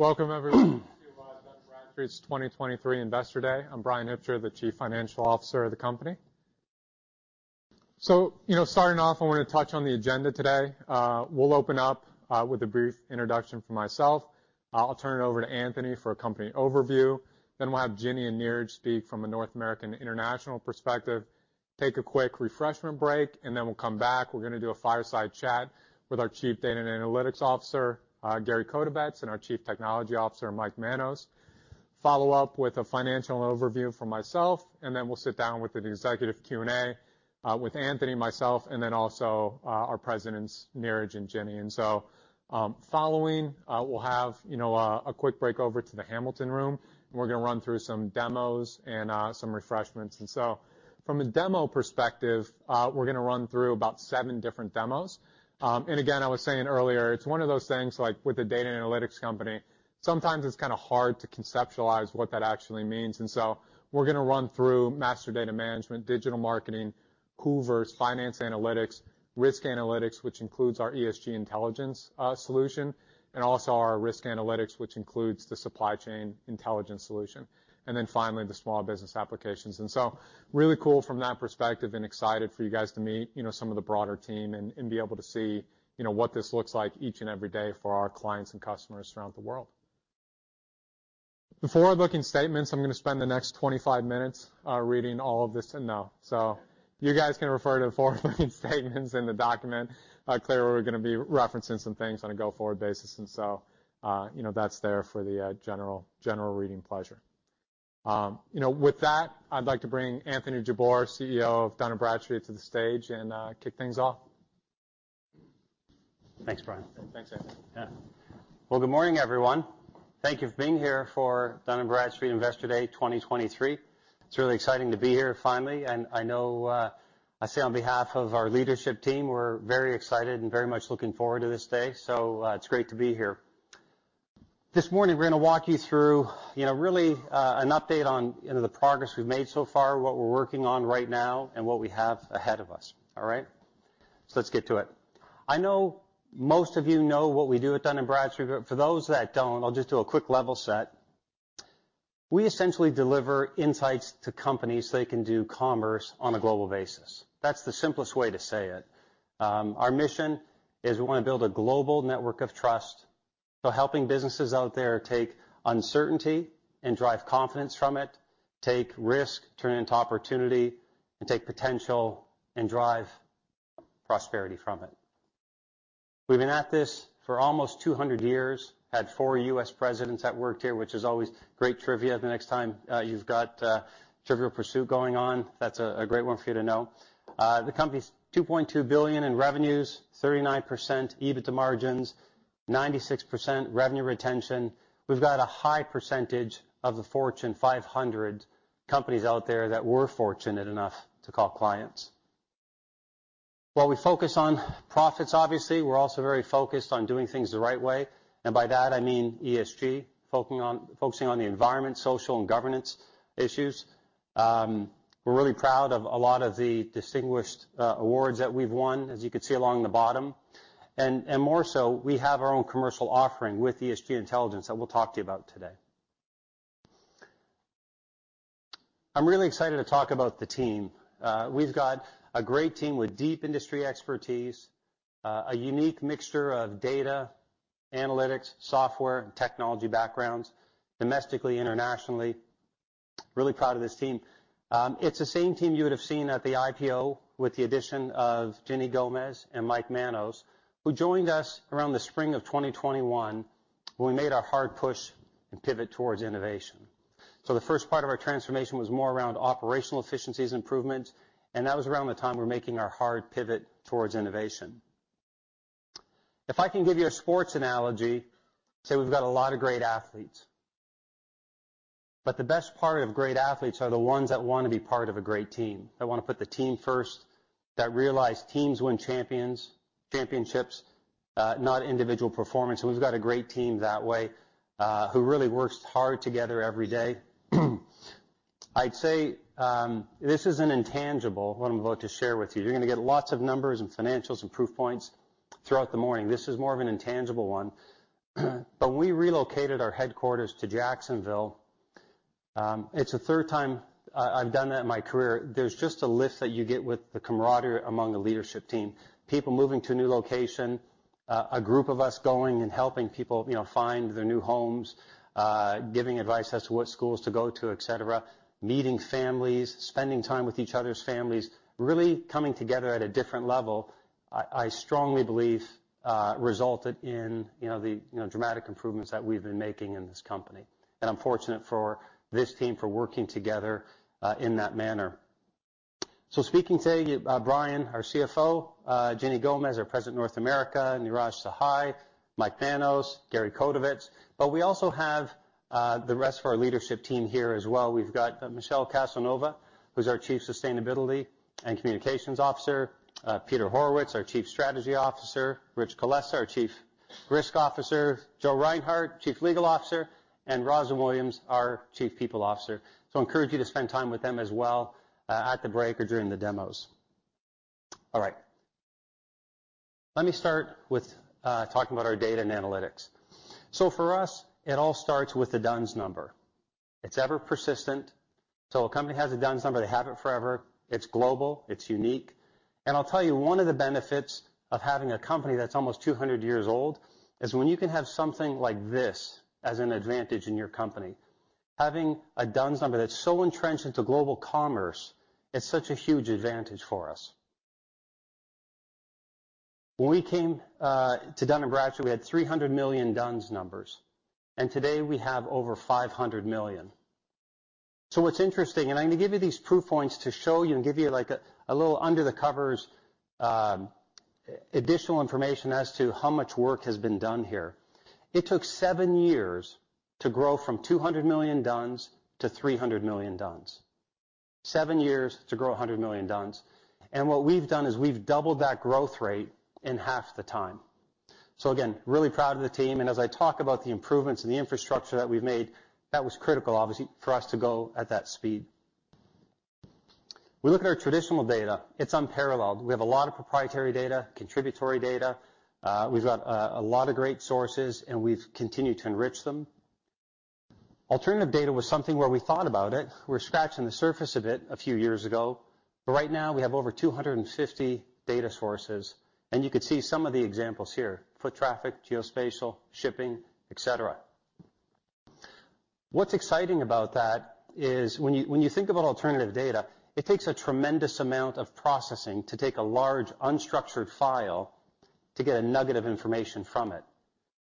Welcome, everyone to Dun & Bradstreet's 2023 Investor Day. I'm Bryan Hipsher, the Chief Financial Officer of the company. You know, starting off, I wanna touch on the agenda today. We'll open up with a brief introduction from myself. I'll turn it over to Anthony for a company overview. We'll have Ginny and Neeraj speak from a North American international perspective. Take a quick refreshment break, we'll come back. We're gonna do a fireside chat with our Chief Data and Analytics Officer, Gary Kotovets, and our Chief Technology Officer, Michael Manos. Follow up with a financial overview from myself, we'll sit down with an executive Q&A with Anthony and myself, also our Presidents, Neeraj and Ginny. Following, we'll have, you know, a quick break over to the Hamilton Room, and we're gonna run through some demos and some refreshments. From a demo perspective, we're gonna run through about seven different demos. Again, I was saying earlier, it's one of those things like with a data and analytics company, sometimes it's kinda hard to conceptualize what that actually means. We're gonna run through Master Data Management, digital marketing, Hoovers Finance Analytics, Risk Analytics, which includes our ESG Intelligence solution, and also our Risk Analytics, which includes the supply chain intelligence solution. Finally, the small business applications. Really cool from that perspective and excited for you guys to meet, you know, some of the broader team and be able to see, you know, what this looks like each and every day for our clients and customers around the world. The forward-looking statements, I'm gonna spend the next 25 minutes, reading all of this. No. You guys can refer to the forward-looking statements in the document. Clearly, we're gonna be referencing some things on a go-forward basis. That's there for the general reading pleasure. You know, with that, I'd like to bring Anthony Jabbour, CEO of Dun & Bradstreet, to the stage and kick things off. Thanks, Bryan. Thanks, Anthony. Well, good morning, everyone. Thank you for being here for Dun & Bradstreet Investor Day 2023. It's really exciting to be here finally. I know, I say on behalf of our leadership team, we're very excited and very much looking forward to this day. It's great to be here. This morning, we're gonna walk you through, you know, really, an update on, you know, the progress we've made so far, what we're working on right now, and what we have ahead of us. All right? Let's get to it. I know most of you know what we do at Dun & Bradstreet, but for those that don't, I'll just do a quick level set. We essentially deliver insights to companies so they can do commerce on a global basis. That's the simplest way to say it. Our mission is we want to build a global network of trust. Helping businesses out there take uncertainty and drive confidence from it, take risk, turn it into opportunity, and take potential and drive prosperity from it. We've been at this for almost 200 years. Had four U.S. presidents that worked here, which is always great trivia the next time you've got Trivial Pursuit going on. That's a great one for you to know. The company's $2.2 billion in revenues, 39% EBITDA margins, 96% revenue retention. We've got a high percentage of the Fortune 500 companies out there that we're fortunate enough to call clients. While we focus on profits, obviously, we're also very focused on doing things the right way. By that, I mean ESG, focusing on the environment, social, and governance issues. We're really proud of a lot of the distinguished awards that we've won, as you can see along the bottom. More so, we have our own commercial offering with ESG Intelligence that we'll talk to you about today. I'm really excited to talk about the team. We've got a great team with deep industry expertise, a unique mixture of data, analytics, software, and technology backgrounds, domestically, internationally. Really proud of this team. It's the same team you would have seen at the IPO with the addition of Ginny Gomez and Mike Manos, who joined us around the spring of 2021 when we made our hard push and pivot towards innovation. The first part of our transformation was more around operational efficiencies improvements, and that was around the time we were making our hard pivot towards innovation. If I can give you a sports analogy, say we've got a lot of great athletes, but the best part of great athletes are the ones that wanna be part of a great team, that wanna put the team first, that realize teams win championships, not individual performance. We've got a great team that way, who really works hard together every day. I'd say, this is an intangible, what I'm about to share with you. You're gonna get lots of numbers and financials and proof points throughout the morning. This is more of an intangible one. When we relocated our headquarters to Jacksonville, it's the third time I've done that in my career. There's just a lift that you get with the camaraderie among the leadership team. People moving to a new location, a group of us going and helping people, you know, find their new homes, giving advice as to what schools to go to, et cetera, meeting families, spending time with each other's families, really coming together at a different level, I strongly believe, resulted in, you know, the, you know, dramatic improvements that we've been making in this company. I'm fortunate for this team for working together in that manner. Speaking today, Bryan, our CFO, Ginny Gomez, our President, North America, Neeraj Sahai, Michael Manos, Gary Kotovets. We also have the rest of our leadership team here as well. We've got Michele Caselnova, who's our Chief Sustainability and Communications Officer, Peter Horowitz, our Chief Strategy Officer, Rich Kulesa, our Chief Risk Officer, Joe Reinhardt, Chief Legal Officer, and Roslynn Williams, our Chief People Officer. I encourage you to spend time with them as well, at the break or during the demos. All right. Let me start with talking about our data and analytics. For us, it all starts with the D-U-N-S number. It's ever persistent. A company has a D-U-N-S number, they have it forever. It's global, it's unique. I'll tell you, one of the benefits of having a company that's almost 200 years old is when you can have something like this as an advantage in your company, having a D-U-N-S number that's so entrenched into global commerce, it's such a huge advantage for us. When we came to Dun & Bradstreet, we had 300 million D-U-N-S numbers, and today we have over 500 million. What's interesting, and I'm gonna give you these proof points to show you and give you like a little under the covers, additional information as to how much work has been done here. It took seven years to grow from 200 million D-U-N-S to 300 million D-U-N-S. Seven years to grow 100 million D-U-N-S. What we've done is we've doubled that growth rate in half the time. Again, really proud of the team, as I talk about the improvements in the infrastructure that we've made, that was critical, obviously, for us to go at that speed. We look at our traditional data, it's unparalleled. We have a lot of proprietary data, contributory data. We've got a lot of great sources. We've continued to enrich them. Alternative data was something where we thought about it. We're scratching the surface of it a few years ago. Right now we have over 250 data sources. You could see some of the examples here, foot traffic, geospatial, shipping, etc. What's exciting about that is when you think about alternative data, it takes a tremendous amount of processing to take a large unstructured file to get a nugget of information from it.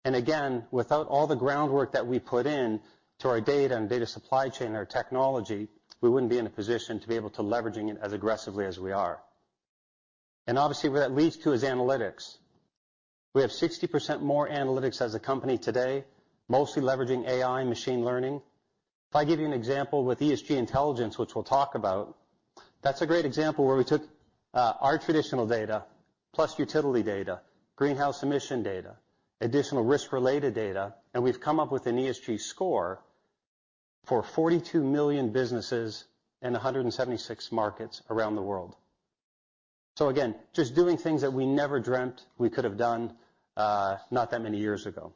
Again, without all the groundwork that we put in to our data and data supply chain and our technology, we wouldn't be in a position to be able to leveraging it as aggressively as we are. Obviously, where that leads to is analytics. We have 60% more analytics as a company today, mostly leveraging AI and machine learning. If I give you an example with ESG Intelligence, which we'll talk about, that's a great example where we took our traditional data plus utility data, greenhouse emission data, additional risk-related data, and we've come up with an ESG score for 42 million businesses in 176 markets around the world. Again, just doing things that we never dreamt we could have done, not that many years ago.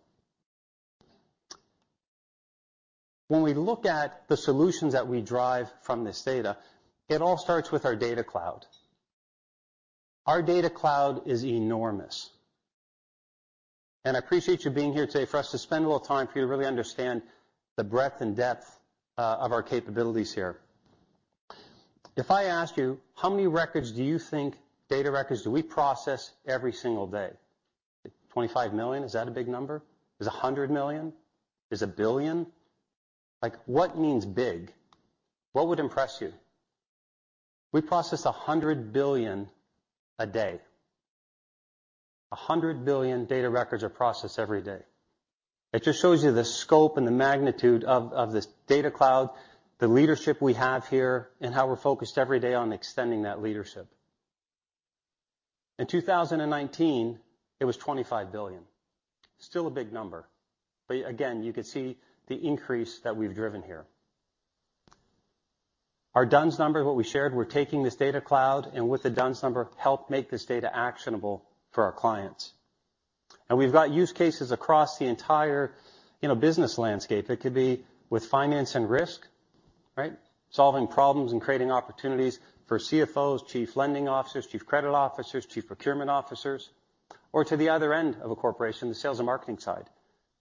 When we look at the solutions that we derive from this data, it all starts with our Data Cloud. Our Data Cloud is enormous. I appreciate you being here today for us to spend a little time for you to really understand the breadth and depth of our capabilities here. If I ask you, how many records do you think, data records do we process every single day? 25 million? Is that a big number? Is 100 million? Is 1 billion? Like, what means big? What would impress you? We process 100 billion a day. 100 billion data records are processed every day. It just shows you the scope and the magnitude of this Data Cloud, the leadership we have here, and how we're focused every day on extending that leadership. In 2019, it was 25 billion. Still a big number. Again, you could see the increase that we've driven here. Our D-U-N-S number, what we shared, we're taking this Data Cloud, with the D-U-N-S number, help make this data actionable for our clients. We've got use cases across the entire, you know, business landscape. It could be with finance and risk, right? Solving problems and creating opportunities for CFOs, chief lending officers, chief credit officers, chief procurement officers, or to the other end of a corporation, the sales and marketing side,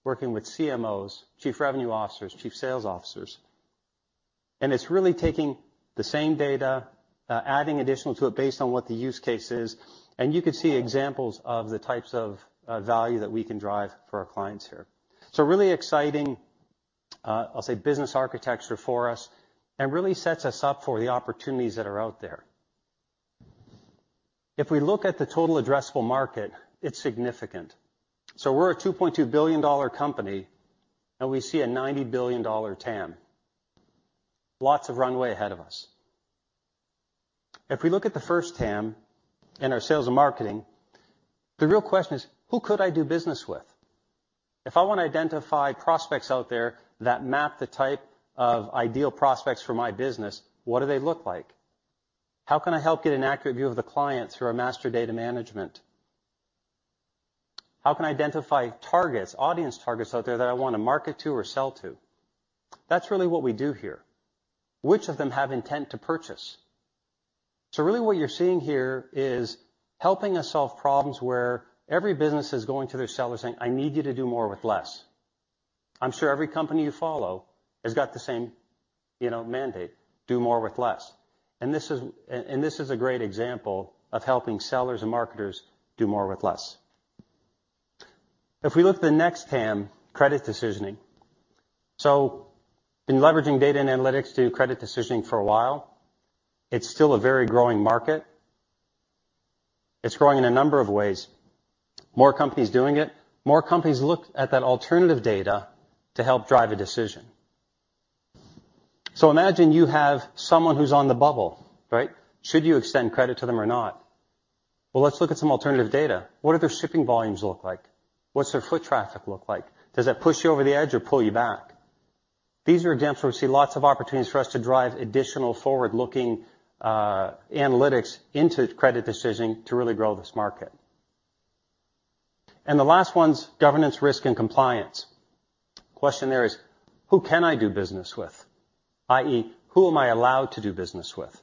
working with CMOs, chief revenue officers, chief sales officers. It's really taking the same data, adding additional to it based on what the use case is, and you could see examples of the types of value that we can drive for our clients here. Really exciting, I'll say business architecture for us, and really sets us up for the opportunities that are out there. If we look at the total addressable market, it's significant. We're a $2.2 billion company, and we see a $90 billion TAM. Lots of runway ahead of us. We look at the first TAM in our Sales and Marketing, the real question is, who could I do business with? I wanna identify prospects out there that map the type of ideal prospects for my business, what do they look like? How can I help get an accurate view of the client through our Master Data Management? How can I identify targets, audience targets out there that I wanna market to or sell to? That's really what we do here. Which of them have intent to purchase? Really what you're seeing here is helping us solve problems where every business is going to their sellers saying, "I need you to do more with less." I'm sure every company you follow has got the same, you know, mandate, do more with less. This is a great example of helping sellers and marketers do more with less. We look at the next TAM, credit decisioning. Been leveraging data and analytics to do credit decisioning for a while. It's still a very growing market. It's growing in a number of ways. More companies doing it. More companies look at that alternative data to help drive a decision. Imagine you have someone who's on the bubble, right? Should you extend credit to them or not? Let's look at some alternative data. What do their shipping volumes look like? What's their foot traffic look like? Does that push you over the edge or pull you back? These are attempts where we see lots of opportunities for us to drive additional forward-looking analytics into credit decision to really grow this market. The last one's governance, risk, and compliance. Question there is, who can I do business with? I.e., who am I allowed to do business with?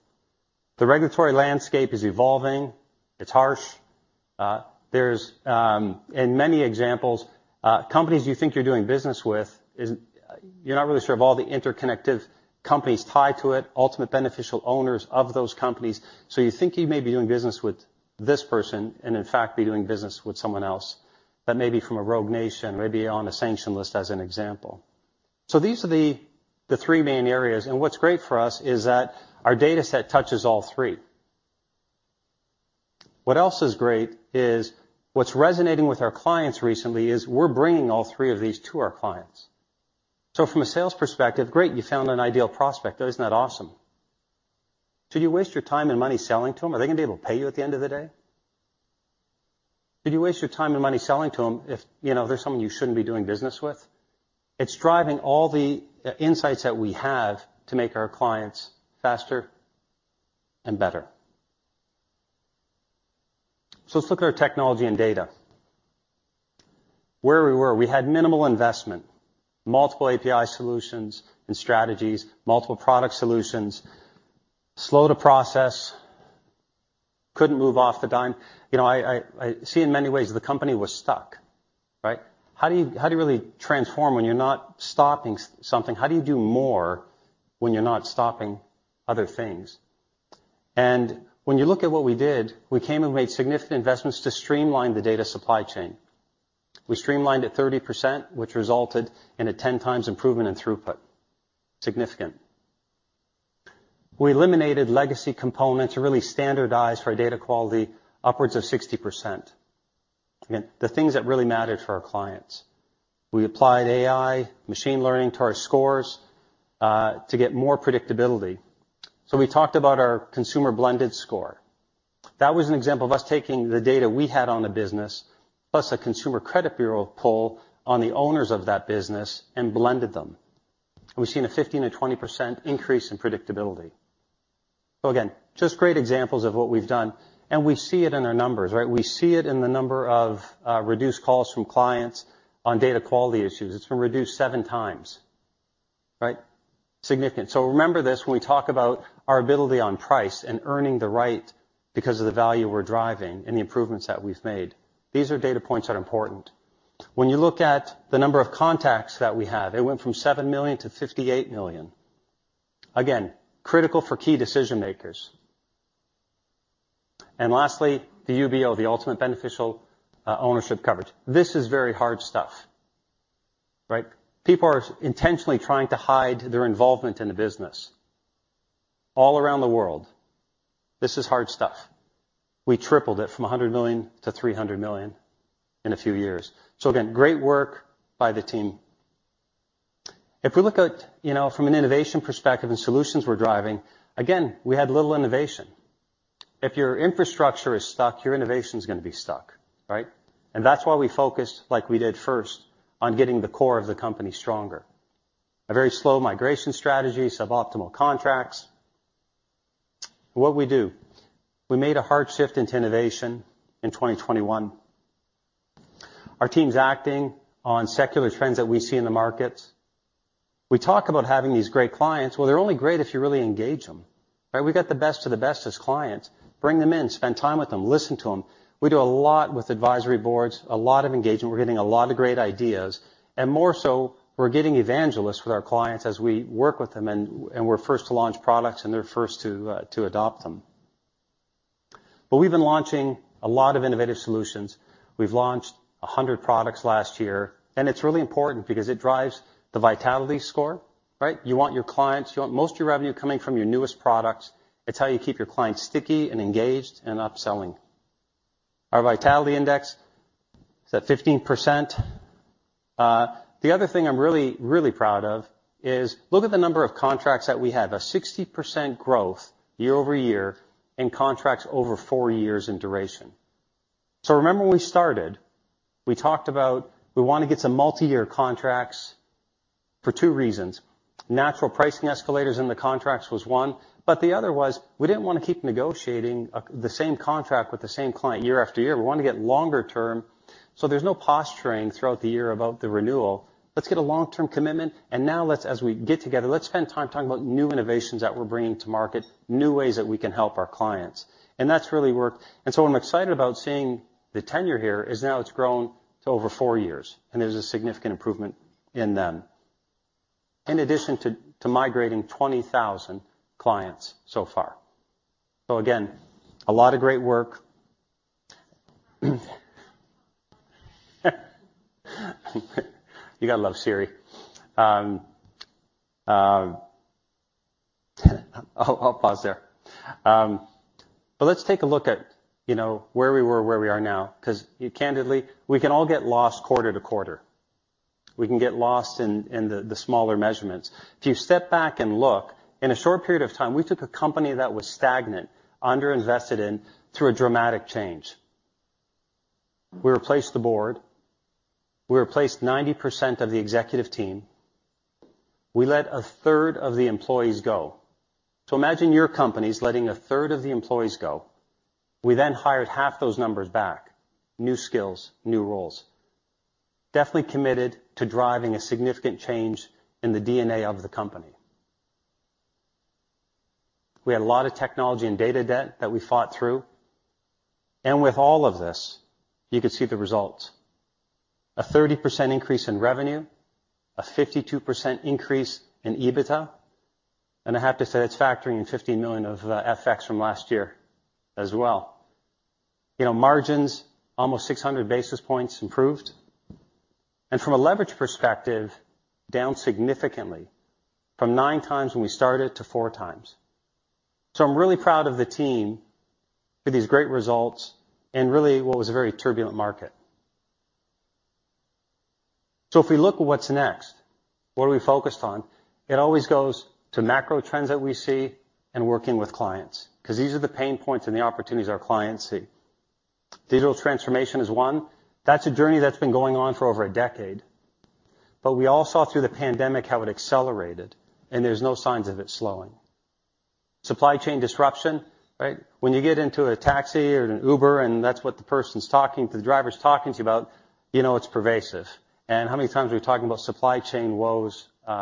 The regulatory landscape is evolving. It's harsh. There's in many examples, companies you think you're doing business with is, you're not really sure of all the interconnected companies tied to it, ultimate beneficial owners of those companies. You think you may be doing business with this person, and in fact, be doing business with someone else, but maybe from a rogue nation, maybe on a sanction list, as an example. These are the three main areas, and what's great for us is that our dataset touches all three. What else is great is what's resonating with our clients recently is we're bringing all three of these to our clients. From a sales perspective, great, you found an ideal prospect. That is not awesome. Should you waste your time and money selling to them? Are they gonna be able to pay you at the end of the day? Did you waste your time and money selling to them if you know they're someone you shouldn't be doing business with? It's driving all the insights that we have to make our clients faster and better. Let's look at our technology and data. Where we were, we had minimal investment, multiple API solutions and strategies, multiple product solutions. Slow to process, couldn't move off the dime. You know, I see in many ways the company was stuck, right? How do you really transform when you're not stopping something? How do you do more when you're not stopping other things? When you look at what we did, we came and made significant investments to streamline the data supply chain. We streamlined it 30%, which resulted in a 10 times improvement in throughput. Significant. We eliminated legacy components to really standardize our data quality upwards of 60%. Again, the things that really mattered for our clients. We applied AI machine learning to our scores to get more predictability. We talked about our Consumer Blended Score. That was an example of us taking the data we had on the business, plus a consumer credit bureau poll on the owners of that business and blended them. We've seen a 15%-20% increase in predictability. Again, just great examples of what we've done, and we see it in our numbers, right? We see it in the number of reduced calls from clients on data quality issues. It's been reduced seven times, right? Significant. Remember this when we talk about our ability on price and earning the right because of the value we're driving and the improvements that we've made. These are data points that are important. You look at the number of contacts that we have, it went from 7 million to 58 million. Critical for key decision-makers. Lastly, the UBO, the ultimate beneficial ownership coverage. This is very hard stuff, right? People are intentionally trying to hide their involvement in the business all around the world. This is hard stuff. We tripled it from 100 million to 300 million in a few years. Again, great work by the team. We look at, you know, from an innovation perspective and solutions we're driving, again, we had little innovation. If your infrastructure is stuck, your innovation is gonna be stuck, right? That's why we focused like we did first on getting the core of the company stronger. A very slow migration strategy, suboptimal contracts. What we do, we made a hard shift into innovation in 2021. Our team's acting on secular trends that we see in the markets. We talk about having these great clients. Well, they're only great if you really engage them, right? We've got the best of the best as clients. Bring them in, spend time with them, listen to them. We do a lot with advisory boards, a lot of engagement. We're getting a lot of great ideas. More so we're getting evangelists with our clients as we work with them and we're first to launch products and they're first to adopt them. We've been launching a lot of innovative solutions. We've launched 100 products last year. It's really important because it drives the vitality score, right? You want your clients, you want most of your revenue coming from your newest products. It's how you keep your clients sticky and engaged and upselling. Our Vitality Index is at 15%. The other thing I'm really, really proud of is look at the number of contracts that we have. A 60% growth year-over-year in contracts over four years in duration. Remember when we started, we talked about we wanna get some multi-year contracts for two reasons. Natural pricing escalators in the contracts was one. The other was we didn't wanna keep negotiating the same contract with the same client year after year. We wanna get longer term, so there's no posturing throughout the year about the renewal. Let's get a long-term commitment, and now let's, as we get together, let's spend time talking about new innovations that we're bringing to market, new ways that we can help our clients. That's really worked. What I'm excited about seeing the tenure here is now it's grown to over four years, and there's a significant improvement in them. In addition to migrating 20,000 clients so far. Again, a lot of great work. You gotta love Siri. I'll pause there. Let's take a look at, you know, where we were, where we are now, 'cause you know candidly, we can all get lost quarter-to-quarter. We can get lost in the smaller measurements. If you step back and look, in a short period of time, we took a company that was stagnant, under-invested in through a dramatic change. We replaced the board. We replaced 90% of the executive team. We let a third of the employees go. Imagine your companies letting a third of the employees go. We then hired half those numbers back, new skills, new roles. Definitely committed to driving a significant change in the DNA of the company. We had a lot of technology and data debt that we fought through. With all of this, you could see the results. A 30% increase in revenue, a 52% increase in EBITDA. I have to say it's factoring in $15 million of FX from last year as well. You know, margins almost 600 basis points improved. From a leverage perspective, down significantly from 9x when we started to 4x. I'm really proud of the team for these great results and really what was a very turbulent market. If we look at what's next, what are we focused on? It always goes to macro trends that we see and working with clients because these are the pain points and the opportunities our clients see. Digital transformation is one. That's a journey that's been going on for over a decade. We all saw through the pandemic how it accelerated, and there's no signs of it slowing. Supply chain disruption, right? When you get into a taxi or an Uber, and that's what the person's talking to, the driver's talking to you about, you know it's pervasive. How many times are we talking about supply chain woes, you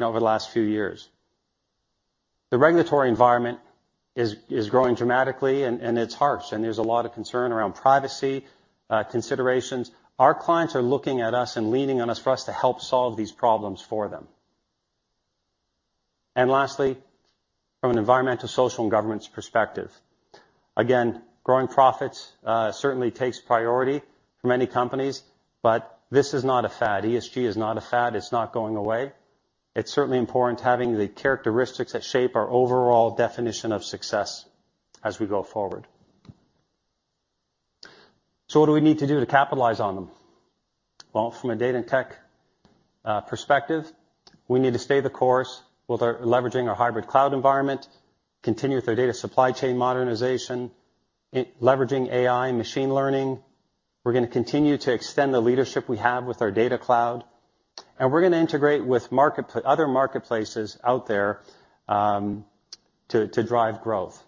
know, over the last few years? The regulatory environment is growing dramatically and it's harsh, and there's a lot of concern around privacy, considerations. Our clients are looking at us and leaning on us for us to help solve these problems for them. Lastly, from an environmental, social, and governance perspective, again, growing profits, certainly takes priority for many companies, but this is not a fad. ESG is not a fad. It's not going away. It's certainly important having the characteristics that shape our overall definition of success as we go forward. What do we need to do to capitalize on them? From a data and tech perspective, we need to stay the course with our leveraging our hybrid cloud environment, continue with our data supply chain modernization, leveraging AI and machine learning. We're gonna continue to extend the leadership we have with our Data Cloud, and we're gonna integrate with other marketplaces out there to drive growth.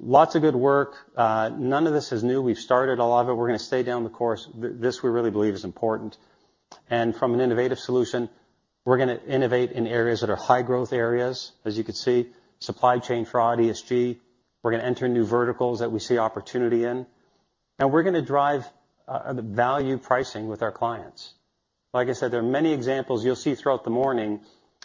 Lots of good work. None of this is new. We've started a lot of it. We're gonna stay down the course. This we really believe is important. From an innovative solution, we're gonna innovate in areas that are high growth areas, as you can see, supply chain fraud, ESG. We're gonna enter new verticals that we see opportunity in, and we're gonna drive the value pricing with our clients. Like I said, there are many examples you'll see throughout the morning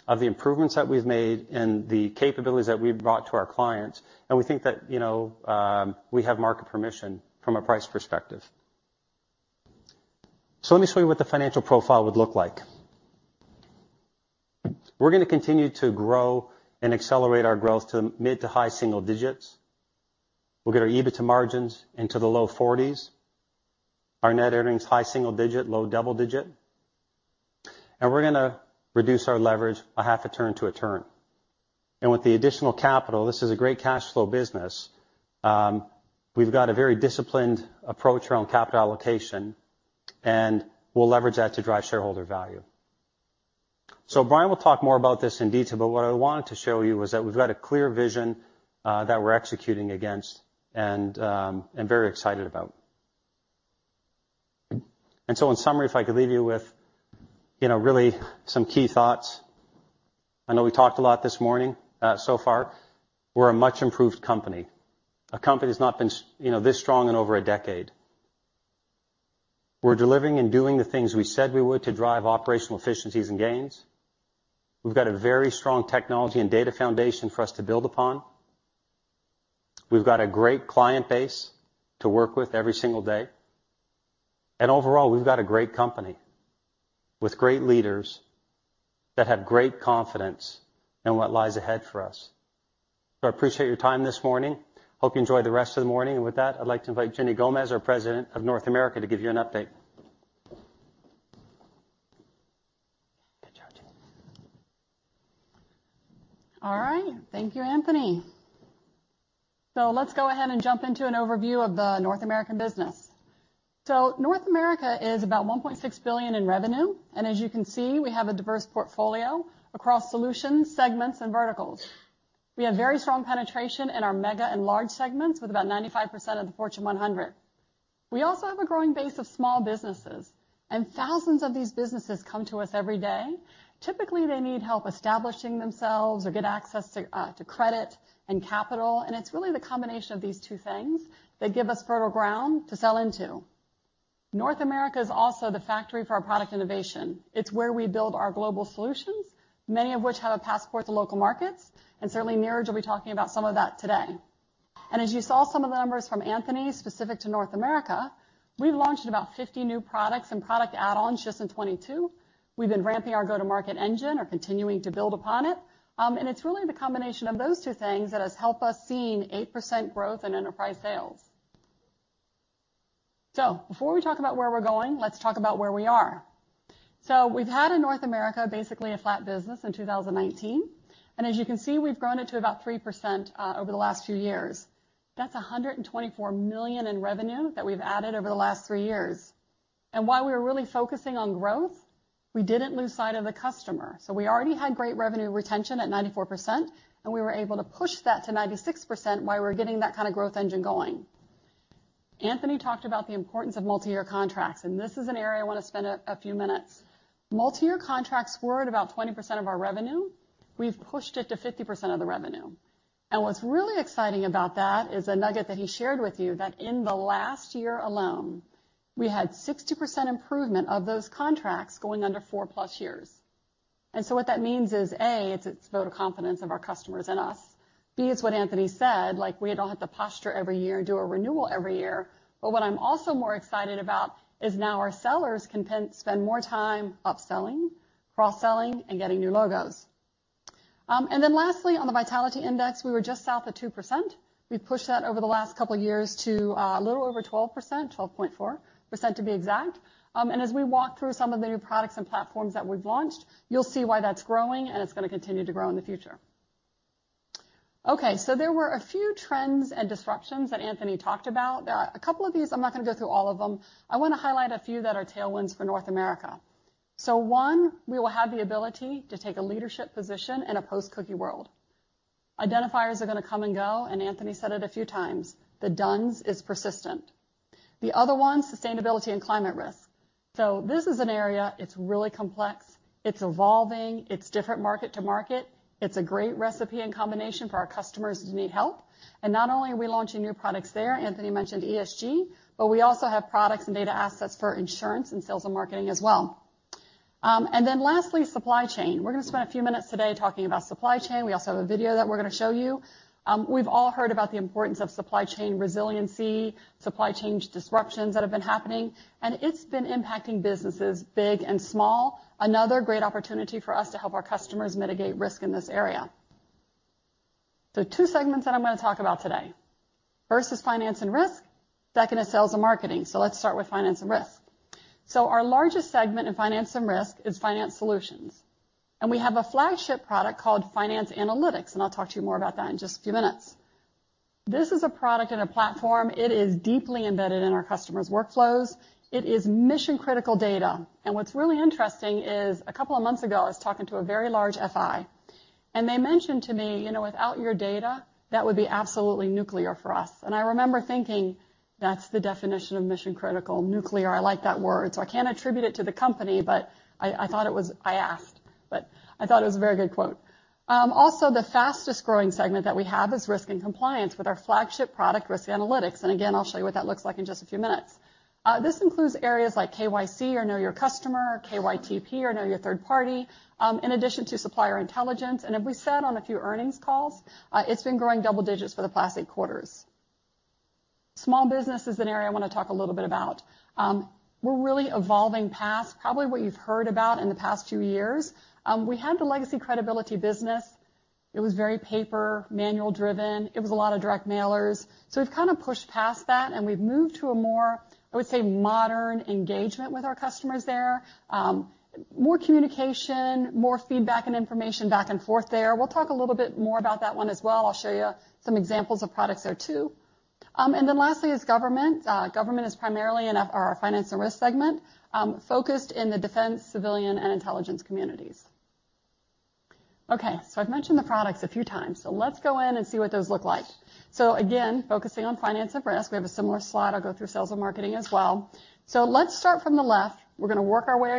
of the improvements that we've made and the capabilities that we've brought to our clients, and we think that, you know, we have market permission from a price perspective. Let me show you what the financial profile would look like. We're gonna continue to grow and accelerate our growth to mid to high single-digits. We'll get our EBITDA margins into the low 40s. Our net earnings high single-digit, low double-digit. We're gonna reduce our leverage a half a turn to a turn. With the additional capital, this is a great cash flow business. We've got a very disciplined approach around capital allocation, and we'll leverage that to drive shareholder value. Bryan will talk more about this in detail, but what I wanted to show you was that we've got a clear vision that we're executing against and am very excited about. In summary, if I could leave you with, you know, really some key thoughts. I know we talked a lot this morning so far. We're a much improved company, a company that's not been, you know, this strong in over a decade. We're delivering and doing the things we said we would to drive operational efficiencies and gains. We've got a very strong technology and data foundation for us to build upon. We've got a great client base to work with every single day. Overall, we've got a great company with great leaders that have great confidence in what lies ahead for us. I appreciate your time this morning. Hope you enjoy the rest of the morning. With that, I'd like to invite Ginny Gomez, our president of North America, to give you an update. Good job, Ginny. All right. Thank you, Anthony. Let's go ahead and jump into an overview of the North American business. North America is about $1.6 billion in revenue, and as you can see, we have a diverse portfolio across solutions, segments, and verticals. We have very strong penetration in our mega and large segments with about 95% of the Fortune 100. We also have a growing base of small businesses, and thousands of these businesses come to us every day. Typically, they need help establishing themselves or get access to credit and capital. It's really the combination of these two things that give us fertile ground to sell into. North America is also the factory for our product innovation. It's where we build our global solutions, many of which have a passport to local markets, and certainly Neeraj will be talking about some of that today. As you saw some of the numbers from Anthony specific to North America, we've launched about 50 new products and product add-ons just in 2022. We've been ramping our go-to-market engine or continuing to build upon it. It's really the combination of those two things that has helped us seen 8% growth in enterprise sales. Before we talk about where we're going, let's talk about where we are. We've had in North America, basically a flat business in 2019. As you can see, we've grown it to about 3% over the last few years. That's $124 million in revenue that we've added over the last three years. While we were really focusing on growth, we didn't lose sight of the customer. We already had great revenue retention at 94%, and we were able to push that to 96% while we were getting that kind of growth engine going. Anthony talked about the importance of multi-year contracts, and this is an area I want to spend a few minutes. Multi-year contracts were at about 20% of our revenue. We've pushed it to 50% of the revenue. What's really exciting about that is a nugget that he shared with you, that in the last year alone, we had 60% improvement of those contracts going under four plus years. What that means is, A, it's a vote of confidence of our customers in us. B, it's what Anthony said, like, we don't have to posture every year and do a renewal every year. What I'm also more excited about is now our sellers can spend more time upselling, cross-selling, and getting new logos. Lastly, on the Vitality Index, we were just south of 2%. We've pushed that over the last couple of years to a little over 12%, 12.4% to be exact. As we walk through some of the new products and platforms that we've launched, you'll see why that's growing, and it's gonna continue to grow in the future. There were a few trends and disruptions that Anthony talked about. A couple of these, I'm not gonna go through all of them. I wanna highlight a few that are tailwinds for North America. One, we will have the ability to take a leadership position in a post-cookie world. Identifiers are gonna come and go, and Anthony said it a few times, the D-U-N-S is persistent. The other one, sustainability and climate risk. This is an area, it's really complex, it's evolving, it's different market to market. It's a great recipe and combination for our customers who need help. Not only are we launching new products there, Anthony mentioned ESG, but we also have products and data assets for insurance and sales and marketing as well. Lastly, supply chain. We're gonna spend a few minutes today talking about supply chain. We also have a video that we're gonna show you. We've all heard about the importance of supply chain resiliency, supply chains disruptions that have been happening, and it's been impacting businesses big and small. Another great opportunity for us to help our customers mitigate risk in this area. The two segments that I'm gonna talk about today. First is finance and risk, second is sales and marketing. Let's start with finance and risk. Our largest segment in finance and risk is finance solutions. We have a flagship product called Finance Analytics, and I'll talk to you more about that in just a few minutes. This is a product and a platform. It is deeply embedded in our customers' workflows. It is mission-critical data. What's really interesting is a couple of months ago, I was talking to a very large FI, and they mentioned to me, you know, without your data, that would be absolutely nuclear for us. I remember thinking, that's the definition of mission-critical. Nuclear, I like that word. I can't attribute it to the company, but I thought it was. I asked, but I thought it was a very good quote. Also the fastest-growing segment that we have is risk and compliance with our flagship product, Risk Analytics. Again, I'll show you what that looks like in just a few minutes. This includes areas like KYC or Know Your Customer, or KYTP or Know Your Third Party, in addition to supplier intelligence. As we said on a few earnings calls, it's been growing double digits for the past eight quarters. Small business is an area I wanna talk a little bit about. We're really evolving past probably what you've heard about in the past few years. We had the legacy credibility business. It was very paper, manual-driven. It was a lot of direct mailers. We've kind of pushed past that, and we've moved to a more, I would say, modern engagement with our customers there. More communication, more feedback and information back and forth there. We'll talk a little bit more about that one as well. I'll show you some examples of products there too. Lastly is government. Government is primarily in our finance and risk segment, focused in the defense, civilian, and intelligence communities. I've mentioned the products a few times. Let's go in and see what those look like. Again, focusing on finance and risk, we have a similar slide. I'll go through sales and marketing as well. Let's start from the left. We're going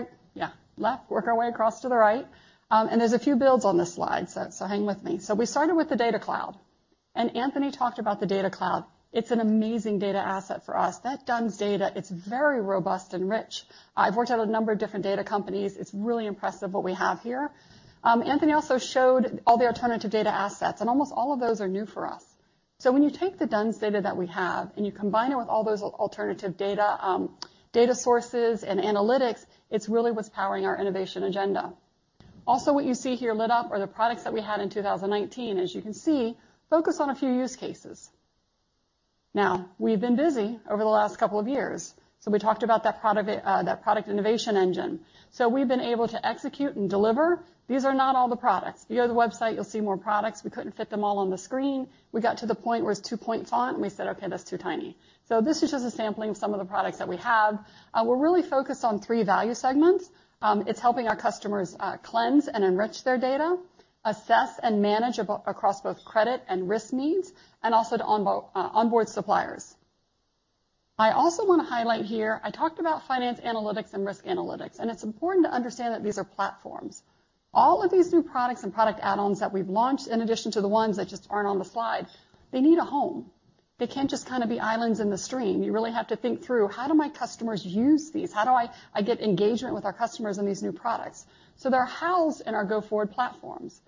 to, yeah, left, work our way across to the right. There's a few builds on this slide, so hang with me. We started with the Data Cloud. Anthony talked about the Data Cloud. It's an amazing data asset for us. That D-U-N-S data, it's very robust and rich. I've worked at a number of different data companies. It's really impressive what we have here. Anthony also showed all the alternative data assets. Almost all of those are new for us. When you take the D-U-N-S data that we have and you combine it with all those alternative data sources and analytics, it's really what's powering our innovation agenda. Also, what you see here lit up are the products that we had in 2019. As you can see, focus on a few use cases. We've been busy over the last couple of years. We talked about that product, that product innovation engine. We've been able to execute and deliver. These are not all the products. If you go to the website, you'll see more products. We couldn't fit them all on the screen. We got to the point where it's two-point font, and we said, "Okay, that's too tiny." This is just a sampling of some of the products that we have. We're really focused on three value segments. It's helping our customers cleanse and enrich their data, assess and manage across both credit and risk needs, and also to onboard suppliers. I also wanna highlight here, I talked about Finance Analytics and Risk Analytics, and it's important to understand that these are platforms. All of these new products and product add-ons that we've launched, in addition to the ones that just aren't on the slide, they need a home. They can't just kind of be islands in the stream. You really have to think through, how do my customers use these? How do I get engagement with our customers on these new products? They're housed in our go-forward platforms.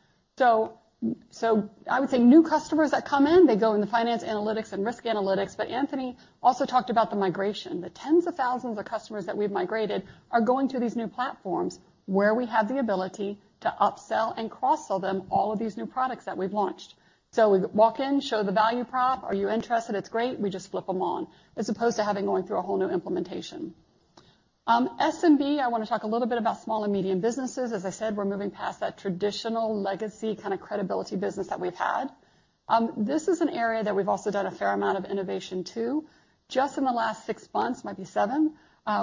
I would say new customers that come in, they go in the Finance Analytics and Risk Analytics. Anthony also talked about the migration. The tens of thousands of customers that we've migrated are going to these new platforms where we have the ability to upsell and cross-sell them all of these new products that we've launched. We walk in, show the value prop. Are you interested? It's great. We just flip them on, as opposed to having going through a whole new implementation. SMB, I wanna talk a little bit about small and medium businesses. As I said, we're moving past that traditional legacy kinda credibility business that we've had. This is an area that we've also done a fair amount of innovation too. Just in the last six months, might be seven,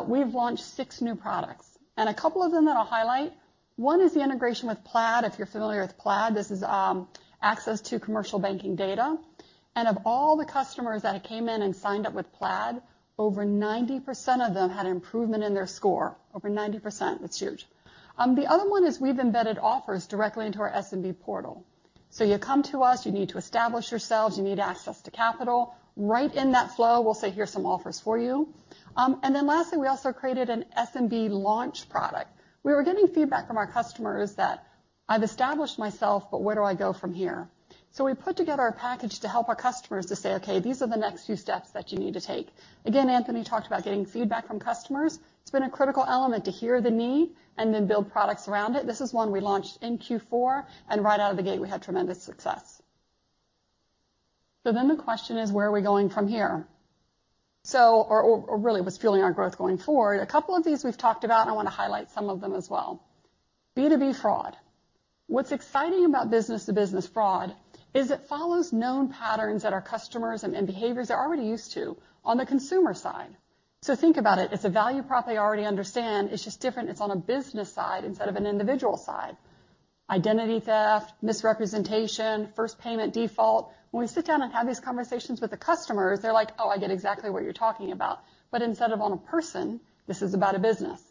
we've launched six new products. A couple of them that I'll highlight, one is the integration with Plaid. If you're familiar with Plaid, this is access to commercial banking data. Of all the customers that came in and signed up with Plaid, over 90% of them had improvement in their score. Over 90%, that's huge. The other one is we've embedded offers directly into our SMB portal. You come to us, you need to establish yourselves, you need access to capital. Right in that flow, we'll say, "Here's some offers for you." lastly, we also created an SMB launch product. We were getting feedback from our customers that I've established myself, but where do I go from here? we put together a package to help our customers to say, "Okay, these are the next few steps that you need to take." Again, Anthony talked about getting feedback from customers. It's been a critical element to hear the need and then build products around it. This is one we launched in Q4, and right out of the gate, we had tremendous success. the question is: where are we going from here? really what's fueling our growth going forward. A couple of these we've talked about, and I wanna highlight some of them as well. B2B fraud. What's exciting about business-to-business fraud is it follows known patterns that our customers and behaviors are already used to on the consumer side. Think about it. It's a value prop they already understand. It's just different. It's on a business side instead of an individual side. Identity theft, misrepresentation, first payment default. When we sit down and have these conversations with the customers, they're like, "Oh, I get exactly what you're talking about." Instead of on a person, this is about a business.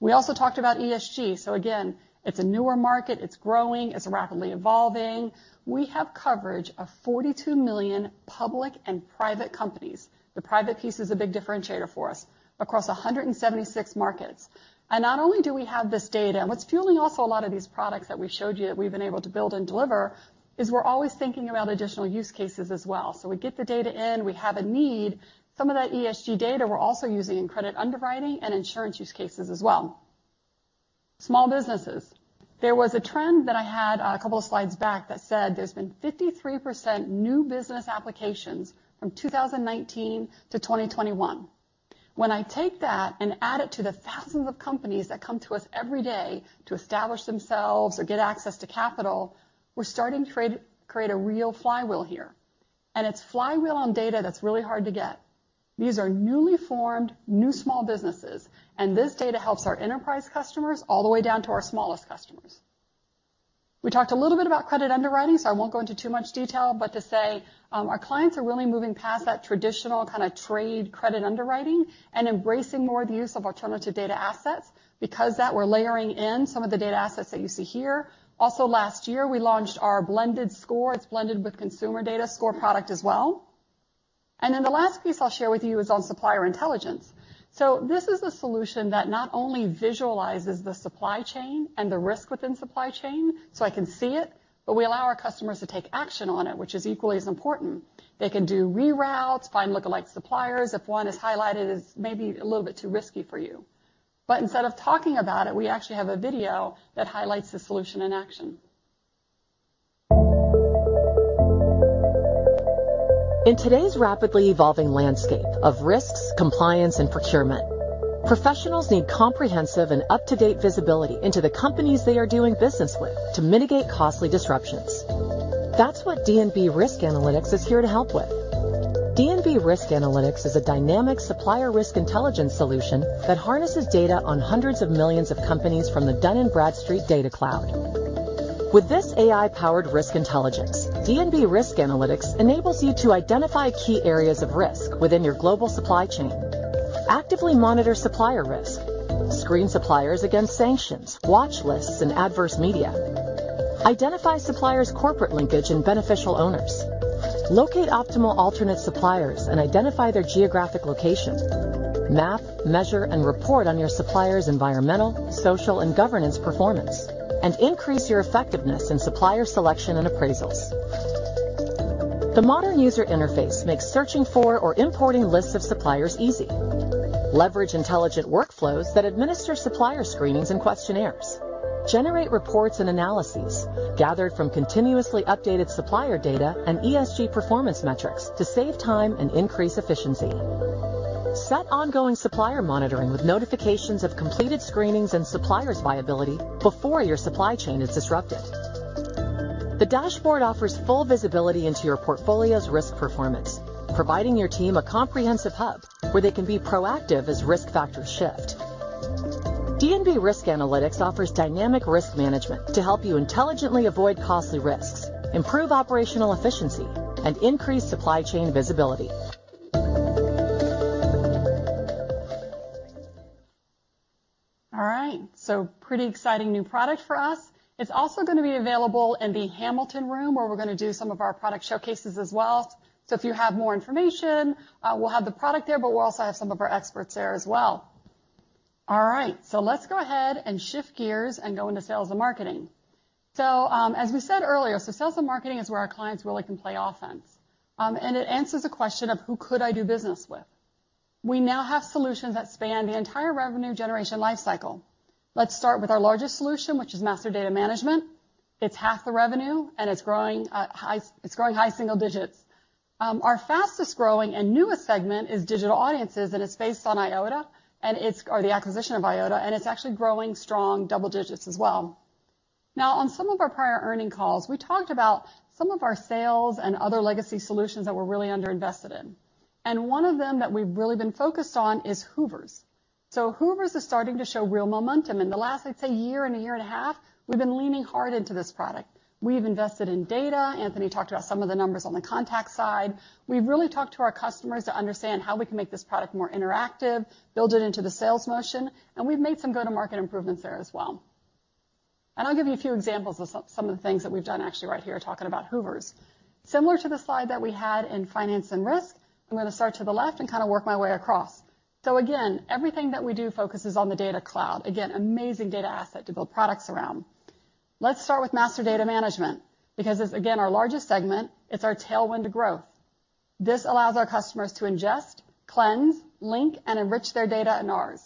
We also talked about ESG. Again, it's a newer market. It's growing. It's rapidly evolving. We have coverage of 42 million public and private companies. The private piece is a big differentiator for us across 176 markets. Not only do we have this data, and what's fueling also a lot of these products that we showed you that we've been able to build and deliver, is we're always thinking about additional use cases as well. We get the data in, we have a need. Some of that ESG data we're also using in credit underwriting and insurance use cases as well. Small businesses. There was a trend that I had a couple of slides back that said there's been 53% new business applications from 2019 to 2021. When I take that and add it to the thousands of companies that come to us every day to establish themselves or get access to capital, we're starting create a real flywheel here. It's flywheel on data that's really hard to get. These are newly formed, new small businesses, and this data helps our enterprise customers all the way down to our smallest customers. We talked a little bit about credit underwriting, so I won't go into too much detail, but to say, our clients are really moving past that traditional kinda trade credit underwriting and embracing more the use of alternative data assets. We're layering in some of the data assets that you see here. Last year, we launched our Blended Score. It's blended with consumer data score product as well. The last piece I'll share with you is on Supplier Intelligence. This is a solution that not only visualizes the supply chain and the risk within supply chain, so I can see it, but we allow our customers to take action on it, which is equally as important. They can do reroutes, find lookalike suppliers if one is highlighted as maybe a little bit too risky for you. Instead of talking about it, we actually have a video that highlights the solution in action. In today's rapidly evolving landscape of risks, compliance, and procurement, professionals need comprehensive and up-to-date visibility into the companies they are doing business with to mitigate costly disruptions. That's what D&B Risk Analytics is here to help with. D&B Risk Analytics is a dynamic supplier risk intelligence solution that harnesses data on hundreds of millions of companies from the Dun & Bradstreet Data Cloud. With this AI-powered risk intelligence, D&B Risk Analytics enables you to identify key areas of risk within your global supply chain, actively monitor supplier risk, screen suppliers against sanctions, watch lists, and adverse media, identify suppliers' corporate linkage and beneficial owners, locate optimal alternate suppliers, and identify their geographic location, map, measure, and report on your suppliers' environmental, social, and governance performance, and increase your effectiveness in supplier selection and appraisals. The modern user interface makes searching for or importing lists of suppliers easy. Leverage intelligent workflows that administer supplier screenings and questionnaires. Generate reports and analyses gathered from continuously updated supplier data and ESG performance metrics to save time and increase efficiency. Set ongoing supplier monitoring with notifications of completed screenings and suppliers' viability before your supply chain is disrupted. The dashboard offers full visibility into your portfolio's risk performance, providing your team a comprehensive hub where they can be proactive as risk factors shift. D&B Risk Analytics offers dynamic risk management to help you intelligently avoid costly risks, improve operational efficiency, and increase supply chain visibility. All right. Pretty exciting new product for us. It's also gonna be available in the Hamilton Room, where we're gonna do some of our product showcases as well. If you have more information, we'll have the product there, but we'll also have some of our experts there as well. All right, let's go ahead and shift gears and go into sales and marketing. As we said earlier, sales and marketing is where our clients really can play offense. It answers the question of who could I do business with? We now have solutions that span the entire revenue generation life cycle. Let's start with our largest solution, which is Master Data Management. It's half the revenue, and it's growing high single digits. Our fastest growing and newest segment is Digital Audiences, and it's based on Eyeota, or the acquisition of Eyeota, and it's actually growing strong double digits as well. On some of our prior earnings calls, we talked about some of our sales and other legacy solutions that we're really underinvested in, and one of them that we've really been focused on is Hoovers. Hoovers is starting to show real momentum. In the last, I'd say year and a half, we've been leaning hard into this product. We've invested in data. Anthony talked about some of the numbers on the contact side. We've really talked to our customers to understand how we can make this product more interactive, build it into the sales motion, and we've made some go-to-market improvements there as well. I'll give you a few examples of some of the things that we've done actually right here, talking about D&B Hoovers. Similar to the slide that we had in finance and risk, I'm going to start to the left and kind of work my way across. Again, everything that we do focuses on the Data Cloud. Again, amazing data asset to build products around. Let's start with Master Data Management, because it's, again, our largest segment, it's our tailwind to growth. This allows our customers to ingest, cleanse, link, and enrich their data and ours.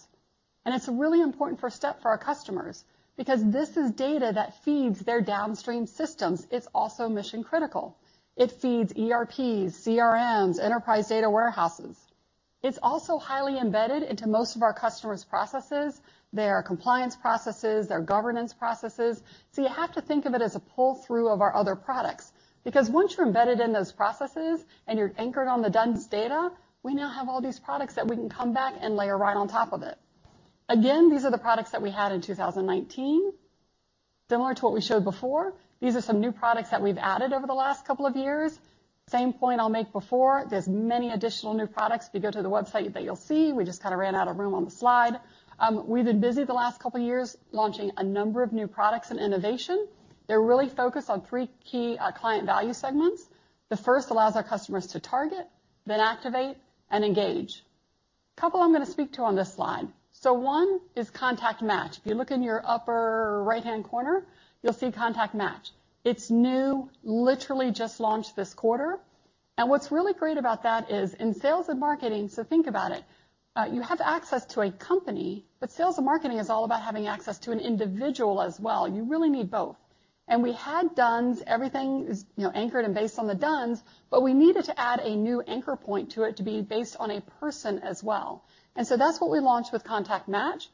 It's a really important first step for our customers because this is data that feeds their downstream systems. It's also mission-critical. It feeds ERPs, CRMs, enterprise data warehouses. It's also highly embedded into most of our customers' processes, their compliance processes, their governance processes. You have to think of it as a pull-through of our other products, because once you're embedded in those processes and you're anchored on the D-U-N-S data, we now have all these products that we can come back and layer right on top of it. These are the products that we had in 2019. Similar to what we showed before, these are some new products that we've added over the last couple of years. Same point I'll make before, there's many additional new products. If you go to the website that you'll see, we just kinda ran out of room on the slide. We've been busy the last couple of years launching a number of new products and innovation. They're really focused on three key client value segments. The first allows our customers to target, then activate, and engage. A couple I'm gonna speak to on this slide. One is Contact Match. If you look in your upper right-hand corner, you'll see Contact Match. It's new, literally just launched this quarter. What's really great about that is in sales and marketing, think about it. You have access to a company, but sales and marketing is all about having access to an individual as well. You really need both. We had D-U-N-S. Everything is, you know, anchored and based on the D-U-N-S, but we needed to add a new anchor point to it to be based on a person as well. That's what we launched with Contact Match.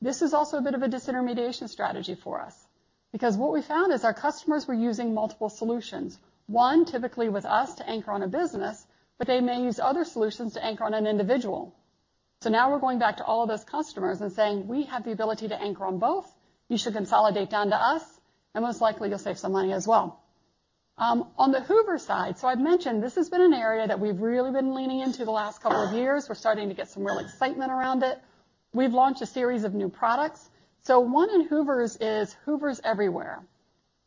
This is also a bit of a disintermediation strategy for us because what we found is our customers were using multiple solutions. One, typically with us to anchor on a business, but they may use other solutions to anchor on an individual. Now we're going back to all of those customers and saying, "We have the ability to anchor on both. You should consolidate down to us, and most likely you'll save some money as well." On the Hoovers side, so I've mentioned this has been an area that we've really been leaning into the last couple of years. We're starting to get some real excitement around it. We've launched a series of new products. One in Hoovers is Hoovers Everywhere.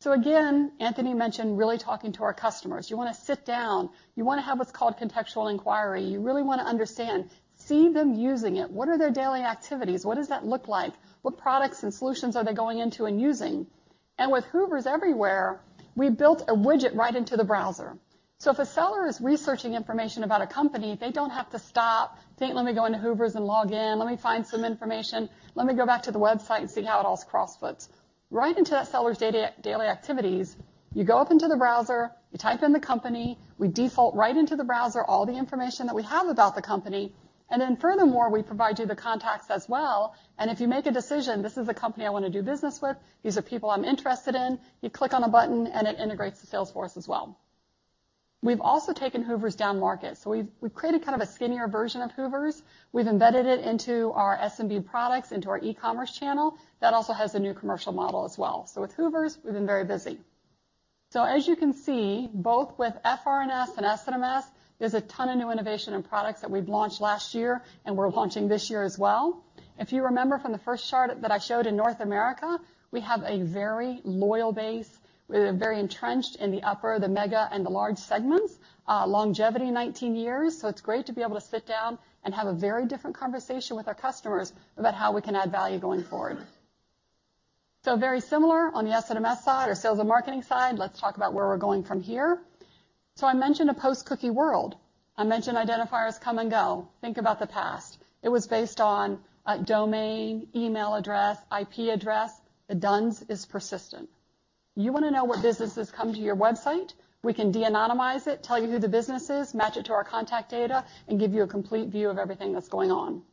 Again, Anthony mentioned really talking to our customers. You wanna sit down, you wanna have what's called contextual inquiry. You really wanna understand, see them using it. What are their daily activities? What does that look like? What products and solutions are they going into and using? With Hoovers Everywhere, we built a widget right into the browser. If a seller is researching information about a company, they don't have to stop, think, "Let me go into Hoovers and log in. Let me find some information. Let me go back to the website and see how it all cross-fits. Right into that seller's data, daily activities, you go up into the browser, you type in the company, we default right into the browser all the information that we have about the company, and then furthermore, we provide you the contacts as well, and if you make a decision, this is the company I wanna do business with, these are people I'm interested in, you click on a button and it integrates to Salesforce as well. We've also taken Hoovers down market. We've created kind of a skinnier version of Hoovers. We've embedded it into our SMB products, into our e-commerce channel. That also has a new commercial model as well. With Hoovers, we've been very busy. As you can see, both with FRNS and SNMS, there's a ton of new innovation and products that we've launched last year and we're launching this year as well. If you remember from the first chart that I showed in North America, we have a very loyal base. We are very entrenched in the upper, the mega, and the large segments. Longevity 19 years, it's great to be able to sit down and have a very different conversation with our customers about how we can add value going forward. Very similar on the SNMS side or sales and marketing side, let's talk about where we're going from here. I mentioned a post-cookie world. I mentioned identifiers come and go. Think about the past. It was based on a domain, email address, IP address. A D-U-N-S is persistent. You wanna know what businesses come to your website, we can de-anonymize it, tell you who the business is, match it to our contact data, and give you a complete view of everything that's going on.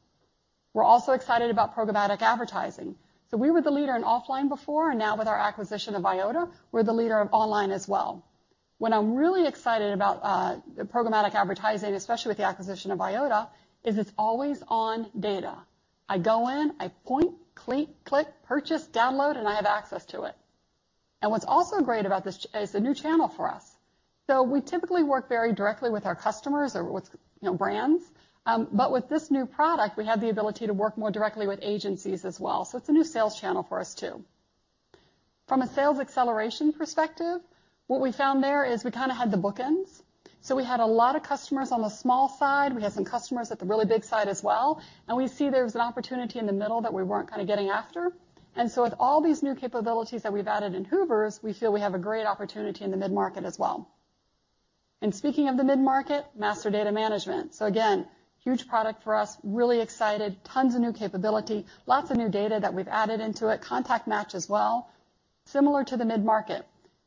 We're also excited about programmatic advertising. We were the leader in offline before, and now with our acquisition of Eyeota, we're the leader of online as well. What I'm really excited about, programmatic advertising, especially with the acquisition of Eyeota, is it's always on data. I go in, I point, click, purchase, download, and I have access to it. What's also great about this, it's a new channel for us. We typically work very directly with our customers or with, you know, brands. With this new product, we have the ability to work more directly with agencies as well. It's a new sales channel for us too. From a sales acceleration perspective, what we found there is we kinda had the bookends. We had a lot of customers on the small side, we had some customers at the really big side as well, and we see there's an opportunity in the middle that we weren't kinda getting after. With all these new capabilities that we've added in Hoovers, we feel we have a great opportunity in the mid-market as well. Speaking of the mid-market, Master Data Management. Again, huge product for us, really excited, tons of new capability, lots of new data that we've added into it, Contact Match as well. Similar to the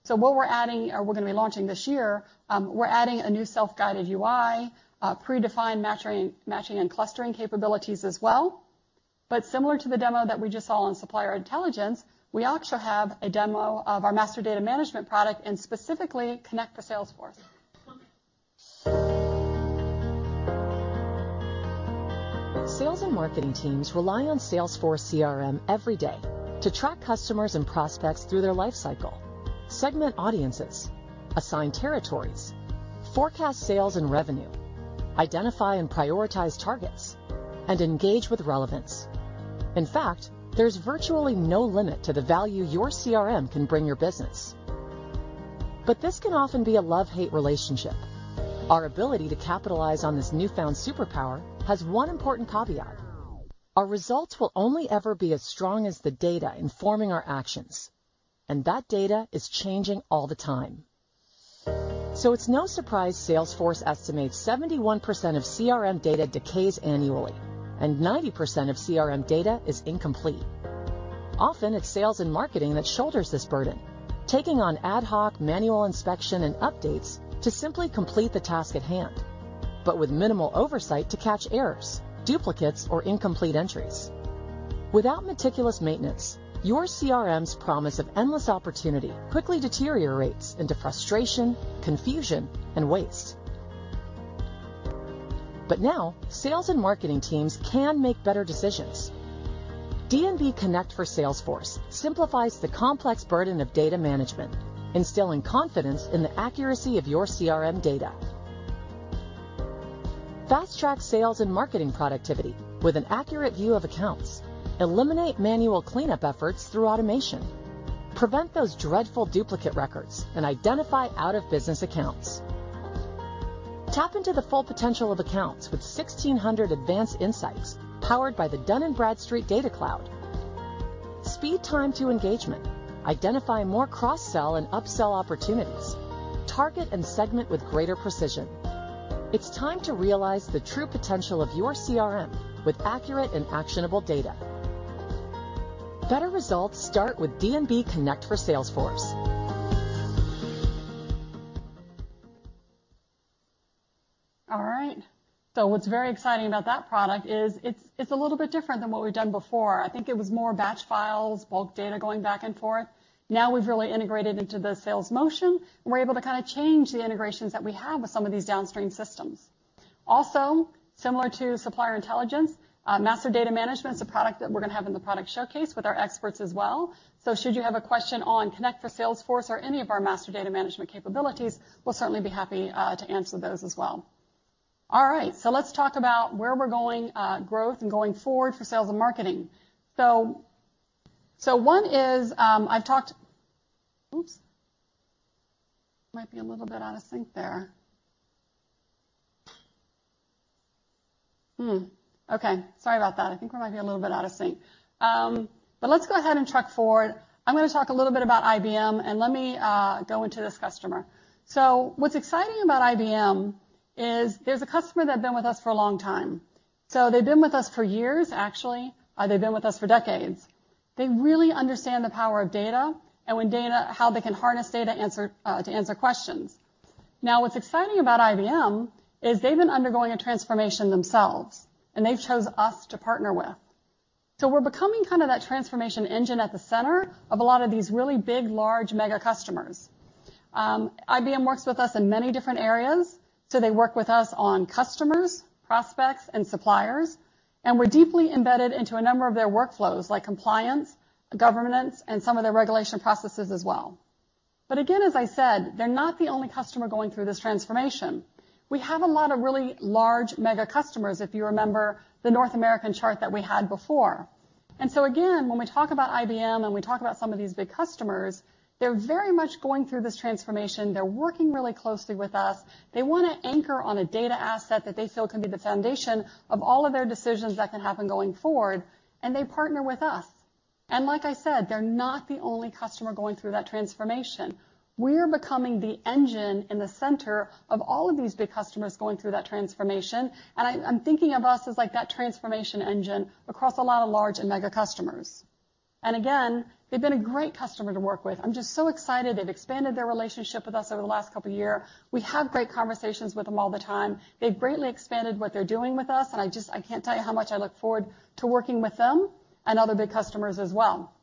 mid-market, what we're adding, or we're gonna be launching this year, we're adding a new self-guided UI, predefined matching, and clustering capabilities as well. Similar to the demo that we just saw on Supplier Intelligence, we also have a demo of our Master Data Management product and specifically Connect for Salesforce. Sales and marketing teams rely on Salesforce CRM every day to track customers and prospects through their life cycle, segment audiences, assign territories, forecast sales and revenue, identify and prioritize targets, and engage with relevance. In fact, there's virtually no limit to the value your CRM can bring your business. This can often be a love-hate relationship. Our ability to capitalize on this newfound superpower has one important caveat. Our results will only ever be as strong as the data informing our actions, and that data is changing all the time. It's no surprise Salesforce estimates 71% of CRM data decays annually and 90% of CRM data is incomplete. Often it's sales and marketing that shoulders this burden, taking on ad hoc manual inspection and updates to simply complete the task at hand, but with minimal oversight to catch errors, duplicates, or incomplete entries. Without meticulous maintenance, your CRM's promise of endless opportunity quickly deteriorates into frustration, confusion, and waste. Sales and marketing teams can make better decisions. D&B Connect for Salesforce simplifies the complex burden of data management, instilling confidence in the accuracy of your CRM data. Fast-track sales and marketing productivity with an accurate view of accounts. Eliminate manual cleanup efforts through automation. Prevent those dreadful duplicate records and identify out of business accounts. Tap into the full potential of accounts with 1,600 advanced insights powered by the Dun & Bradstreet Data Cloud. Speed time to engagement. Identify more cross-sell and upsell opportunities. Target and segment with greater precision. It's time to realize the true potential of your CRM with accurate and actionable data. Better results start with D&B Connect for Salesforce. All right. What's very exciting about that product is it's a little bit different than what we've done before. I think it was more batch files, bulk data going back and forth. Now we've really integrated into the sales motion, and we're able to kinda change the integrations that we have with some of these downstream systems. Also, similar to Supplier Intelligence, Master Data Management is a product that we're gonna have in the product showcase with our experts as well. Should you have a question on Connect for Salesforce or any of our Master Data Management capabilities, we'll certainly be happy to answer those as well. All right, let's talk about where we're going, growth and going forward for Sales and Marketing. Oops. Might be a little bit out of sync there. Hmm. Okay, sorry about that. I think we might be a little bit out of sync. Let's go ahead and truck forward. I'm gonna talk a little bit about IBM, and let me go into this customer. What's exciting about IBM is it's a customer that's been with us for a long time. They've been with us for years, actually, they've been with us for decades. They really understand the power of data and how they can harness data to answer questions. What's exciting about IBM is they've been undergoing a transformation themselves, and they've chose us to partner with. We're becoming kind of that transformation engine at the center of a lot of these really big, large mega customers. IBM works with us in many different areas, so they work with us on customers, prospects, and suppliers, and we're deeply embedded into a number of their workflows like compliance, governance, and some of their regulation processes as well. Again, as I said, they're not the only customer going through this transformation. We have a lot of really large mega customers, if you remember the North American chart that we had before. Again, when we talk about IBM and we talk about some of these big customers, they're very much going through this transformation. They're working really closely with us. They wanna anchor on a data asset that they feel can be the foundation of all of their decisions that can happen going forward, and they partner with us. Like I said, they're not the only customer going through that transformation. We're becoming the engine in the center of all of these big customers going through that transformation, and I'm thinking of us as like that transformation engine across a lot of large and mega customers. Again, they've been a great customer to work with. I'm just so excited they've expanded their relationship with us over the last couple of year. We have great conversations with them all the time. They've greatly expanded what they're doing with us, and I just, I can't tell you how much I look forward to working with them and other big customers as well.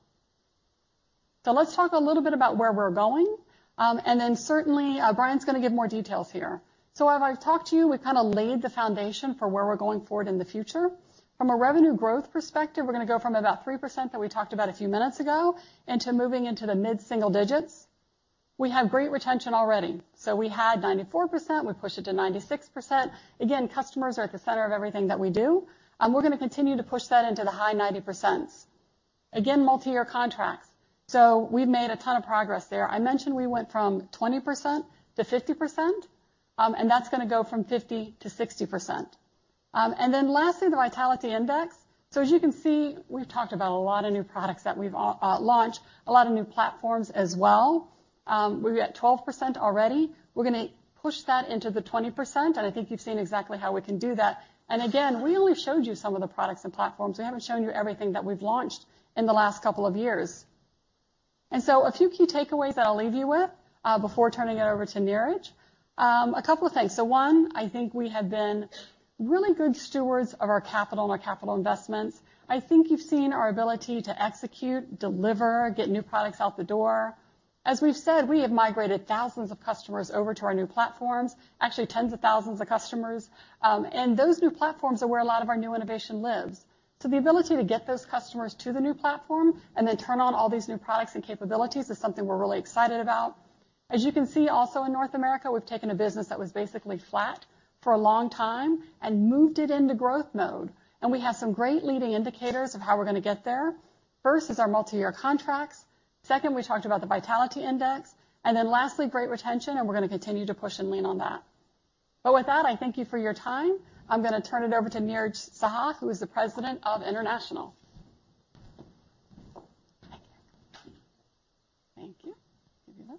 Let's talk a little bit about where we're going, certainly, Bryan's gonna give more details here. As I've talked to you, we've kinda laid the foundation for where we're going forward in the future. From a revenue growth perspective, we're gonna go from about 3% that we talked about a few minutes ago into moving into the mid-single digits. We have great retention already. We had 94%, we pushed it to 96%. Customers are at the center of everything that we do, and we're gonna continue to push that into the high 90%. Multi-year contracts. We've made a ton of progress there. I mentioned we went from 20% to 50%, and that's gonna go from 50%-60%. Lastly, the Vitality Index. As you can see, we've talked about a lot of new products that we've launch, a lot of new platforms as well. We're at 12% already. We're gonna push that into the 20%, and I think you've seen exactly how we can do that. Again, we only showed you some of the products and platforms. We haven't shown you everything that we've launched in the last couple of years. A few key takeaways that I'll leave you with before turning it over to Neeraj. A couple of things. One, I think we have been really good stewards of our capital and our capital investments. I think you've seen our ability to execute, deliver, get new products out the door. As we've said, we have migrated thousands of customers over to our new platforms, actually tens of thousands of customers. Those new platforms are where a lot of our new innovation lives. The ability to get those customers to the new platform and then turn on all these new products and capabilities is something we're really excited about. As you can see also in North America, we've taken a business that was basically flat for a long time and moved it into growth mode, and we have some great leading indicators of how we're gonna get there. First is our multiyear contracts. Second, we talked about the Vitality Index. Then lastly, great retention, and we're gonna continue to push and lean on that. With that, I thank you for your time. I'm gonna turn it over to Neeraj Sahai, who is the President of International. Thank you. Thank you. Give you this.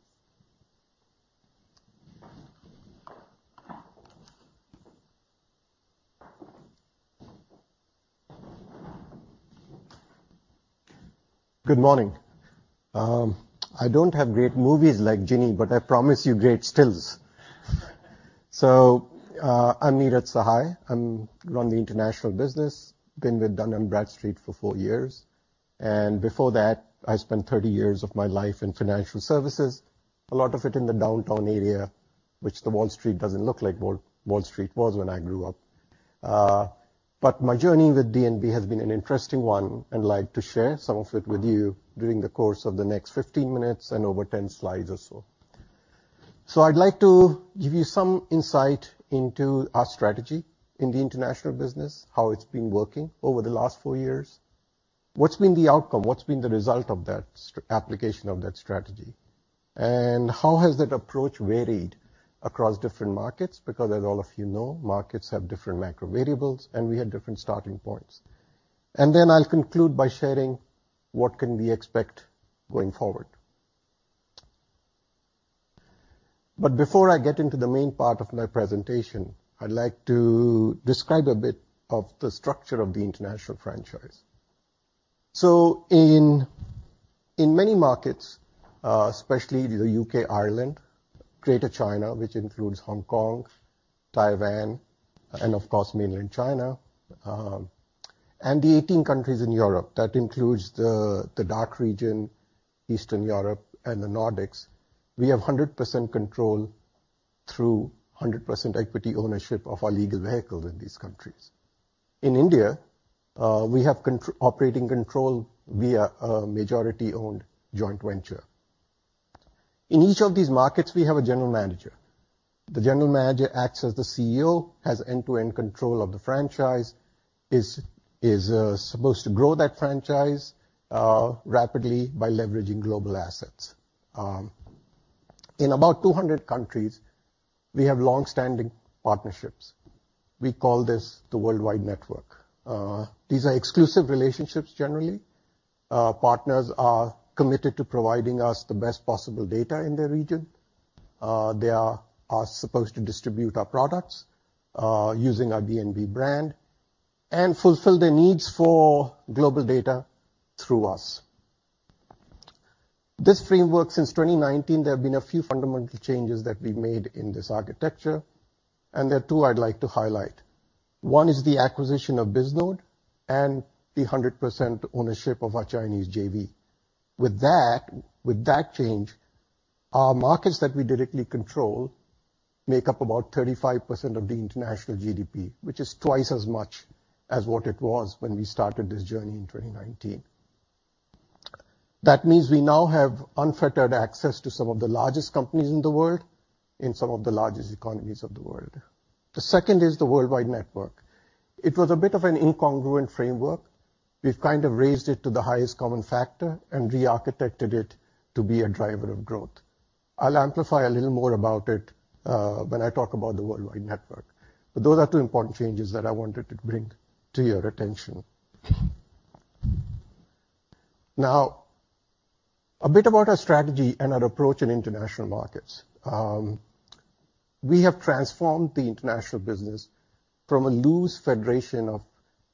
Good morning. I don't have great movies like Ginny, I promise you great stills. I'm Neeraj Sahai. I run the international business. Been with Dun & Bradstreet for four years, before that, I spent 30 years of my life in financial services, a lot of it in the downtown area, which the Wall Street doesn't look like Wall Street was when I grew up. My journey with D&B has been an interesting one. I'd like to share some of it with you during the course of the next 15 minutes and over 10 slides or so. I'd like to give you some insight into our strategy in the international business, how it's been working over the last four years. What's been the outcome, what's been the result of that application of that strategy? How has that approach varied across different markets? Because as all of you know, markets have different macro variables, and we have different starting points. Then I'll conclude by sharing what can we expect going forward. Before I get into the main part of my presentation, I'd like to describe a bit of the structure of the international franchise. In many markets, especially the U.K., Ireland, Greater China, which includes Hong Kong, Taiwan, and of course, mainland China, and the 18 countries in Europe, that includes the DACH region, Eastern Europe and the Nordics, we have 100% control through 100% equity ownership of our legal vehicles in these countries. In India, we have operating control via a majority-owned joint venture. In each of these markets, we have a general manager. The general manager acts as the CEO, has end-to-end control of the franchise, is supposed to grow that franchise rapidly by leveraging global assets. In about 200 countries, we have long-standing partnerships. We call this the Worldwide Network. These are exclusive relationships generally. Partners are committed to providing us the best possible data in their region. They are supposed to distribute our products using our D&B brand and fulfill their needs for global data through us. This framework, since 2019, there have been a few fundamental changes that we've made in this architecture. There are two I'd like to highlight. One is the acquisition of Bisnode and the 100% ownership of our Chinese JV. With that, with that change, our markets that we directly control make up about 35% of the international GDP, which is twice as much as what it was when we started this journey in 2019. That means we now have unfettered access to some of the largest companies in the world in some of the largest economies of the world. The second is the Worldwide Network. It was a bit of an incongruent framework. We've kind of raised it to the highest common factor and re-architected it to be a driver of growth. I'll amplify a little more about it when I talk about the Worldwide Network, but those are two important changes that I wanted to bring to your attention. Now, a bit about our strategy and our approach in international markets. We have transformed the international business from a loose federation of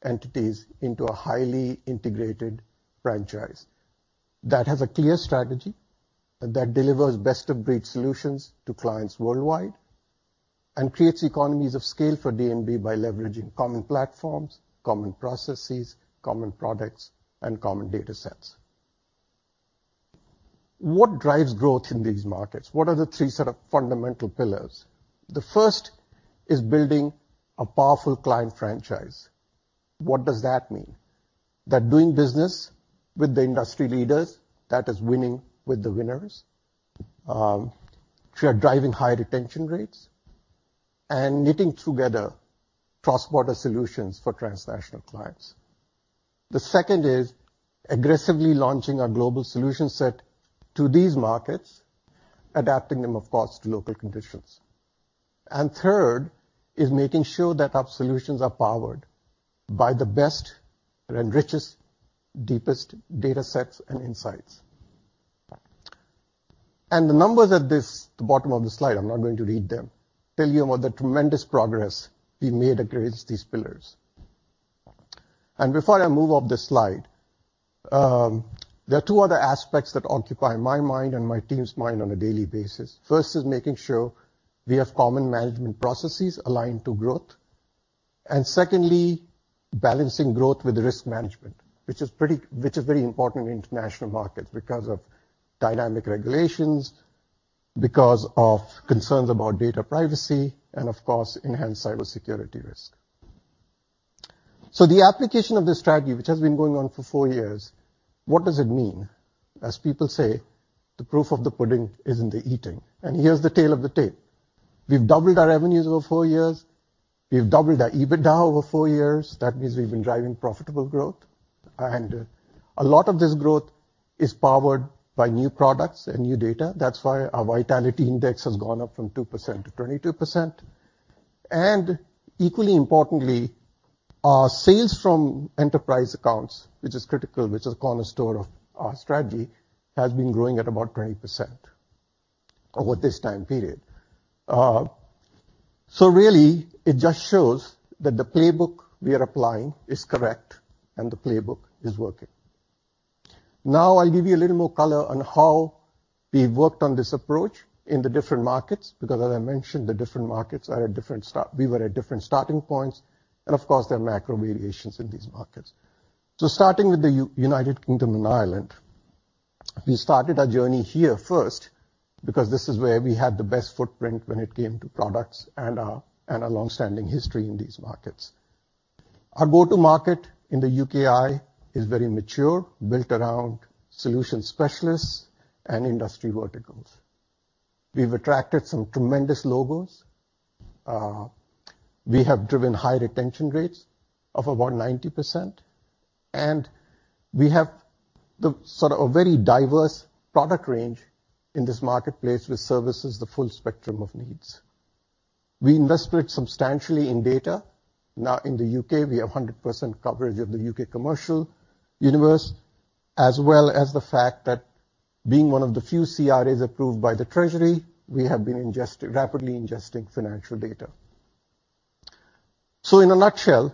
entities into a highly integrated franchise that has a clear strategy, that delivers best-of-breed solutions to clients worldwide, and creates economies of scale for D&B by leveraging common platforms, common processes, common products, and common datasets. What drives growth in these markets? What are the three sort of fundamental pillars? The first is building a powerful client franchise. What does that mean? That doing business with the industry leaders, that is winning with the winners, we are driving high retention rates and knitting together cross-border solutions for transnational clients. The second is aggressively launching our global solution set to these markets, adapting them, of course, to local conditions. Third is making sure that our solutions are powered by the best and richest deepest data sets and insights. The numbers at this bottom of the slide, I'm not going to read them, tell you about the tremendous progress we made against these pillars. Before I move off this slide, there are two other aspects that occupy my mind and my team's mind on a daily basis. First is making sure we have common management processes aligned to growth. Secondly, balancing growth with risk management, which is very important in international markets because of dynamic regulations, because of concerns about data privacy and of course, enhanced cybersecurity risk. The application of this strategy, which has been going on for four years, what does it mean? As people say, the proof of the pudding is in the eating. Here's the tale of the tape. We've doubled our revenues over four years. We've doubled our EBITDA over four years. That means we've been driving profitable growth. A lot of this growth is powered by new products and new data. That's why our Vitality Index has gone up from 2% to 22%. Equally importantly, our sales from enterprise accounts, which is critical, which is a cornerstone of our strategy, has been growing at about 20% over this time period. Really it just shows that the playbook we are applying is correct and the playbook is working. Now, I'll give you a little more color on how we've worked on this approach in the different markets, because as I mentioned, the different markets are at different starting points, and of course, there are macro variations in these markets. Starting with the United Kingdom and Ireland, we started our journey here first because this is where we had the best footprint when it came to products and a long-standing history in these markets. Our go-to market in the UKI is very mature, built around solution specialists and industry verticals. We've attracted some tremendous logos. We have driven high retention rates of about 90%, and we have the sort of a very diverse product range in this marketplace which services the full spectrum of needs. We invested substantially in data. Now in the U.K. we have 100% coverage of the UK commercial universe as well as the fact that being one of the few CRAs approved by the Treasury, we have been rapidly ingesting financial data. In a nutshell,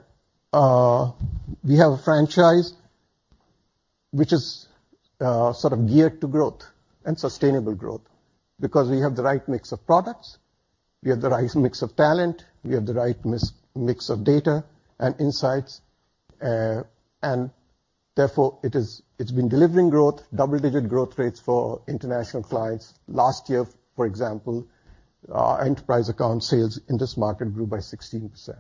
we have a franchise which is sort of geared to growth and sustainable growth because we have the right mix of products, we have the right mix of talent, we have the right mix of data and insights, and therefore it's been delivering growth, double-digit growth rates for international clients. Last year, for example, our enterprise account sales in this market grew by 16%.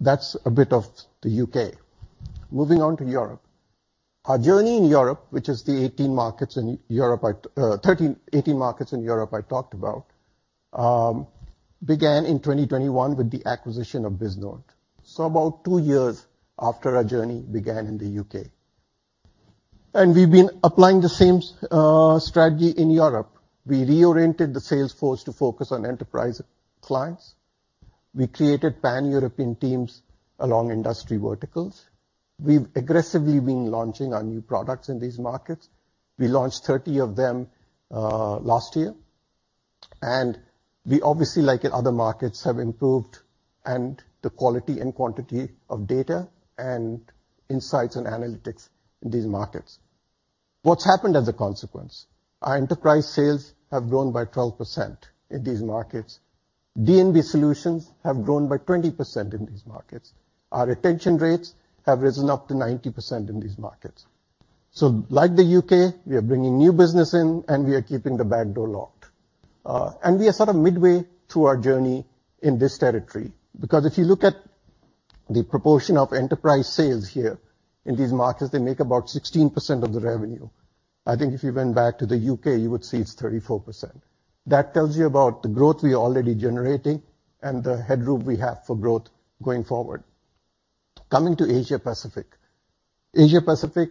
That's a bit of the U.K. Moving on to Europe. Our journey in Europe, which is the 18 markets in Europe, 18 markets in Europe I talked about, began in 2021 with the acquisition of Bisnode. About two years after our journey began in the U.K. We've been applying the same strategy in Europe. We reoriented the sales force to focus on enterprise clients. We created Pan-European teams along industry verticals. We've aggressively been launching our new products in these markets. We launched 30 of them last year, we obviously, like in other markets, have improved and the quality and quantity of data and insights and analytics in these markets. What's happened as a consequence? Our enterprise sales have grown by 12% in these markets. D&B solutions have grown by 20% in these markets. Our retention rates have risen up to 90% in these markets. Like the U.K., we are bringing new business in, and we are keeping the back door locked. We are sort of midway through our journey in this territory because if you look at the proportion of enterprise sales here in these markets, they make about 16% of the revenue. I think if you went back to the U.K., you would see it's 34%. That tells you about the growth we are already generating and the headroom we have for growth going forward. Coming to Asia-Pacific. Asia-Pacific,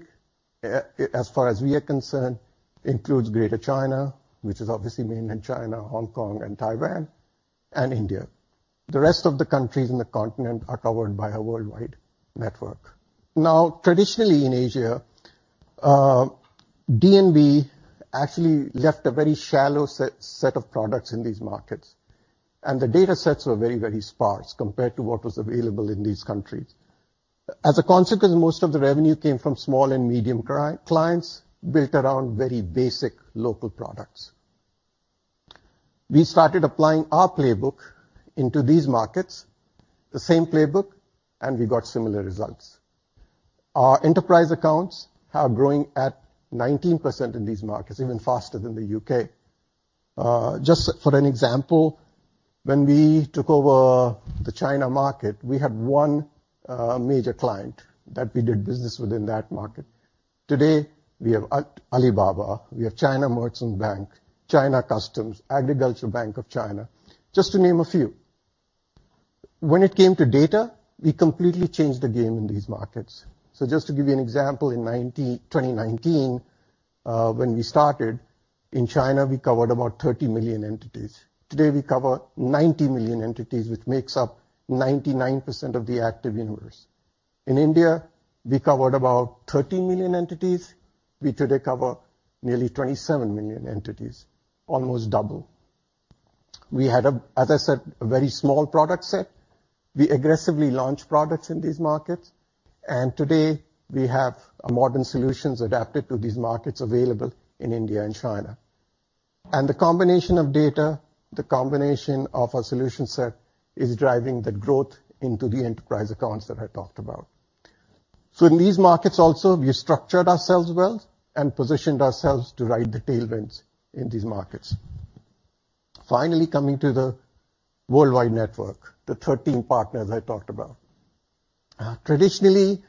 as far as we are concerned, includes Greater China, which is obviously mainland China, Hong Kong and Taiwan and India. The rest of the countries in the continent are covered by a Worldwide Network. Traditionally in Asia, D&B actually left a very shallow set of products in these markets, and the data sets were very, very sparse compared to what was available in these countries. As a consequence, most of the revenue came from small and medium clients built around very basic local products. We started applying our playbook into these markets, the same playbook, and we got similar results. Our enterprise accounts are growing at 19% in these markets, even faster than the U.K. Just for an example, when we took over the China market, we had one major client that we did business with in that market. Today we have Alibaba, we have China Merchants Bank, China Customs, Agricultural Bank of China, just to name a few. When it came to data, we completely changed the game in these markets. Just to give you an example, in 2019, when we started in China, we covered about 30 million entities. Today we cover 90 million entities, which makes up 99% of the active universe. In India, we covered about 30 million entities. We today cover nearly 27 million entities, almost double. We had, as I said, a very small product set. We aggressively launched products in these markets. Today we have modern solutions adapted to these markets available in India and China. The combination of data, the combination of our solution set is driving the growth into the enterprise accounts that I talked about. In these markets also, we structured ourselves well and positioned ourselves to ride the tailwinds in these markets. Finally, coming to the Worldwide Network, the 13 partners I talked about. Traditionally,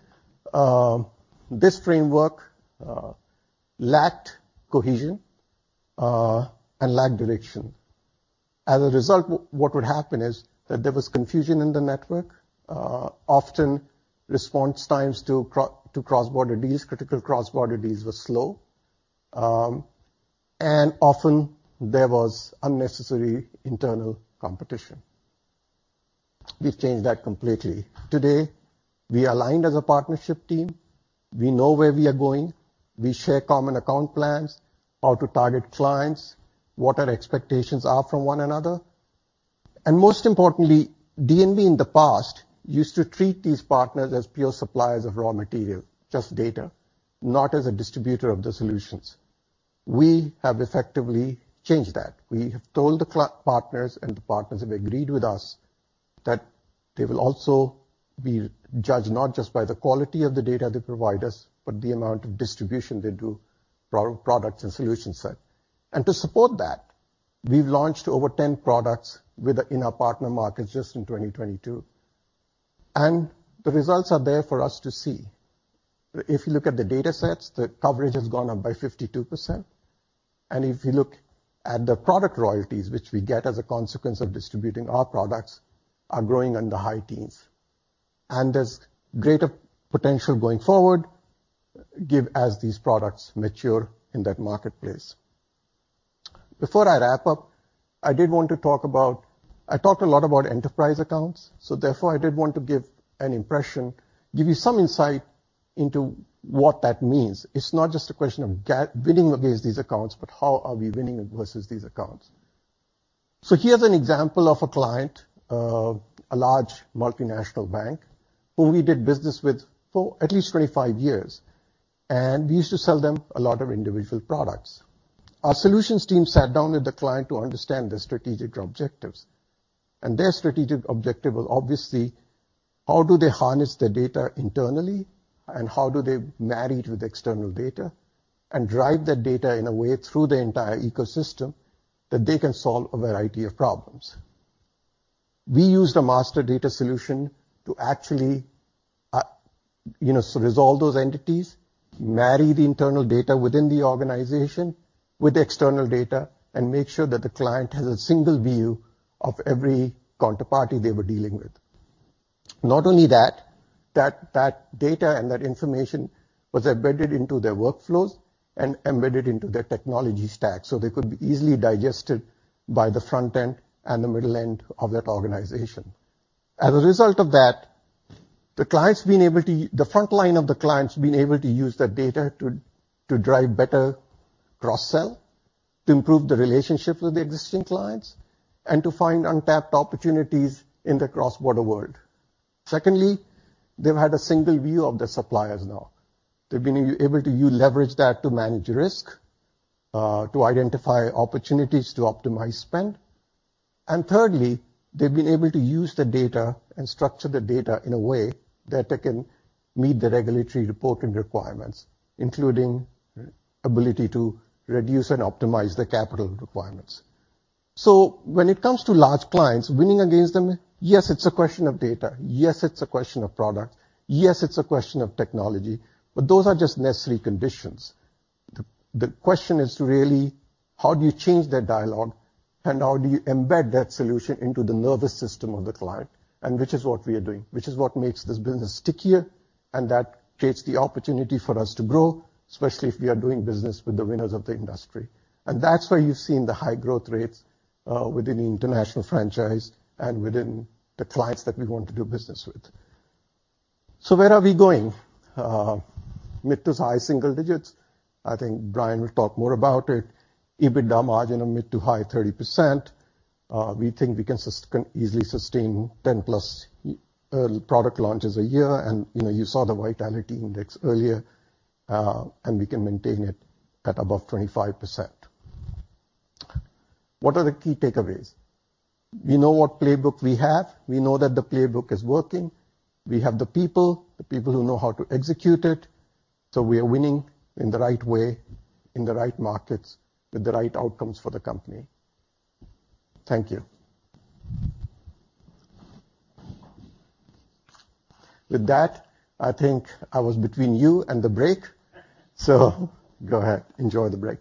this framework lacked cohesion and lacked direction. As a result, what would happen is that there was confusion in the network. Often response times to cross-border deals, critical cross-border deals were slow. Often there was unnecessary internal competition. We've changed that completely. Today, we are aligned as a partnership team. We know where we are going. We share common account plans, how to target clients, what our expectations are from one another. Most importantly, D&B in the past used to treat these partners as pure suppliers of raw material, just data, not as a distributor of the solutions. We have effectively changed that. We have told the partners, and the partners have agreed with us, that they will also be judged not just by the quality of the data they provide us, but the amount of distribution they do, products and solution set. To support that, we've launched over 10 products in our partner markets just in 2022. The results are there for us to see. If you look at the datasets, the coverage has gone up by 52%. If you look at the product royalties, which we get as a consequence of distributing our products, are growing in the high teens. There's greater potential going forward give as these products mature in that marketplace. Before I wrap up, I did want to talk about. I talked a lot about enterprise accounts, so therefore, I did want to give an impression, give you some insight into what that means. It's not just a question of winning against these accounts, but how are we winning versus these accounts. Here's an example of a client, a large multinational bank who we did business with for at least 25 years, and we used to sell them a lot of individual products. Our solutions team sat down with the client to understand their strategic objectives. Their strategic objective was obviously how do they harness their data internally, and how do they marry it with external data and drive that data in a way through the entire ecosystem that they can solve a variety of problems? We used a master data solution to actually, you know, so resolve those entities, marry the internal data within the organization with the external data, and make sure that the client has a single view of every counterparty they were dealing with. Not only that data and that information was embedded into their workflows and embedded into their technology stack, so they could be easily digested by the front end and the middle end of that organization. As a result of that, the client's been able to the front line of the client's been able to use that data to drive better cross-sell, to improve the relationship with the existing clients, and to find untapped opportunities in the cross-border world. Secondly, they've had a single view of their suppliers now. They've been able to leverage that to manage risk, to identify opportunities to optimize spend. Thirdly, they've been able to use the data and structure the data in a way that it can meet the regulatory reporting requirements, including ability to reduce and optimize the capital requirements. When it comes to large clients, winning against them, yes, it's a question of data. Yes, it's a question of product. Yes, it's a question of technology. Those are just necessary conditions. The question is really, how do you change that dialogue? How do you embed that solution into the nervous system of the client? Which is what we are doing. Which is what makes this business stickier, and that creates the opportunity for us to grow, especially if we are doing business with the winners of the industry. That's why you've seen the high growth rates within the international franchise and within the clients that we want to do business with. Where are we going? Mid to high single digits. I think Bryan Hipsher will talk more about it. EBITDA margin of mid to high 30%. We think we can easily sustain 10+ product launches a year. You know, you saw the Vitality Index earlier, and we can maintain it at above 25%. What are the key takeaways? We know what playbook we have. We know that the playbook is working. We have the people, the people who know how to execute it. We are winning in the right way, in the right markets, with the right outcomes for the company. Thank you. With that, I think I was between you and the break. Go ahead, enjoy the break. All right. Welcome back, everybody. I hope you had a nice little break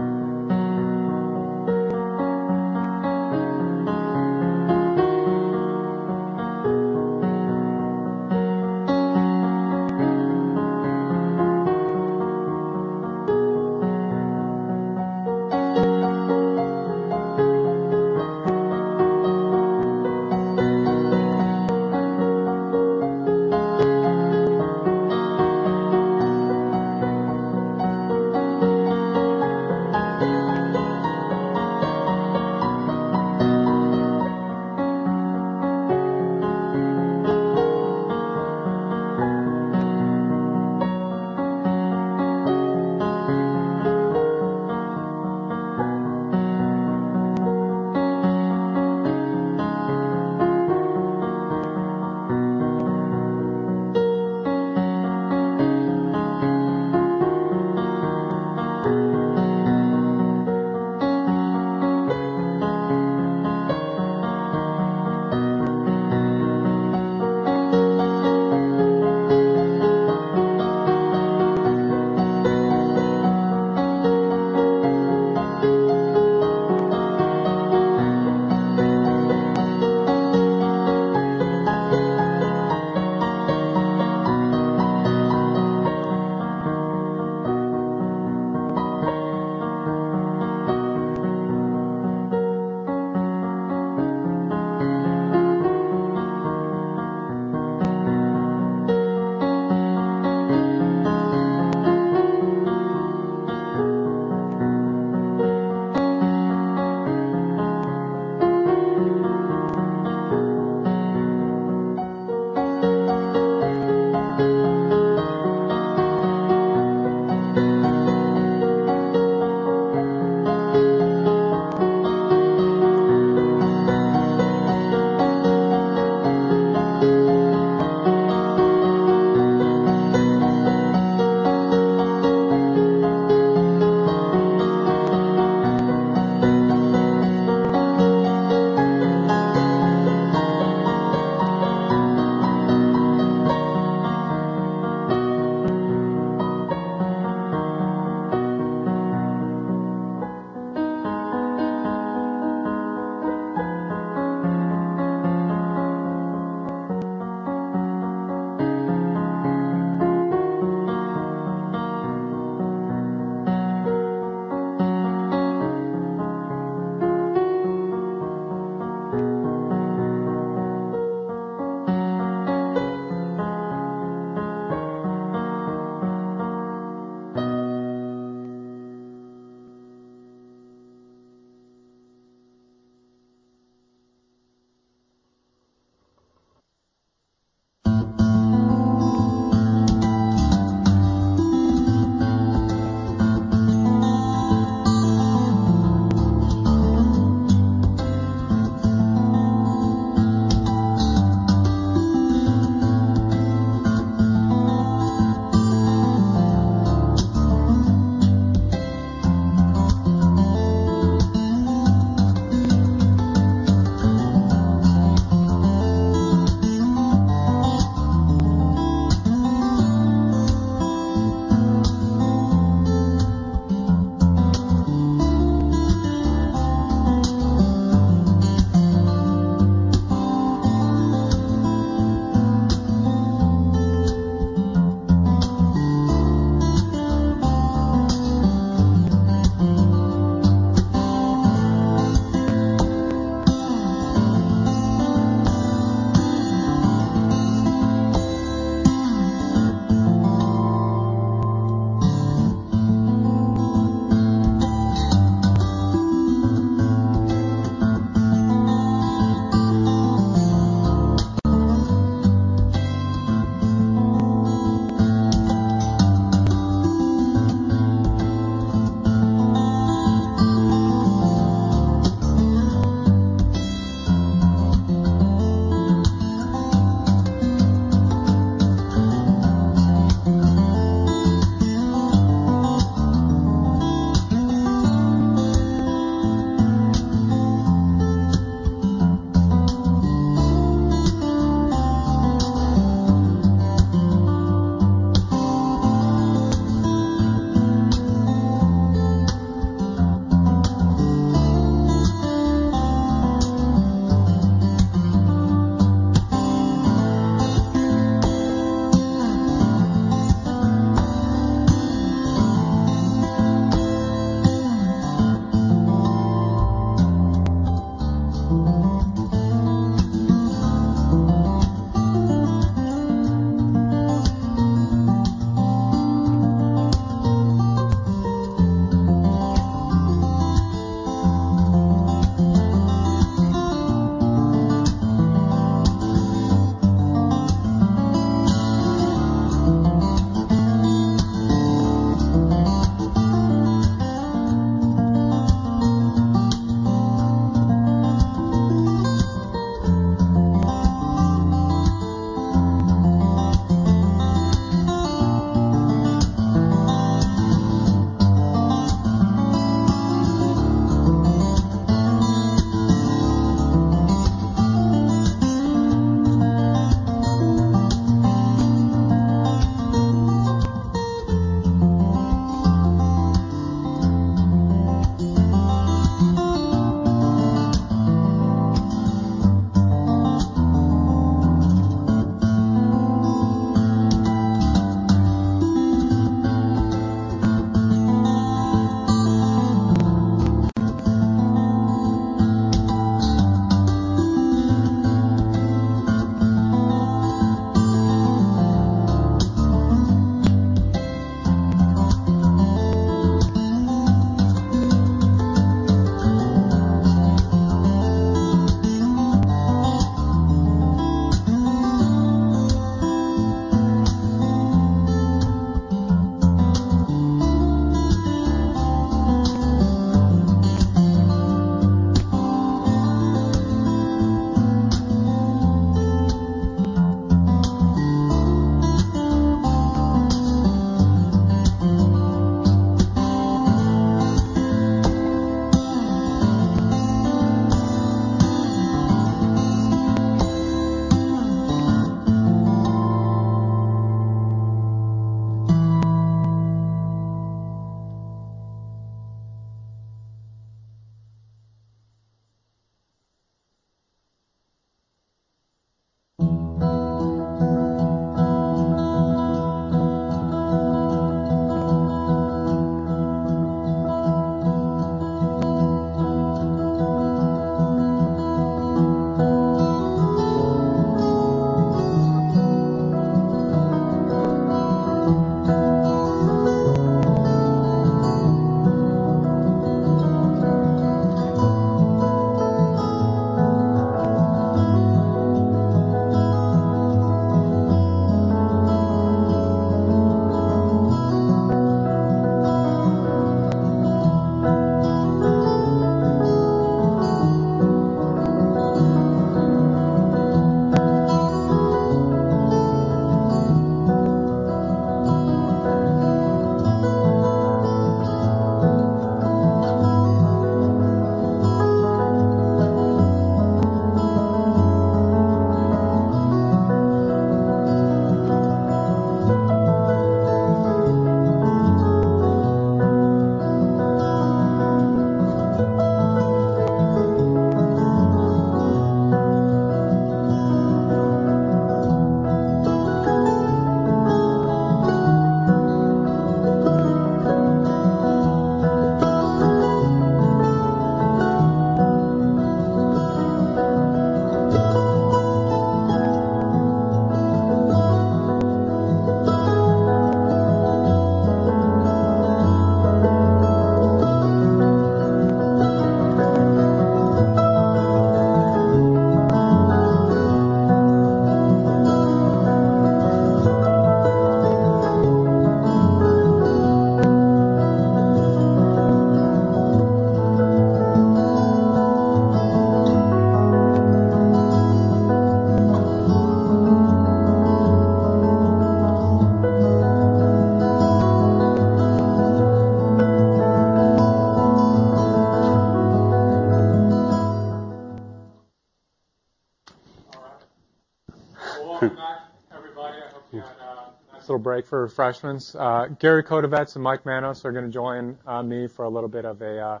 for refreshments. Gary Kotovets and Michael Manos are gonna join me for a little bit of a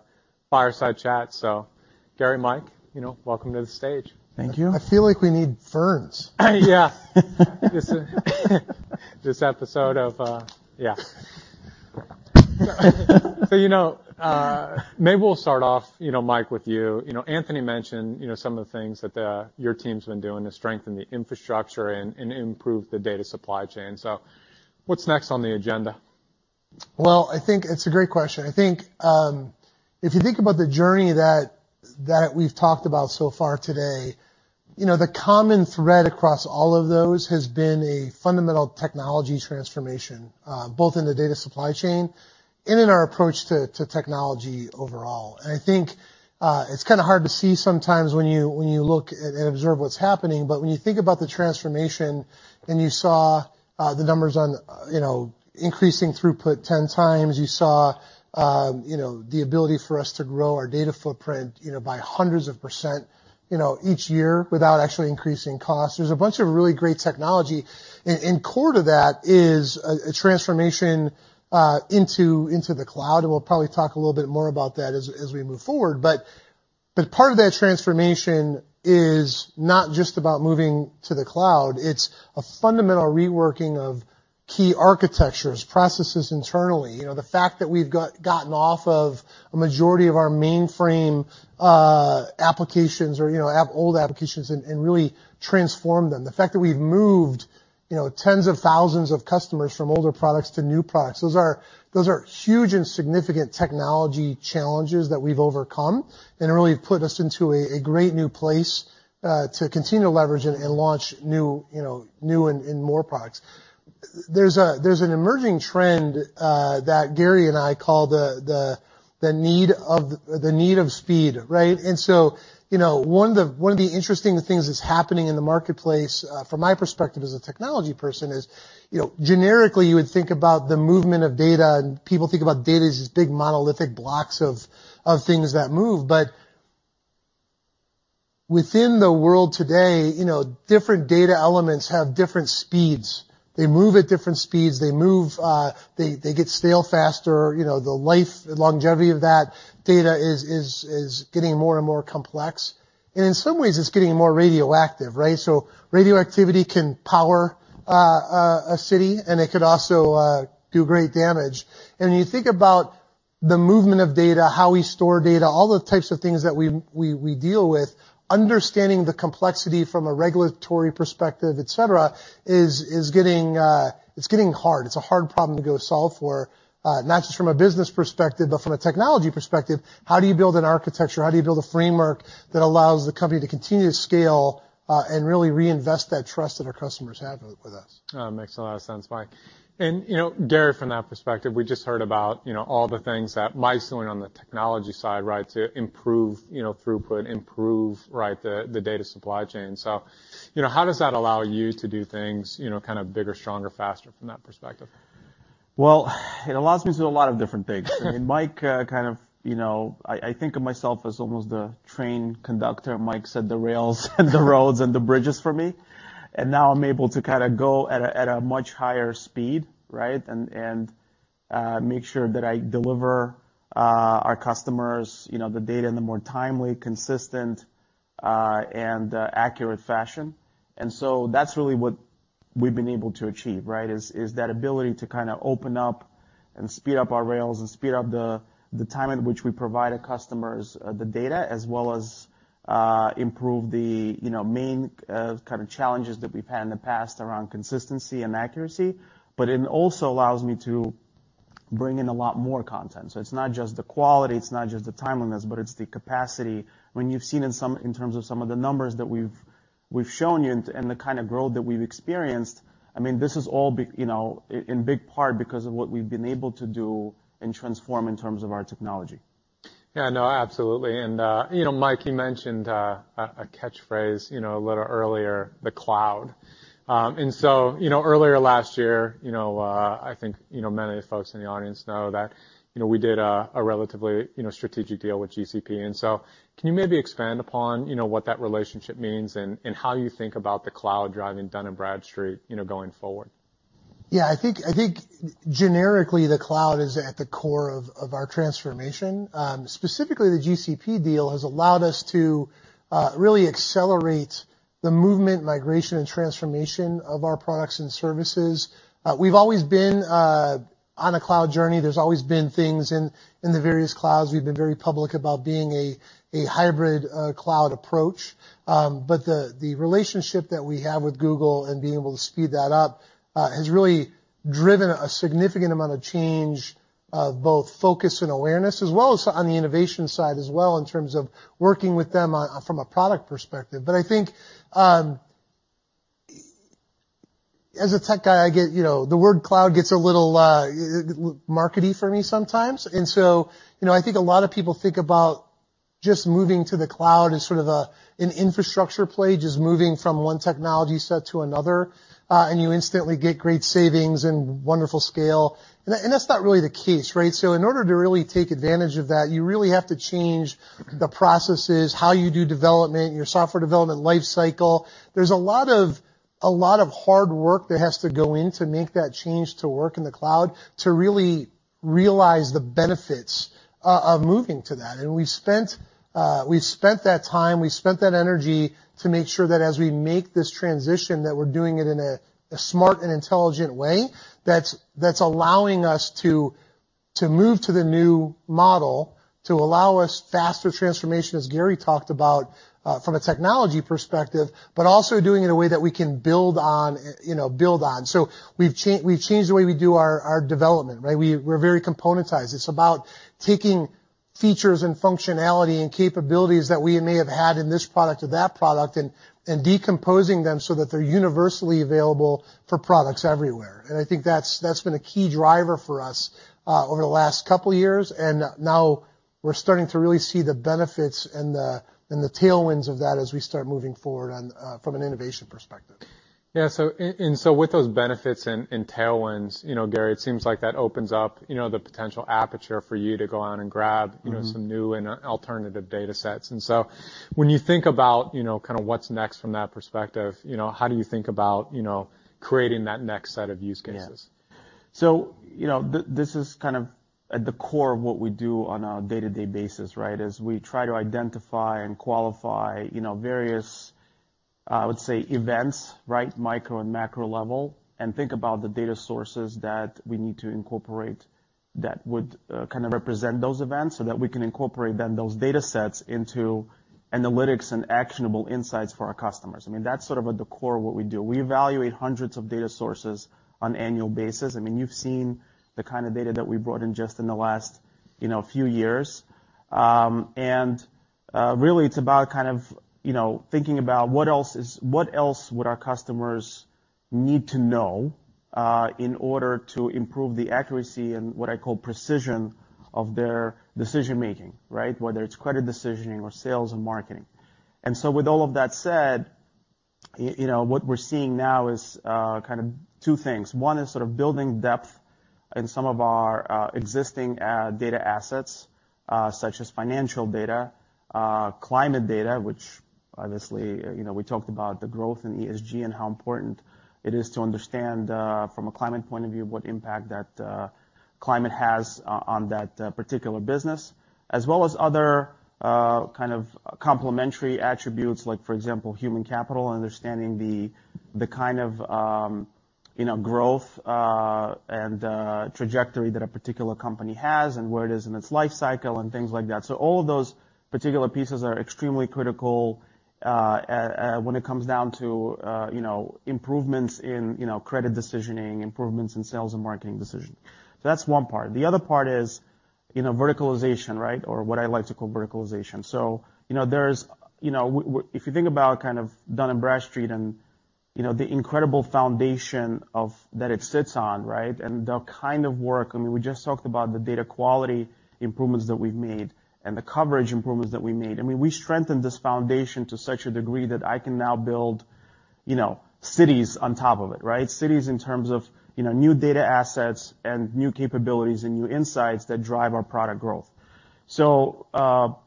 fireside chat. Gary, Mike, you know, welcome to the stage. Thank you. I feel like we need ferns. Yeah. Yeah. You know, maybe we'll start off, you know, Mike, with you. You know, Anthony mentioned, you know, some of the things that your team's been doing to strengthen the infrastructure and improve the data supply chain. What's next on the agenda? Well, I think it's a great question. I think, if you think about the journey that we've talked about so far today, you know, the common thread across all of those has been a fundamental technology transformation, both in the data supply chain and in our approach to technology overall. I think, it's kinda hard to see sometimes when you, when you look at and observe what's happening. When you think about the transformation and you saw, the numbers on, you know, increasing throughput 10 times, you saw, you know, the ability for us to grow our data footprint, you know, by hundreds of percent, you know, each year without actually increasing costs. There's a bunch of really great technology. Core to that is a transformation into the cloud. We'll probably talk a little bit more about that as we move forward. Part of that transformation is not just about moving to the cloud. It's a fundamental reworking of key architectures, processes internally. You know, the fact that we've gotten off of a majority of our mainframe applications or, you know, old applications and really transformed them. The fact that we've moved, you know, tens of thousands of customers from older products to new products, those are huge and significant technology challenges that we've overcome and really have put us into a great new place to continue to leverage and launch new and more products. There's an emerging trend that Gary and I call the need of speed, right? You know, one of the, one of the interesting things that's happening in the marketplace, from my perspective as a technology person is, you know, generically, you would think about the movement of data, and people think about data as these big, monolithic blocks of things that move. Within the world today, you know, different data elements have different speeds. They move at different speeds. They move, they get stale faster. You know, the life, the longevity of that data is, is getting more and more complex. In some ways, it's getting more radioactive, right? Radioactivity can power a city, and it could also do great damage. When you think about the movement of data, how we store data, all the types of things that we deal with, understanding the complexity from a regulatory perspective, et cetera, is getting hard. It's a hard problem to go solve for, not just from a business perspective, but from a technology perspective. How do you build an architecture? How do you build a framework that allows the company to continue to scale, and really reinvest that trust that our customers have with us? Makes a lot of sense, Mike. You know, Gary, from that perspective, we just heard about, you know, all the things that Mike's doing on the technology side, right? To improve, you know, throughput, improve, right, the data supply chain. You know, how does that allow you to do things, you know, kind of bigger, stronger, faster from that perspective? Well, it allows me to do a lot of different things. I mean, Mike, kind of, you know. I think of myself as almost the train conductor. Mike set the rails and the roads and the bridges for me. Now I'm able to kind of go at a much higher speed, right? Make sure that I deliver our customers, you know, the data in a more timely, consistent, and accurate fashion. That's really what we've been able to achieve, right? Is that ability to kind of open up and speed up our rails and speed up the time at which we provide our customers the data, as well as improve the, you know, main kind of challenges that we've had in the past around consistency and accuracy. It also allows me to bring in a lot more content. It's not just the quality, it's not just the timeliness, but it's the capacity. When you've seen in terms of some of the numbers that we've shown you and the kind of growth that we've experienced, I mean, this is all be, you know, in big part because of what we've been able to do and transform in terms of our technology. Yeah, no, absolutely. You know, Mike, you mentioned a catchphrase, you know, a little earlier, the cloud. Earlier last year, you know, I think, you know, many folks in the audience know that, you know, we did a relatively, you know, strategic deal with GCP. Can you maybe expand upon, you know, what that relationship means and how you think about the cloud driving Dun & Bradstreet, you know, going forward? I think generically, the cloud is at the core of our transformation. Specifically, the GCP deal has allowed us to really accelerate the movement, migration, and transformation of our products and services. We've always been on a cloud journey. There's always been things in the various clouds. We've been very public about being a hybrid cloud approach. The relationship that we have with Google and being able to speed that up has really driven a significant amount of change of both focus and awareness, as well as on the innovation side as well, in terms of working with them from a product perspective. I think, as a tech guy, I get, you know, the word cloud gets a little markety for me sometimes. You know, I think a lot of people think about just moving to the cloud as sort of an infrastructure play, just moving from one technology set to another, and you instantly get great savings and wonderful scale. That's not really the case, right? In order to really take advantage of that, you really have to change the processes, how you do development, your software development life cycle. There's a lot of hard work that has to go in to make that change to work in the cloud to really realize the benefits of moving to that. We've spent that time, we've spent that energy to make sure that as we make this transition, that we're doing it in a smart and intelligent way that's allowing us to move to the new model, to allow us faster transformation, as Gary talked about, from a technology perspective, but also doing it in a way that we can build on, you know, build on. We've changed the way we do our development, right? We, we're very componentized. It's about taking features and functionality and capabilities that we may have had in this product or that product and decomposing them so that they're universally available for products everywhere. I think that's been a key driver for us, over the last couple years. Now we're starting to really see the benefits and the tailwinds of that as we start moving forward on from an innovation perspective. Yeah, with those benefits and tailwinds, you know, Gary, it seems like that opens up, you know, the potential aperture for you to go out and grab-. Mm-hmm. you know, some new and alternative data sets. When you think about, you know, kind of what's next from that perspective, you know, how do you think about, you know, creating that next set of use cases? Yeah. you know, this is kind of at the core of what we do on a day-to-day basis, right? Is we try to identify and qualify, you know, various, I would say events, right? Micro and macro level, and think about the data sources that we need to incorporate that would, kind of represent those events so that we can incorporate then those data sets into analytics and actionable insights for our customers. I mean, that's sort of at the core of what we do. We evaluate hundreds of data sources on annual basis. I mean, you've seen the kind of data that we brought in just in the last, you know, few years. Really it's about kind of, you know, thinking about what else would our customers need to know in order to improve the accuracy and what I call precision of their decision-making, right? Whether it's credit decisioning or sales and marketing. With all of that said, you know, what we're seeing now is kind of two things. One is sort of building depth in some of our existing data assets, such as financial data, climate data, which obviously, you know, we talked about the growth in ESG and how important it is to understand from a climate point of view, what impact that climate has on that particular business, as well as other kind of complementary attributes, like for example, human capital, understanding the kind of, you know, growth, and trajectory that a particular company has and where it is in its life cycle and things like that. All of those particular pieces are extremely critical when it comes down to, you know, improvements in, you know, credit decisioning, improvements in sales and marketing decisions. That's one part. The other part is, you know, verticalization, right? What I like to call verticalization. You know, there's, you know, if you think about kind of Dun & Bradstreet and, you know, the incredible foundation that it sits on, right? The kind of work, I mean, we just talked about the data quality improvements that we've made and the coverage improvements that we made. I mean, we strengthened this foundation to such a degree that I can now build, you know, cities on top of it, right? Cities in terms of, you know, new data assets and new capabilities and new insights that drive our product growth.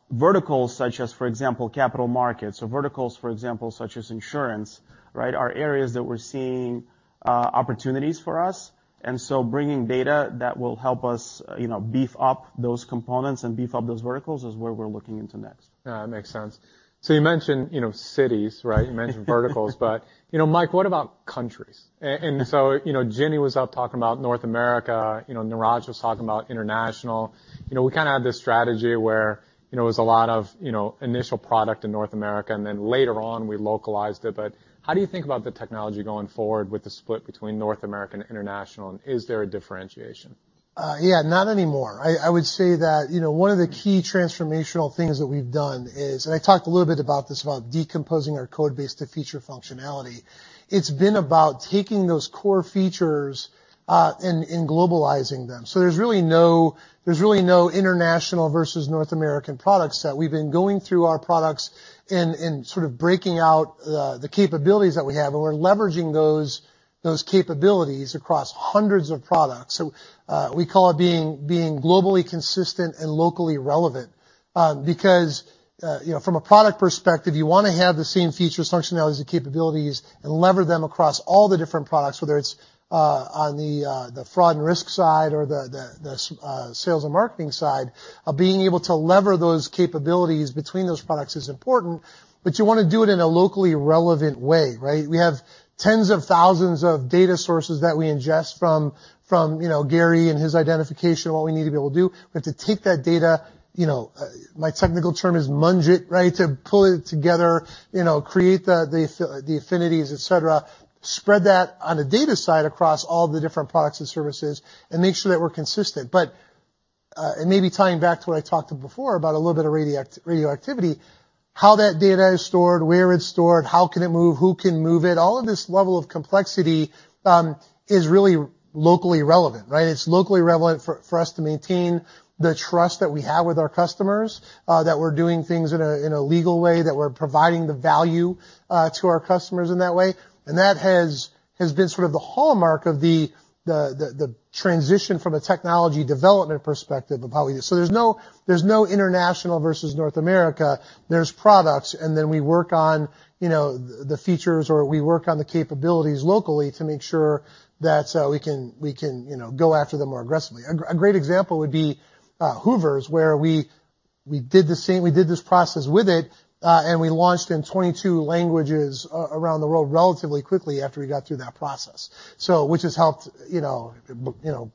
Verticals such as, for example, capital markets or verticals, for example, such as insurance, right? Are areas that we're seeing opportunities for us. Bringing data that will help us, you know, beef up those components and beef up those verticals is where we're looking into next. Yeah, it makes sense. You mentioned, you know, cities, right? You mentioned verticals, you know, Mike, what about countries? You know, Ginny was up talking about North America, you know, Neeraj was talking about international. You know, we kind of had this strategy where, you know, it was a lot of, you know, initial product in North America, and then later on we localized it. How do you think about the technology going forward with the split between North American, international, and is there a differentiation? Yeah, not anymore. I would say that, you know, one of the key transformational things that we've done is, and I talked a little bit about this, about decomposing our code base to feature functionality. It's been about taking those core features, and globalizing them. There's really no international versus North American products, that we've been going through our products and sort of breaking out the capabilities that we have, and we're leveraging those capabilities across hundreds of products. We call it being globally consistent and locally relevant. Because, you know, from a product perspective, you wanna have the same features, functionalities, and capabilities and lever them across all the different products, whether it's on the fraud and risk side or the sales and marketing side. Being able to lever those capabilities between those products is important, you wanna do it in a locally relevant way, right? We have tens of thousands of data sources that we ingest from, you know, Gary and his identification of what we need to be able to do. We have to take that data, you know, my technical term is mung it, right? To pull it together, you know, create the affinities, et cetera, spread that on the data side across all the different products and services, and make sure that we're consistent. Maybe tying back to what I talked to before about a little bit of radioactivity, how that data is stored, where it's stored, how can it move, who can move it, all of this level of complexity, is really locally relevant, right? It's locally relevant for us to maintain the trust that we have with our customers, that we're doing things in a legal way, that we're providing the value to our customers in that way. That has been sort of the hallmark of the transition from a technology development perspective of how we do. There's no international versus North America. There's products, and then we work on, you know, the features, or we work on the capabilities locally to make sure that we can, you know, go after them more aggressively. A great example would be Hoovers, where we did this process with it, and we launched in 22 languages around the world relatively quickly after we got through that process. Which has helped, you know, you know,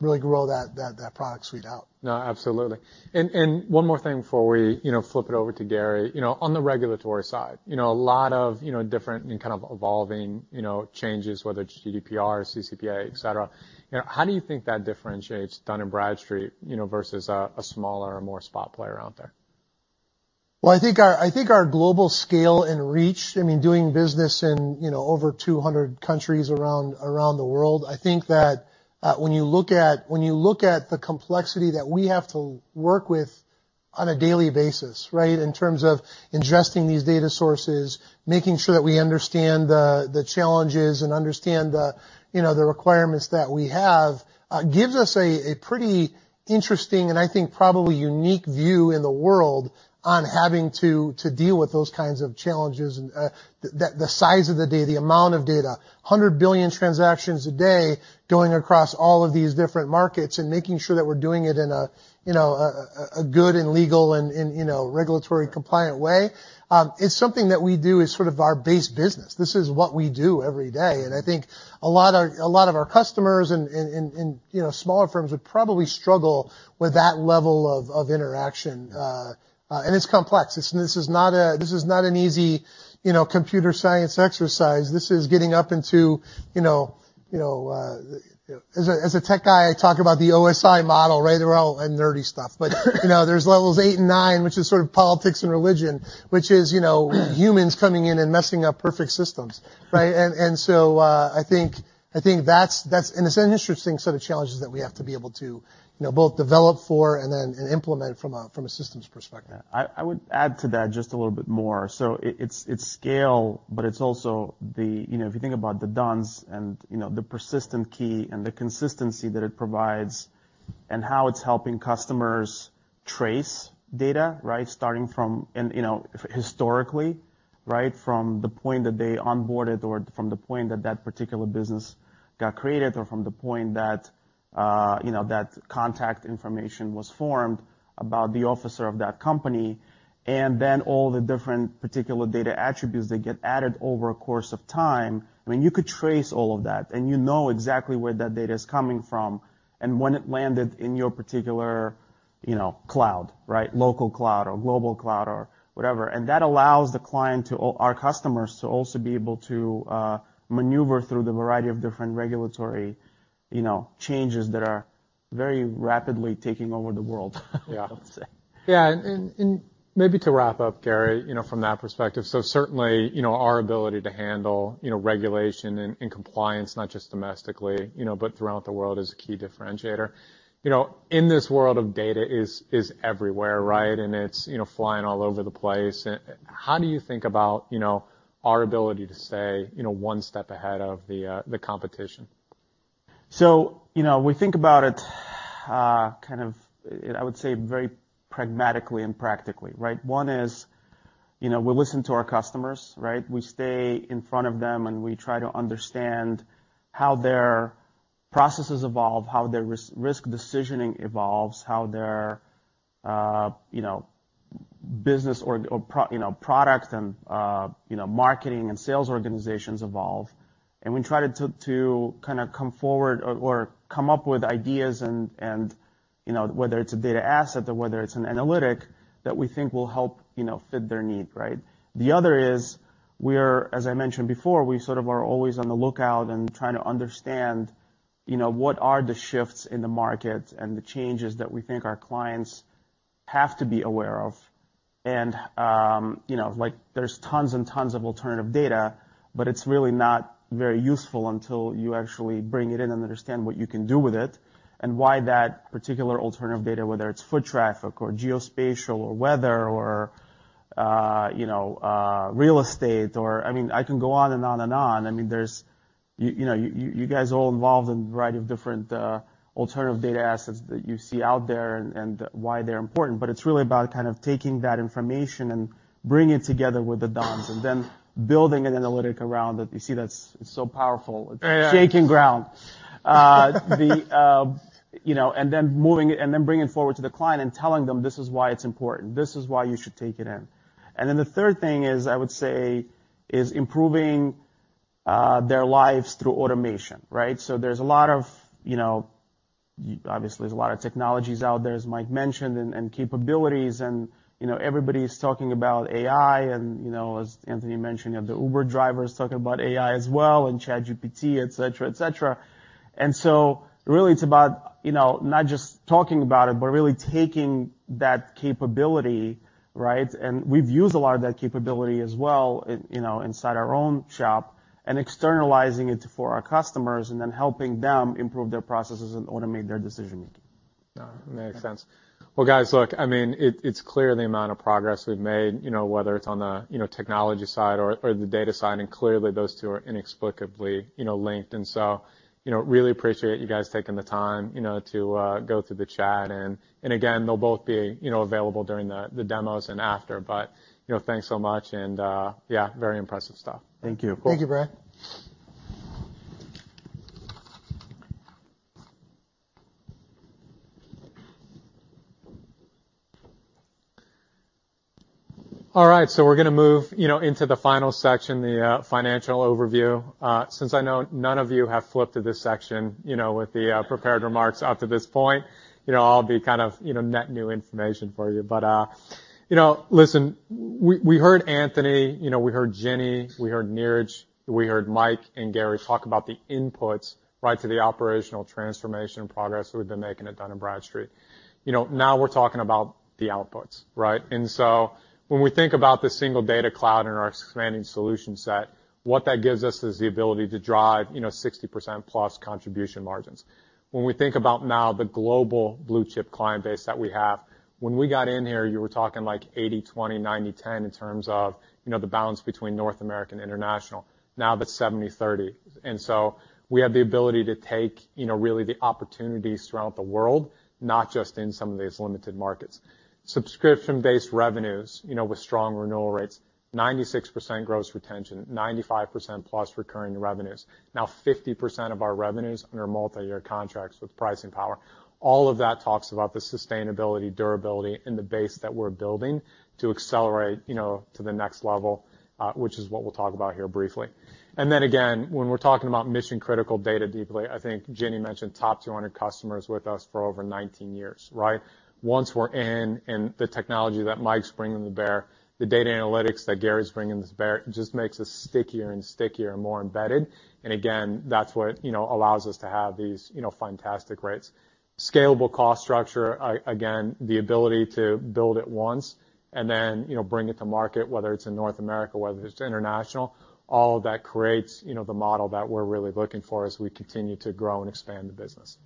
really grow that product suite out. No, absolutely. One more thing before we, you know, flip it over to Gary. You know, on the regulatory side, you know, a lot of, you know, different and kind of evolving, you know, changes, whether it's GDPR or CCPA, et cetera, you know, how do you think that differentiates Dun & Bradstreet, you know, versus a smaller or more spot player out there? Well, I think our global scale and reach, I mean, doing business in, you know, over 200 countries around the world, I think that when you look at the complexity that we have to work with on a daily basis, right. In terms of ingesting these data sources, making sure that we understand the challenges and understand the, you know, the requirements that we have, gives us a pretty interesting and I think probably unique view in the world on having to deal with those kinds of challenges. The size of the data, the amount of data. 100 billion transactions a day going across all of these different markets, making sure that we're doing it in a, you know, a good and legal and, you know, regulatory compliant way is something that we do as sort of our base business. This is what we do every day. I think a lot of our customers in, in, you know, smaller firms would probably struggle with that level of interaction. It's complex. This is not a, this is not an easy, you know, computer science exercise. This is getting up into, you know, you know. As a, as a tech guy, I talk about the OSI model, right? They're all nerdy stuff. You know, there's levels eight and nine, which is sort of politics and religion, which is, you know, humans coming in and messing up perfect systems, right? It's an interesting set of challenges that we have to be able to, you know, both develop for and then implement from a systems perspective. I would add to that just a little bit more. It's scale, but it's also the. You know, if you think about the D-U-N-S and, you know, the persistent key and the consistency that it provides, and how it's helping customers trace data, right? Starting from. You know, historically, right? From the point that they onboarded or from the point that that particular business got created or from the point that, you know, that contact information was formed about the officer of that company, and then all the different particular data attributes that get added over a course of time, I mean, you could trace all of that, and you know exactly where that data is coming from and when it landed in your particular, you know, cloud, right? Local cloud or global cloud or whatever. That allows the client to our customers to also be able to maneuver through the variety of different regulatory, you know, changes that are very rapidly taking over the world, let's say. Yeah. Maybe to wrap up, Gary, you know, from that perspective. Certainly, you know, our ability to handle, you know, regulation and compliance, not just domestically, you know, but throughout the world is a key differentiator. You know, in this world of data is everywhere, right? It's, you know, flying all over the place. How do you think about, you know, our ability to stay, you know, one step ahead of the competition? You know, we think about it, kind of, I would say very pragmatically and practically, right? One is, you know, we listen to our customers, right? We stay in front of them, and we try to understand how their processes evolve, how their risk decisioning evolves, how their, you know, business or, you know, product and, you know, marketing and sales organizations evolve. We try to kinda come forward or come up with ideas and You know, whether it's a data asset or whether it's an analytic that we think will help, you know, fit their need, right? The other is, as I mentioned before, we sort of are always on the lookout and trying to understand, you know, what are the shifts in the market and the changes that we think our clients have to be aware of. You know, like there's tons and tons of alternative data, but it's really not very useful until you actually bring it in and understand what you can do with it and why that particular alternative data, whether it's foot traffic or geospatial or weather or, you know, real estate or... I mean, I can go on and on and on. I mean, there's, you know, you guys are all involved in a variety of different, alternative data assets that you see out there and why they're important, but it's really about kind of taking that information and bringing it together with the D-U-N-S and then building an analytic around it. You see that's so powerful. Shaking ground. The, you know, and then moving it, and then bringing it forward to the client and telling them, "This is why it's important. This is why you should take it in." The third thing is, I would say, is improving, their lives through automation, right? There's a lot of, you know, obviously, there's a lot of technologies out there, as Mike mentioned, and capabilities and, you know, everybody is talking about AI, and you know, as Anthony mentioned, you have the Uber drivers talking about AI as well, and ChatGPT, et cetera, et cetera. Really it's about, you know, not just talking about it, but really taking that capability, right? We've used a lot of that capability as well, you know, inside our own shop and externalizing it for our customers and then helping them improve their processes and automate their decision making. Yeah, makes sense. Well, guys, look, I mean, it's clear the amount of progress we've made, you know, whether it's on the, you know, technology side or the data side, and clearly those two are inexplicably, you know, linked. You know, really appreciate you guys taking the time, you know, to go through the chat and again, they'll both be, you know, available during the demos and after. You know, thanks so much, and, yeah, very impressive stuff. Thank you. Cool. Thank you, Bryan. All right, we're gonna move, you know, into the final section, the financial overview. Since I know none of you have flipped to this section, you know, with the prepared remarks up to this point, you know, I'll be kind of, you know, net new information for you. You know, listen, we heard Anthony, you know, we heard Ginny, we heard Neeraj, we heard Mike and Gary talk about the inputs, right to the operational transformation progress we've been making at Dun & Bradstreet. You know, now we're talking about the outputs, right? When we think about the single Data Cloud and our expanding solution set, what that gives us is the ability to drive, you know, 60% plus contribution margins. When we think about now the global blue-chip client base that we have, when we got in here, you were talking like 80/20, 90/10 in terms of, you know, the balance between North American International. That's 70/30. We have the ability to take, you know, really the opportunities throughout the world, not just in some of these limited markets. Subscription-based revenues, you know, with strong renewal rates, 96% gross retention, 95%+ recurring revenues. 50% of our revenues are under multi-year contracts with pricing power. All of that talks about the sustainability, durability, and the base that we're building to accelerate, you know, to the next level, which is what we'll talk about here briefly. Again, when we're talking about mission-critical data deeply, I think Ginny mentioned top 200 customers with us for over 19 years, right? Once we're in the technology that Mike's bringing to bear, the data analytics that Gary's bringing to bear, just makes us stickier and stickier and more embedded. Again, that's what, you know, allows us to have these, you know, fantastic rates. Scalable cost structure, again, the ability to build it once and then, you know, bring it to market, whether it's in North America, whether it's international, all that creates, you know, the model that we're really looking for as we continue to grow and expand the business.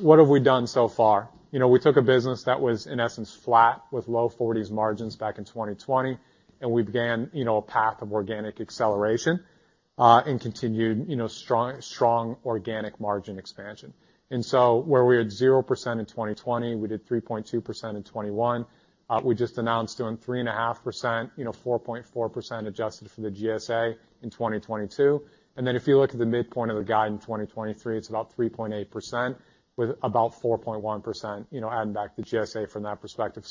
What have we done so far? You know, we took a business that was, in essence, flat with low 40s margins back in 2020, and we began, you know, a path of organic acceleration and continued, you know, strong organic margin expansion. Where we had 0% in 2020, we did 3.2% in 2021. We just announced doing 3.5%, you know, 4.4% adjusted for the GSA in 2022. If you look at the midpoint of the guide in 2023, it's about 3.8% with about 4.1%, you know, adding back the GSA from that perspective.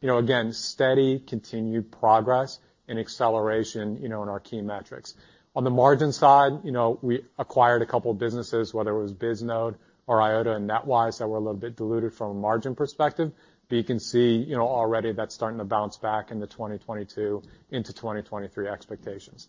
You know, again, steady continued progress and acceleration, you know, in our key metrics. On the margin side, you know, we acquired a couple of businesses, whether it was Bisnode or Eyeota and NetWise, that were a little bit diluted from a margin perspective. You can see, you know, already that's starting to bounce back into 2022 into 2023 expectations.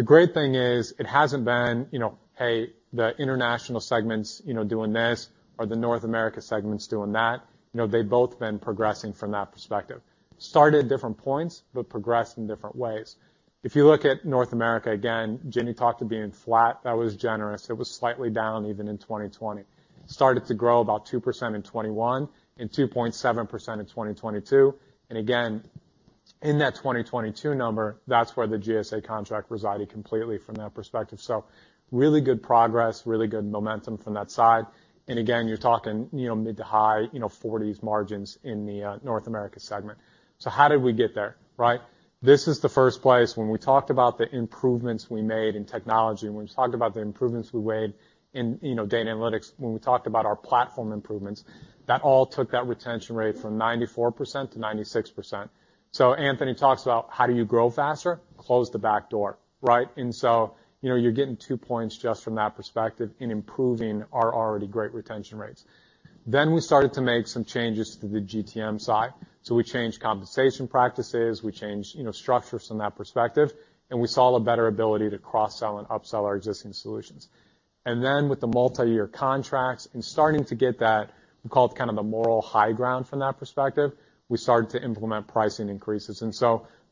The great thing is it hasn't been, you know, hey, the international segment's, you know, doing this or the North America segment's doing that. They've both been progressing from that perspective. Started at different points, progressed in different ways. If you look at North America, again, Ginny talked to being flat, that was generous. It was slightly down even in 2020. Started to grow about 2% in 2021 and 2.7% in 2022. In that 2022 number, that's where the GSA contract resided completely from that perspective. Really good progress, really good momentum from that side. You're talking, you know, mid to high, you know, 40s margins in the North America segment. How did we get there, right? This is the first place when we talked about the improvements we made in technology, when we talked about the improvements we made in, you know, data analytics, when we talked about our platform improvements. That all took that retention rate from 94% to 96%. Anthony talks about how do you grow faster, close the back door, right? You know, you're getting 2 points just from that perspective in improving our already great retention rates. We started to make some changes to the GTM side. We changed compensation practices, we changed, you know, structures from that perspective, and we saw a better ability to cross-sell and upsell our existing solutions. With the multi-year contracts and starting to get that, we call it kind of the moral high ground from that perspective, we started to implement pricing increases.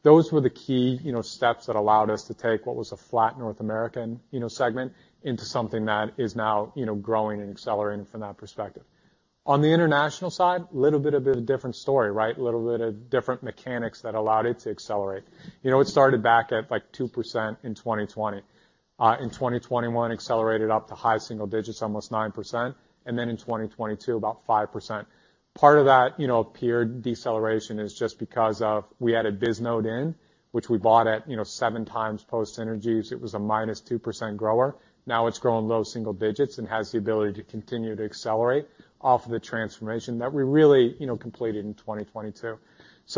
Those were the key, you know, steps that allowed us to take what was a flat North American, you know, segment into something that is now, you know, growing and accelerating from that perspective. On the international side, little bit of a different story, right? A little bit of different mechanics that allowed it to accelerate. You know, it started back at, like, 2% in 2020. In 2021 accelerated up to high single digits, almost 9%, and then in 2022, about 5%. Part of that, you know, appeared deceleration is just because of we added Bisnode in, which we bought at, you know, 7x post synergies. It was a -2% grower. Now it's growing low single digits and has the ability to continue to accelerate off of the transformation that we really, you know, completed in 2022.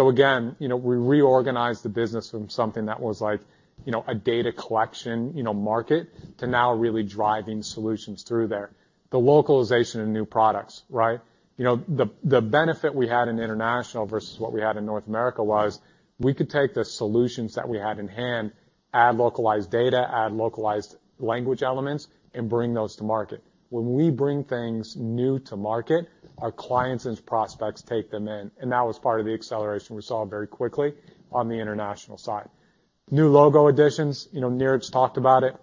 Again, you know, we reorganized the business from something that was like, you know, a data collection, you know, market to now really driving solutions through there. The localization of new products, right? You know, the benefit we had in international versus what we had in North America was we could take the solutions that we had in hand, add localized data, add localized language elements, and bring those to market. When we bring things new to market, our clients and prospects take them in, and that was part of the acceleration we saw very quickly on the international side. New logo additions, you know, Neeraj talked about it.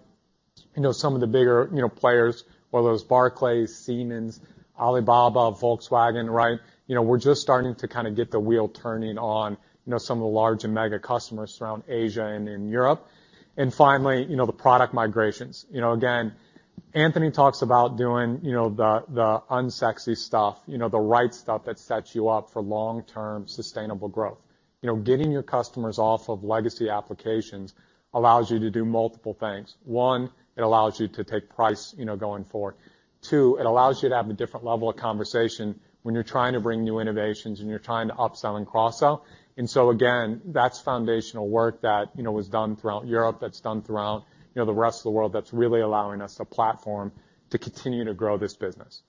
You know, some of the bigger, you know, players, whether it's Barclays, Siemens, Alibaba, Volkswagen, right? You know, we're just starting to kind of get the wheel turning on, you know, some of the large and mega customers around Asia and in Europe. Finally, you know, the product migrations. You know, again, Anthony talks about doing, you know, the unsexy stuff, you know, the right stuff that sets you up for long-term sustainable growth. You know, getting your customers off of legacy applications allows you to do multiple things. One, it allows you to take price, you know, going forward. Two, it allows you to have a different level of conversation when you're trying to bring new innovations and you're trying to upsell and cross-sell. Again, that's foundational work that, you know, was done throughout Europe, that's done throughout, you know, the rest of the world that's really allowing us the platform to continue to grow this business.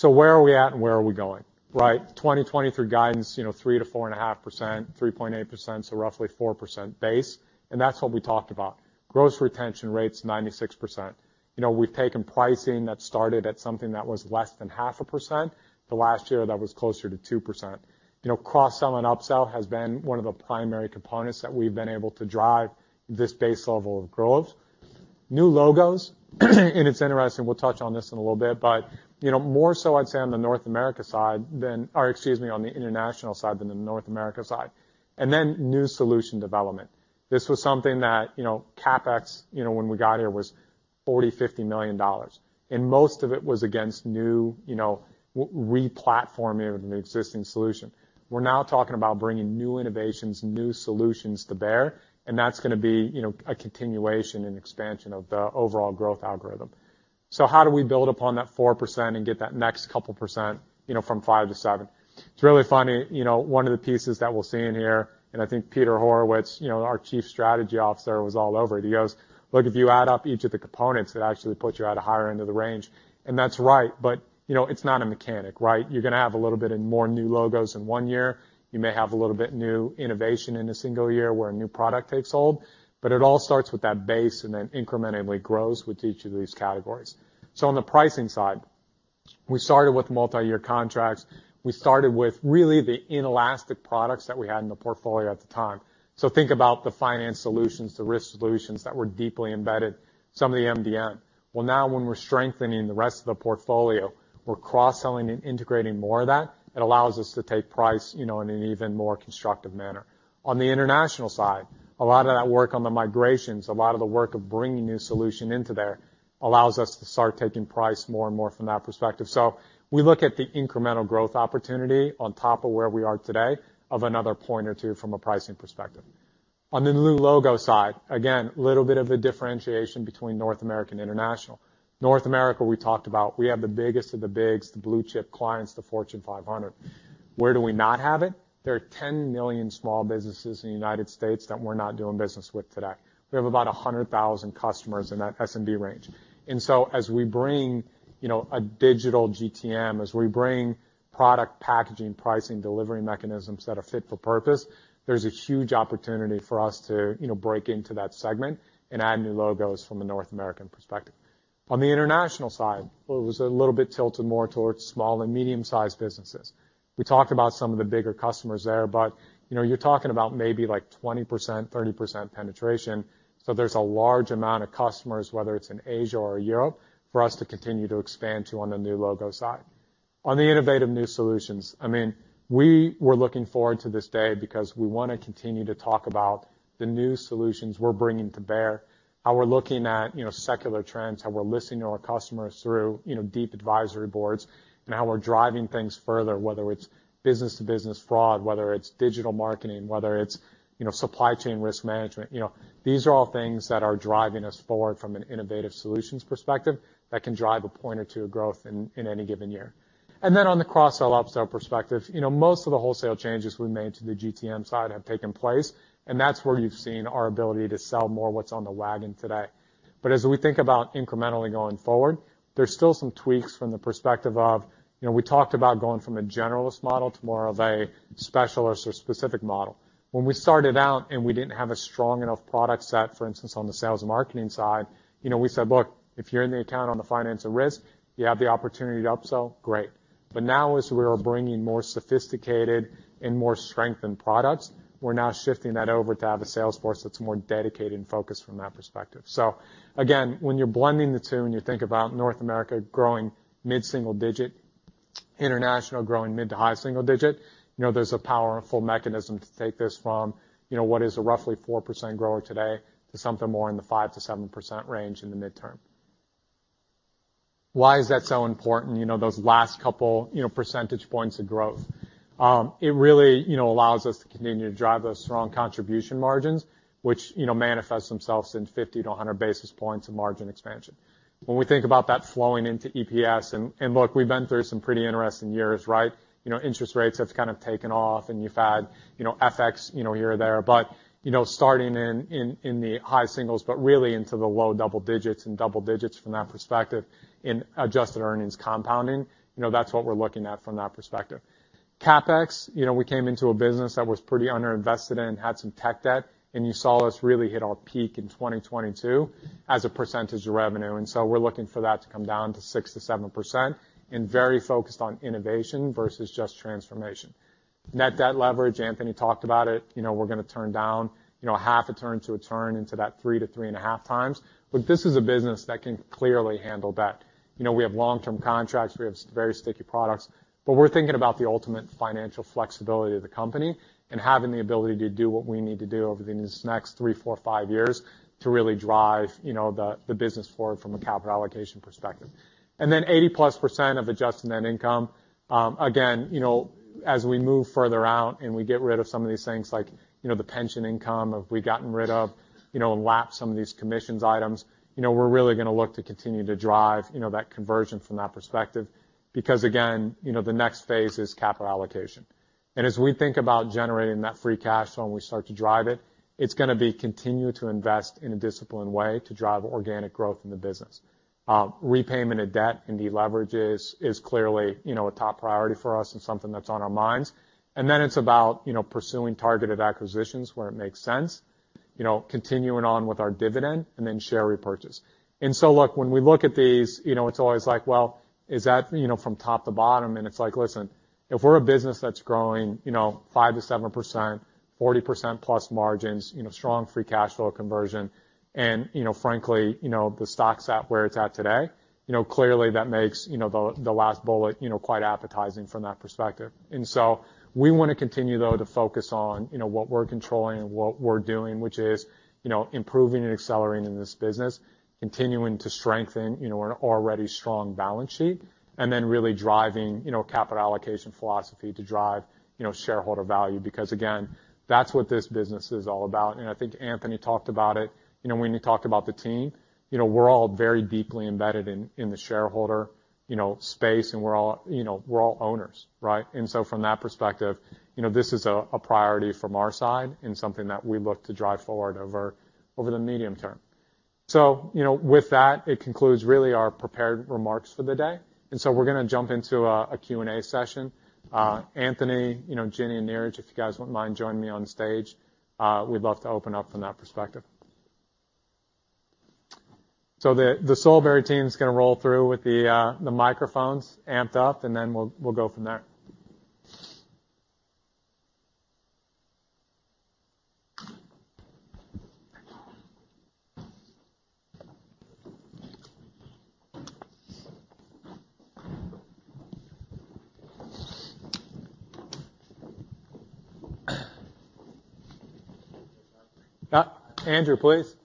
Where are we at and where are we going, right? 2023 guidance, you know, 3%-4.5%, 3.8%, so roughly 4% base, and that's what we talked about. Gross retention rates, 96%. You know, we've taken pricing that started at something that was less than 0.5%. The last year that was closer to 2%. You know, cross-sell and upsell has been one of the primary components that we've been able to drive this base level of growth. New logos, and it's interesting, we'll touch on this in a little bit, but you know, more so I'd say on the North America side than, or excuse me, on the international side than the North America side. Then new solution development. This was something that, you know, CapEx, you know, when we got here was $40-$50 million, and most of it was against new, you know, replatforming of an existing solution. We're now talking about bringing new innovations, new solutions to bear, that's gonna be, you know, a continuation and expansion of the overall growth algorithm. How do we build upon that 4% and get that next couple percent, you know, from 5-7? It's really funny, you know, one of the pieces that we'll see in here, I think Peter Horowitz, you know, our Chief Strategy Officer, was all over it. He goes, "Look, if you add up each of the components, it actually puts you at a higher end of the range." That's right, but you know, it's not a mechanic, right? You're gonna have a little bit in more new logos in one year. You may have a little bit new innovation in a single year where a new product takes hold, but it all starts with that base and then incrementally grows with each of these categories. On the pricing side, we started with multi-year contracts. We started with really the inelastic products that we had in the portfolio at the time. Think about the finance solutions, the risk solutions that were deeply embedded, some of the MDM. Now when we're strengthening the rest of the portfolio, we're cross-selling and integrating more of that. It allows us to take price, you know, in an even more constructive manner. On the international side, a lot of that work on the migrations, a lot of the work of bringing new solution into there allows us to start taking price more and more from that perspective. We look at the incremental growth opportunity on top of where we are today of another point or two from a pricing perspective. On the new logo side, again, little bit of a differentiation between North American International. North America, we talked about, we have the biggest of the bigs, the blue-chip clients, the Fortune 500. Where do we not have it? There are 10 million small businesses in the United States that we're not doing business with today. We have about 100,000 customers in that SMB range. As we bring, you know, a digital GTM, as we bring product packaging, pricing, delivery mechanisms that are fit for purpose, there's a huge opportunity for us to, you know, break into that segment and add new logos from a North American perspective. On the international side, it was a little bit tilted more towards small and medium-sized businesses. We talked about some of the bigger customers there, but you know, you're talking about maybe, like, 20%, 30% penetration, so there's a large amount of customers, whether it's in Asia or Europe, for us to continue to expand to on the new logo side. On the innovative new solutions, I mean, we were looking forward to this day because we wanna continue to talk about the new solutions we're bringing to bear, how we're looking at, you know, secular trends, how we're listening to our customers through, you know, deep advisory boards, and how we're driving things further, whether it's business-to-business fraud, whether it's digital marketing, whether it's, you know, supply chain risk management. You know, these are all things that are driving us forward from an innovative solutions perspective that can drive a point or two of growth in any given year. Then on the cross-sell, upsell perspective, you know, most of the wholesale changes we made to the GTM side have taken place, and that's where you've seen our ability to sell more what's on the wagon today. But as we think about incrementally going forward, there's still some tweaks from the perspective of, you know, we talked about going from a generalist model to more of a specialist or specific model. When we started out, and we didn't have a strong enough product set, for instance, on the sales and marketing side, you know, we said, "Look, if you're in the account on the financial risk, you have the opportunity to upsell, great." Now, as we are bringing more sophisticated and more strengthened products, we're now shifting that over to have a sales force that's more dedicated and focused from that perspective. Again, when you're blending the two, and you think about North America growing mid-single digit, international growing mid to high single digit, you know, there's a powerful mechanism to take this from, you know, what is a roughly 4% grower today to something more in the 5%-7% range in the midterm. Why is that so important? You know, those last couple, you know, percentage points of growth. It really, you know, allows us to continue to drive those strong contribution margins, which, you know, manifest themselves in 50 to 100 basis points of margin expansion. When we think about that flowing into EPS, and look, we've been through some pretty interesting years, right? You know, interest rates have kind of taken off, and you've had, you know, FX, you know, here or there. You know, starting in, in the high singles but really into the low double digits and double digits from that perspective in adjusted earnings compounding, you know, that's what we're looking at from that perspective. CapEx, you know, we came into a business that was pretty underinvested in, had some tech debt, and you saw us really hit our peak in 2022 as a percentage of revenue. We're looking for that to come down to 6%-7% and very focused on innovation versus just transformation. Net debt leverage, Anthony talked about it. You know, we're gonna turn down, you know, half a turn to a turn into that 3-3.5 times. This is a business that can clearly handle debt. You know, we have long-term contracts, we have very sticky products, we're thinking about the ultimate financial flexibility of the company and having the ability to do what we need to do over these next three, four, five years to really drive, you know, the business forward from a capital allocation perspective. 80%+ of adjusted net income, again, you know, as we move further out and we get rid of some of these things like, you know, we've gotten rid of, you know, and lap some of these commissions items, you know, we're really gonna look to continue to drive, you know, that conversion from that perspective. Again, you know, the next phase is capital allocation. As we think about generating that free cash flow and we start to drive it's gonna be continue to invest in a disciplined way to drive organic growth in the business. Repayment of debt and deleverages is clearly, you know, a top priority for us and something that's on our minds. It's about, you know, pursuing targeted acquisitions where it makes sense. You know, continuing on with our dividend and then share repurchase. Look, when we look at these, you know, it's always like, well, is that, you know, from top to bottom? It's like, listen, if we're a business that's growing, you know, 5%-7%, 40%+ margins, you know, strong free cash flow conversion, and, you know, frankly, you know, the stock's at where it's at today, you know, clearly that makes, you know, the last bullet, you know, quite appetizing from that perspective. We wanna continue though to focus on, you know, what we're controlling and what we're doing, which is, you know, improving and accelerating this business, continuing to strengthen, you know, an already strong balance sheet, and then really driving, you know, capital allocation philosophy to drive, you know, shareholder value. Again, that's what this business is all about. I think Anthony talked about it, you know, when he talked about the team. You know, we're all very deeply embedded in the shareholder, you know, space, and we're all, you know, we're all owners, right? From that perspective, you know, this is a priority from our side and something that we look to drive forward over the medium term. You know, with that, it concludes really our prepared remarks for the day. We're gonna jump into a Q&A session. Anthony, you know, Ginny, and Neeraj, if you guys wouldn't mind joining me on stage, we'd love to open up from that perspective. The Solberry team's gonna roll through with the microphones amped up, and then we'll go from there. Andrew, please. Andrew Jeffrey, good morning. Bryan, you can imagine I'm gonna ask you about the 5%-7% in the medium-term outlook.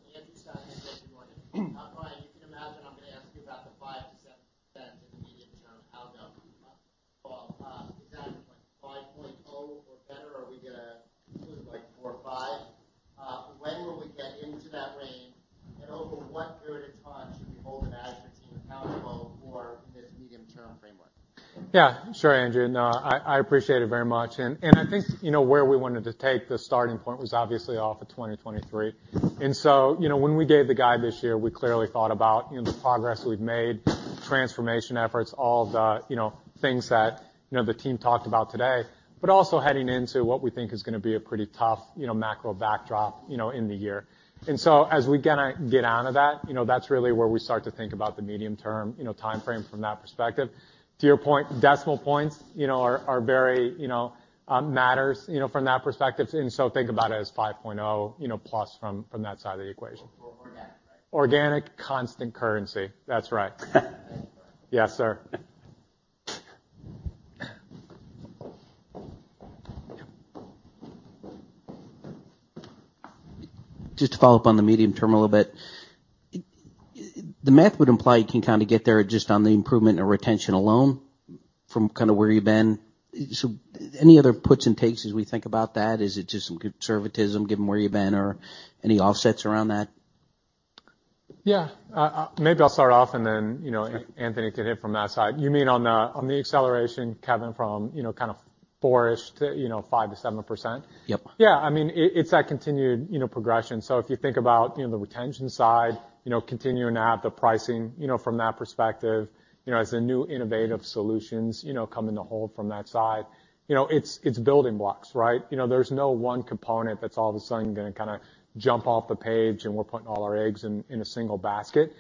Is that like 5.0 or better, are we gonna include like 4 or 5? When will we get into that range, and over what period of time should we hold the management team accountable for this medium-term framework? Yeah. Sure, Andrew. No, I appreciate it very much. I think, you know, where we wanted to take the starting point was obviously off of 2023. When we gave the guide this year, we clearly thought about, you know, the progress we've made, transformation efforts, all the, you know, things that, you know, the team talked about today. Also heading into what we think is gonna be a pretty tough, you know, macro backdrop, you know, in the year. As we kinda get out of that, you know, that's really where we start to think about the medium-term, you know, timeframe from that perspective. To your point, decimal points, you know, are very, you know, matters, you know, from that perspective. Think about it as 5.0, you know, plus from that side of the equation. For organic, right? Organic constant currency. That's right. Thank you. Yes, sir. Just to follow up on the medium term a little bit. The math would imply you can kind of get there just on the improvement and retention alone from kind of where you've been. Any other puts and takes as we think about that? Is it just some conservatism given where you've been or any offsets around that? Yeah. maybe I'll start off and then, you know- Sure. Anthony can hit from that side. You mean on the acceleration, Kevin, from, you know, kind of-4-ish to, you know, 5%-7%? Yep. I mean, it's that continued, you know, progression. If you think about, you know, the retention side, you know, continuing to add the pricing, you know, from that perspective, you know, as the new innovative solutions, you know, come in to hold from that side. You know, it's building blocks, right? You know, there's no one component that's all of a sudden gonna kinda jump off the page, and we're putting all our eggs in a single basket.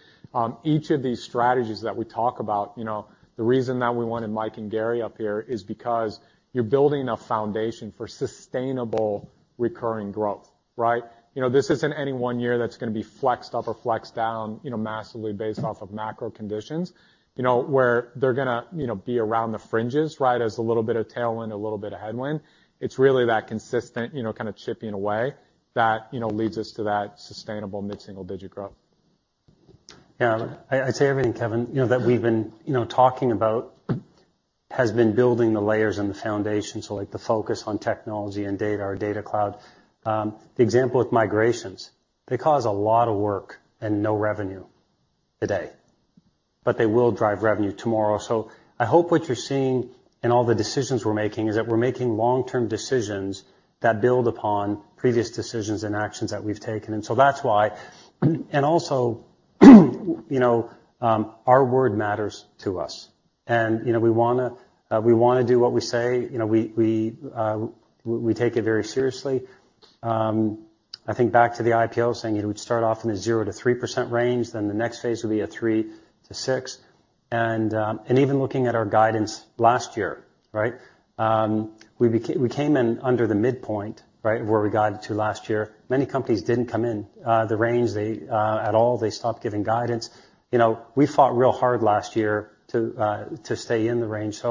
Each of these strategies that we talk about, you know, the reason that we wanted Mike and Gary up here is because you're building a foundation for sustainable recurring growth, right? You know, this isn't any one year that's gonna be flexed up or flexed down, you know, massively based off of macro conditions. You know, where they're gonna, you know, be around the fringes, right, as a little bit of tailwind, a little bit of headwind. It's really that consistent, you know, kinda chipping away that, you know, leads us to that sustainable mid-single digit growth. Yeah. I'd say everything Kevin, you know, that we've been, you know, talking about has been building the layers and the foundation, so like the focus on technology and data, our Data Cloud. The example with migrations, they cause a lot of work and no revenue today, but they will drive revenue tomorrow. I hope what you're seeing in all the decisions we're making is that we're making long-term decisions that build upon previous decisions and actions that we've taken. That's why. Also, you know, our word matters to us. You know, we wanna do what we say. You know, we take it very seriously. I think back to the IPO saying it would start off in a 0%-3% range, then the next phase will be a 3%-6%. Even looking at our guidance last year, right? We came in under the midpoint, right, of where we guided to last year. Many companies didn't come in the range they at all. They stopped giving guidance. You know, we fought real hard last year to stay in the range.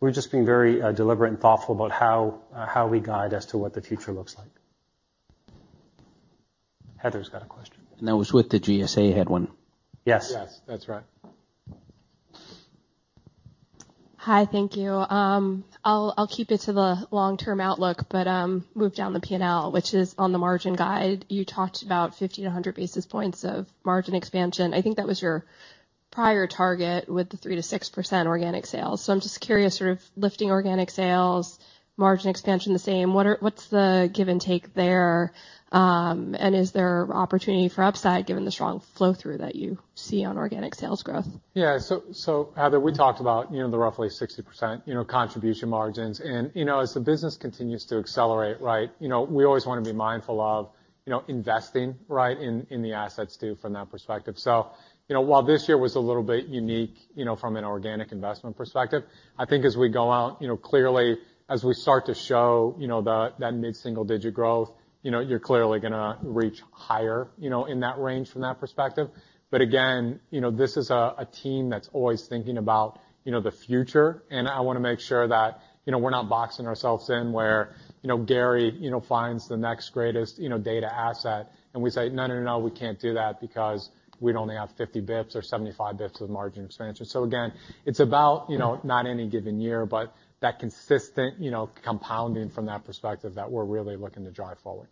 We're just being very deliberate and thoughtful about how how we guide as to what the future looks like. Heather's got a question. That was with the GSA had one. Yes. Yes. That's right. Hi, thank you. I'll keep it to the long-term outlook, but move down the P&L, which is on the margin guide. You talked about 50 to 100 basis points of margin expansion. I think that was your prior target with the 3% to 6% organic sales. I'm just curious, sort of lifting organic sales, margin expansion the same, what are, what's the give and take there? Is there opportunity for upside given the strong flow-through that you see on organic sales growth? So Heather, we talked about, you know, the roughly 60%, you know, contribution margins. As, you know, as the business continues to accelerate, right, you know, we always wanna be mindful of, you know, investing, right, in the assets too from that perspective. While, you know, while this year was a little bit unique, you know, from an organic investment perspective, I think as we go out, you know, clearly as we start to show, you know, that mid-single digit growth, you know, you're clearly gonna reach higher, you know, in that range from that perspective. Again, you know, this is a team that's always thinking about, you know, the future, and I wanna make sure that, you know, we're not boxing ourselves in where, you know, Gary, you know, finds the next greatest, you know, data asset, and we say, "No, no, we can't do that because we'd only have 50 basis points or 75 basis points of margin expansion." Again, it's about, you know, not any given year, but that consistent, you know, compounding from that perspective that we're really looking to drive forward.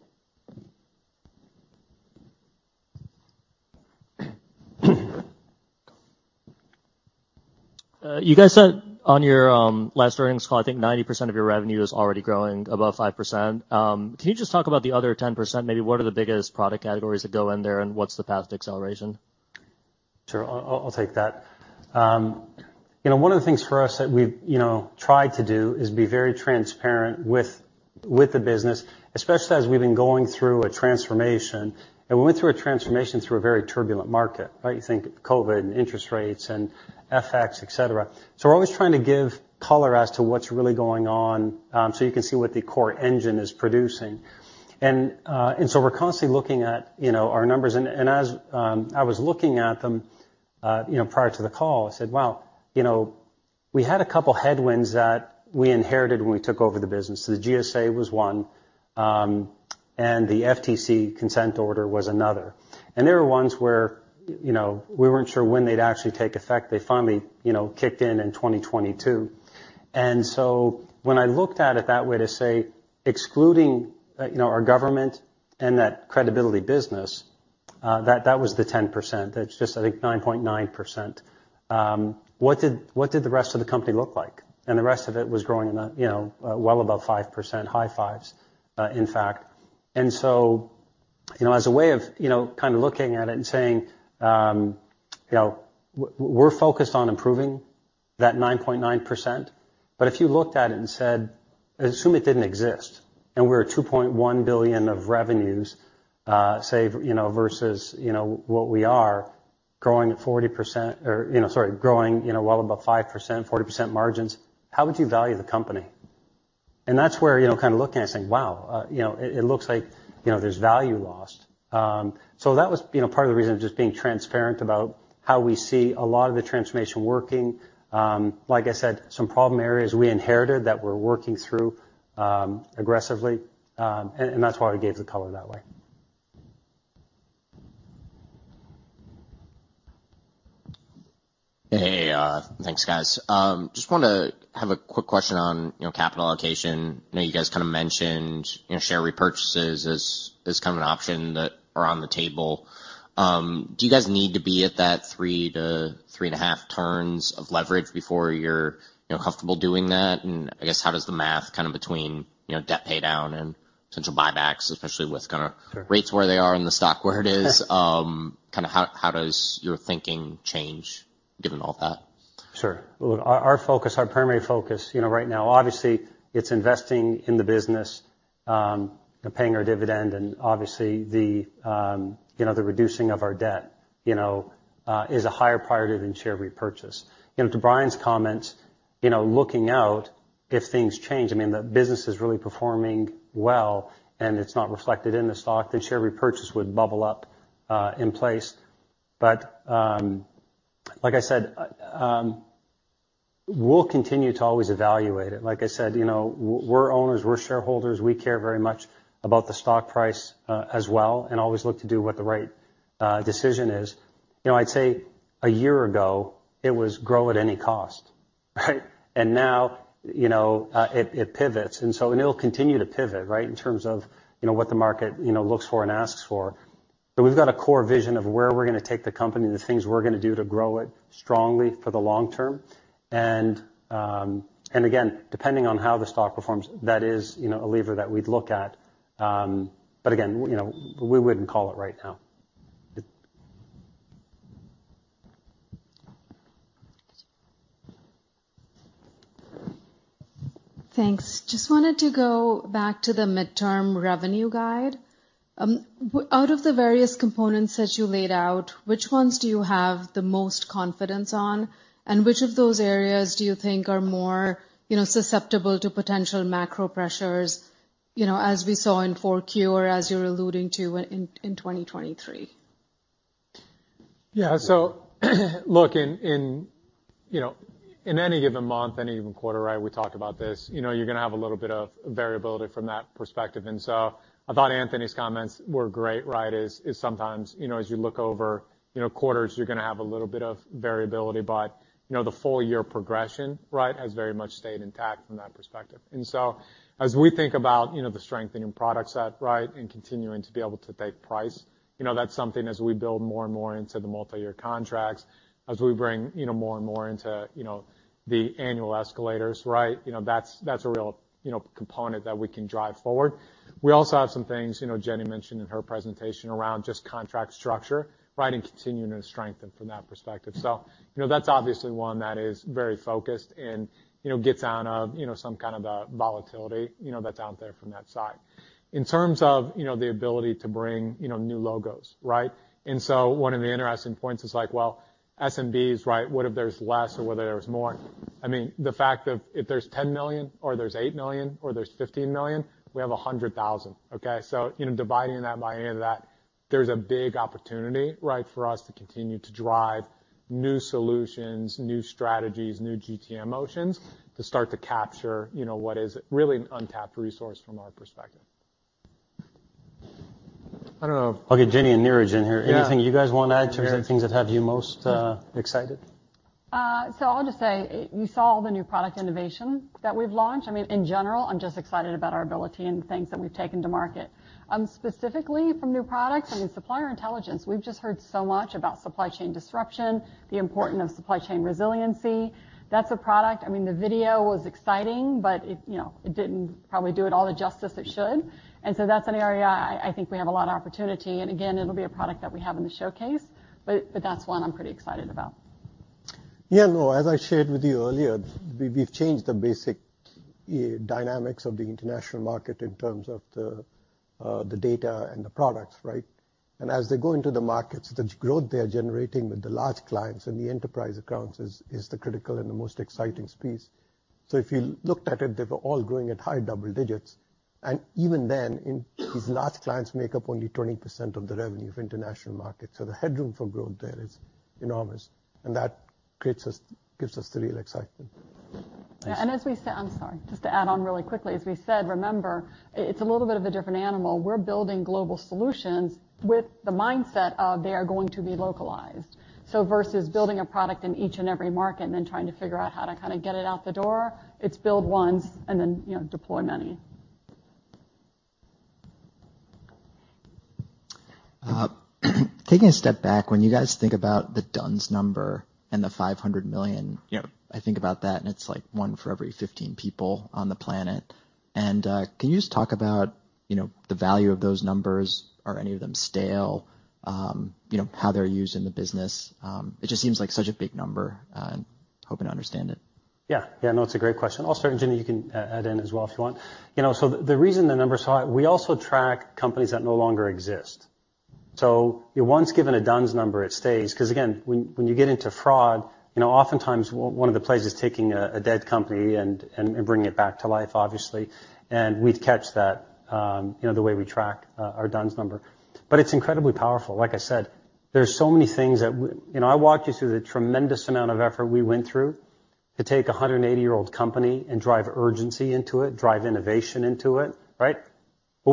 You guys said on your, last earnings call, I think 90% of your revenue is already growing above 5%. Can you just talk about the other 10%? Maybe what are the biggest product categories that go in there, and what's the path to acceleration? Sure. I'll take that. You know, one of the things for us that we've, you know, tried to do is be very transparent with the business, especially as we've been going through a transformation, and we went through a transformation through a very turbulent market, right? You think COVID and interest rates and FX, et cetera. We're always trying to give color as to what's really going on, so you can see what the core engine is producing. We're constantly looking at, you know, our numbers. As I was looking at them, you know, prior to the call, I said, "Wow, you know, we had a couple headwinds that we inherited when we took over the business." The GSA was one, and the FTC consent order was another. There were ones where, you know, we weren't sure when they'd actually take effect. They finally, you know, kicked in in 2022. When I looked at it that way to say, excluding, you know, our government and that credibility business, that was the 10%. That's just, I think, 9.9%. What did the rest of the company look like? The rest of it was growing in a, you know, well above 5%, high fives, in fact. You know, as a way of, you know, kind of looking at it and saying, you know, we're focused on improving that 9.9%. If you looked at it and said, assume it didn't exist, and we're at $2.1 billion of revenues, say, you know, versus, you know, what we are growing at 40% or, you know, sorry, growing, you know, well above 5%, 40% margins, how would you value the company? That's where, you know, kind of looking and saying, "Wow, you know, it looks like, you know, there's value lost." That was, you know, part of the reason just being transparent about how we see a lot of the transformation working. Like I said, some problem areas we inherited that we're working through aggressively. That's why we gave the color that way. Hey, thanks, guys. Just wanted to have a quick question on, you know, capital allocation. I know you guys kinda mentioned, you know, share repurchases as kind of an option that are on the table. Do you guys need to be at that 3 to 3.5 turns of leverage before you're, you know, comfortable doing that? I guess how does the math kind of between, you know, debt paydown and potential buybacks, especially with kind of rates where they are in the stock where it is. kind of how does your thinking change given all that? Sure. Well, look our focus, our primary focus, you know, right now, obviously it's investing in the business, and paying our dividend and obviously the, you know, the reducing of our debt, you know, is a higher priority than share repurchase. You know to Bryan's comment, you know, looking out if things change, I mean, the business is really performing well, and it's not reflected in the stock, then share repurchase would bubble up in place. Like I said, we'll continue to always evaluate it. Like I said, you know, we're owners, we're shareholders, we care very much about the stock price, as well, and always look to do what the right decision is. You know, I'd say a year ago, it was grow at any cost. Right? Now, you know, it pivots, and it'll continue to pivot, right, in terms of, you know, what the market, you know, looks for and asks for. We've got a core vision of where we're gonna take the company, the things we're gonna do to grow it strongly for the long term. Again, depending on how the stock performs, that is, you know, a lever that we'd look at. Again, you know, we wouldn't call it right now. Thanks. Just wanted to go back to the midterm revenue guide. Out of the various components that you laid out, which ones do you have the most confidence on? Which of those areas do you think are more, you know, susceptible to potential macro pressures, you know, as we saw in 4Q or as you're alluding to in 2023? Yeah. Look in, you know, in any given month, any given quarter, right, we talk about this. You know, you're gonna have a little bit of variability from that perspective. I thought Anthony's comments were great, right? Sometimes, you know, as you look over, you know, quarters, you're gonna have a little bit of variability. You know, the full year progression, right, has very much stayed intact from that perspective. As we think about, you know, the strengthening product set, right, and continuing to be able to take price, you know, that's something as we build more and more into the multi-year contracts, as we bring, you know, more and more into, you know, the annual escalators, right? You know, that's a real, you know, component that we can drive forward. We also have some things, you know, Ginny mentioned in her presentation around just contract structure, right, and continuing to strengthen from that perspective. You know, that's obviously one that is very focused and, you know, gets out of, you know, some kind of the volatility, you know, that's out there from that side. In terms of, you know, the ability to bring, you know, new logos, right? One of the interesting points is like, well, SMBs, right? What if there's less or whether there's more? I mean, the fact of if there's $10 million or there's $8 million or there's $15 million, we have 100,000, okay? You know, dividing that by any of that, there's a big opportunity, right, for us to continue to drive new solutions, new strategies, new GTM motions to start to capture, you know, what is really an untapped resource from our perspective. I don't know. I'll get Ginny and Neeraj Sahai in here. Yeah. Anything you guys wanna add in terms of things that have you most, excited? I'll just say you saw the new product innovation that we've launched. I mean, in general, I'm just excited about our ability and the things that we've taken to market. Specifically from new products, I mean, Supplier Intelligence. We've just heard so much about supply chain disruption, the importance of supply chain resiliency. That's a product. I mean, the video was exciting, but it, you know, it didn't probably do it all the justice it should. That's an area I think we have a lot of opportunity. Again, it'll be a product that we have in the showcase. That's one I'm pretty excited about. Yeah, no, as I shared with you earlier, we've changed the basic dynamics of the international market in terms of the data and the products, right? As they go into the markets, the growth they are generating with the large clients and the enterprise accounts is the critical and the most exciting piece. If you looked at it, they were all growing at high double digits. Even then, in these large clients make up only 20% of the revenue of international markets. The headroom for growth there is enormous, and that creates us, gives us the real excitement. As we said. I'm sorry. Just to add on really quickly. As we said, remember, it's a little bit of a different animal. We're building global solutions with the mindset of they are going to be localized. Versus building a product in each and every market, and then trying to figure out how to kind of get it out the door, it's build once and then, you know, deploy many. Taking a step back, when you guys think about the D-U-N-S number and the 500 million- Yep. I think about that, and it's like 1 for every 15 people on the planet. Can you just talk about, you know, the value of those numbers? Are any of them stale? You know, how they're used in the business. It just seems like such a big number. Hoping to understand it. Yeah, no, it's a great question. I'll start, and Ginny, you can add in as well if you want. You know, the reason the number's high, we also track companies that no longer exist. You're once given a D-U-N-S number, it stays 'cause again, when you get into fraud, you know, oftentimes one of the plays is taking a dead company and bringing it back to life, obviously. We'd catch that, you know, the way we track our D-U-N-S number. It's incredibly powerful. Like I said, there's so many things that you know, I walked you through the tremendous amount of effort we went through to take a 180-year-old company and drive urgency into it, drive innovation into it, right?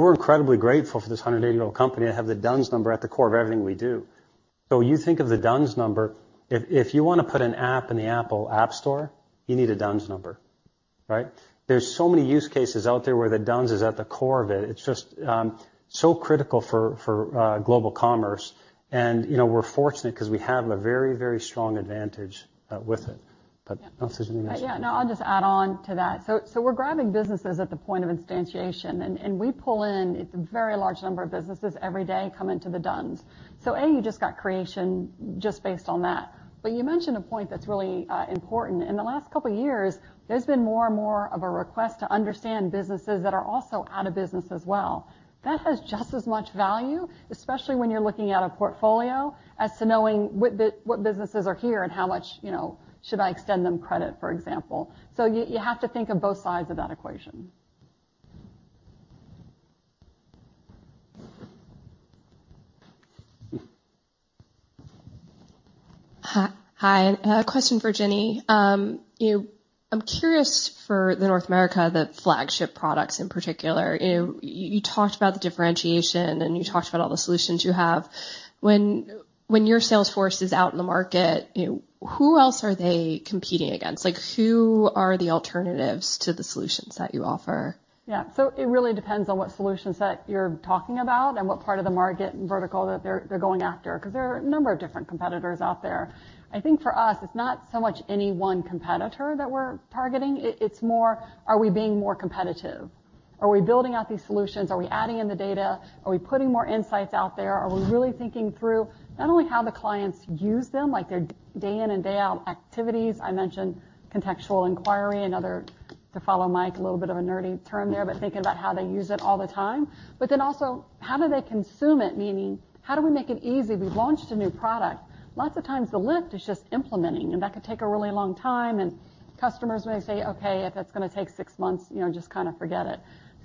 We're incredibly grateful for this 180-year-old company to have the D-U-N-S number at the core of everything we do. When you think of the D-U-N-S number, if you wanna put an app in the Apple App Store, you need a D-U-N-S number, right? There's so many use cases out there where the D-U-N-S is at the core of it. It's just so critical for global commerce. You know, we're fortunate 'cause we have a very strong advantage with it. I'll let Ginny answer. No, I'll just add on to that. We're grabbing businesses at the point of instantiation, and we pull in a very large number of businesses every day come into the D-U-N-S. A, you just got creation just based on that. You mentioned a point that's really important. In the last couple of years, there's been more and more of a request to understand businesses that are also out of business as well. That has just as much value, especially when you're looking at a portfolio as to knowing what businesses are here and how much, you know, should I extend them credit, for example. You have to think of both sides of that equation. Hi. A question for Ginny. I'm curious for the North America, the flagship products in particular. You talked about the differentiation, and you talked about all the solutions you have. When your sales force is out in the market, who else are they competing against? Like, who are the alternatives to the solutions that you offer? Yeah. It really depends on what solutions that you're talking about and what part of the market and vertical that they're going after, 'cause there are a number of different competitors out there. I think for us, it's not so much any one competitor that we're targeting. It's more are we being more competitive? Are we building out these solutions? Are we adding in the data? Are we putting more insights out there? Are we really thinking through not only how the clients use them, like their day in and day out activities? I mentioned contextual inquiry and other, to follow Mike, a little bit of a nerdy term there, thinking about how they use it all the time. Also, how do they consume it? Meaning how do we make it easy? We've launched a new product. Lots of times the lift is just implementing, and that could take a really long time, and customers may say, "Okay, if that's gonna take six months, you know, just kinda forget it."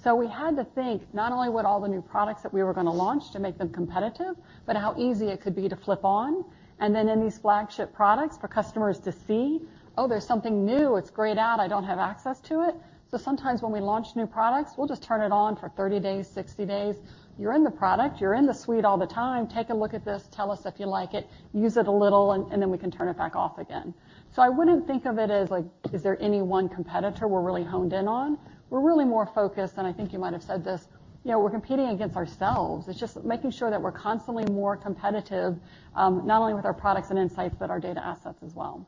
We had to think not only would all the new products that we were gonna launch to make them competitive, but how easy it could be to flip on. In these flagship products for customers to see, oh, there's something new, it's grayed out, I don't have access to it. Sometimes when we launch new products, we'll just turn it on for 30 days, 60 days. You're in the product, you're in the suite all the time, take a look at this, tell us if you like it, use it a little, and then we can turn it back off again. I wouldn't think of it as like, is there any one competitor we're really honed in on? We're really more focused, and I think you might have said this, you know, we're competing against ourselves. It's just making sure that we're constantly more competitive, not only with our products and insights, but our data assets as well.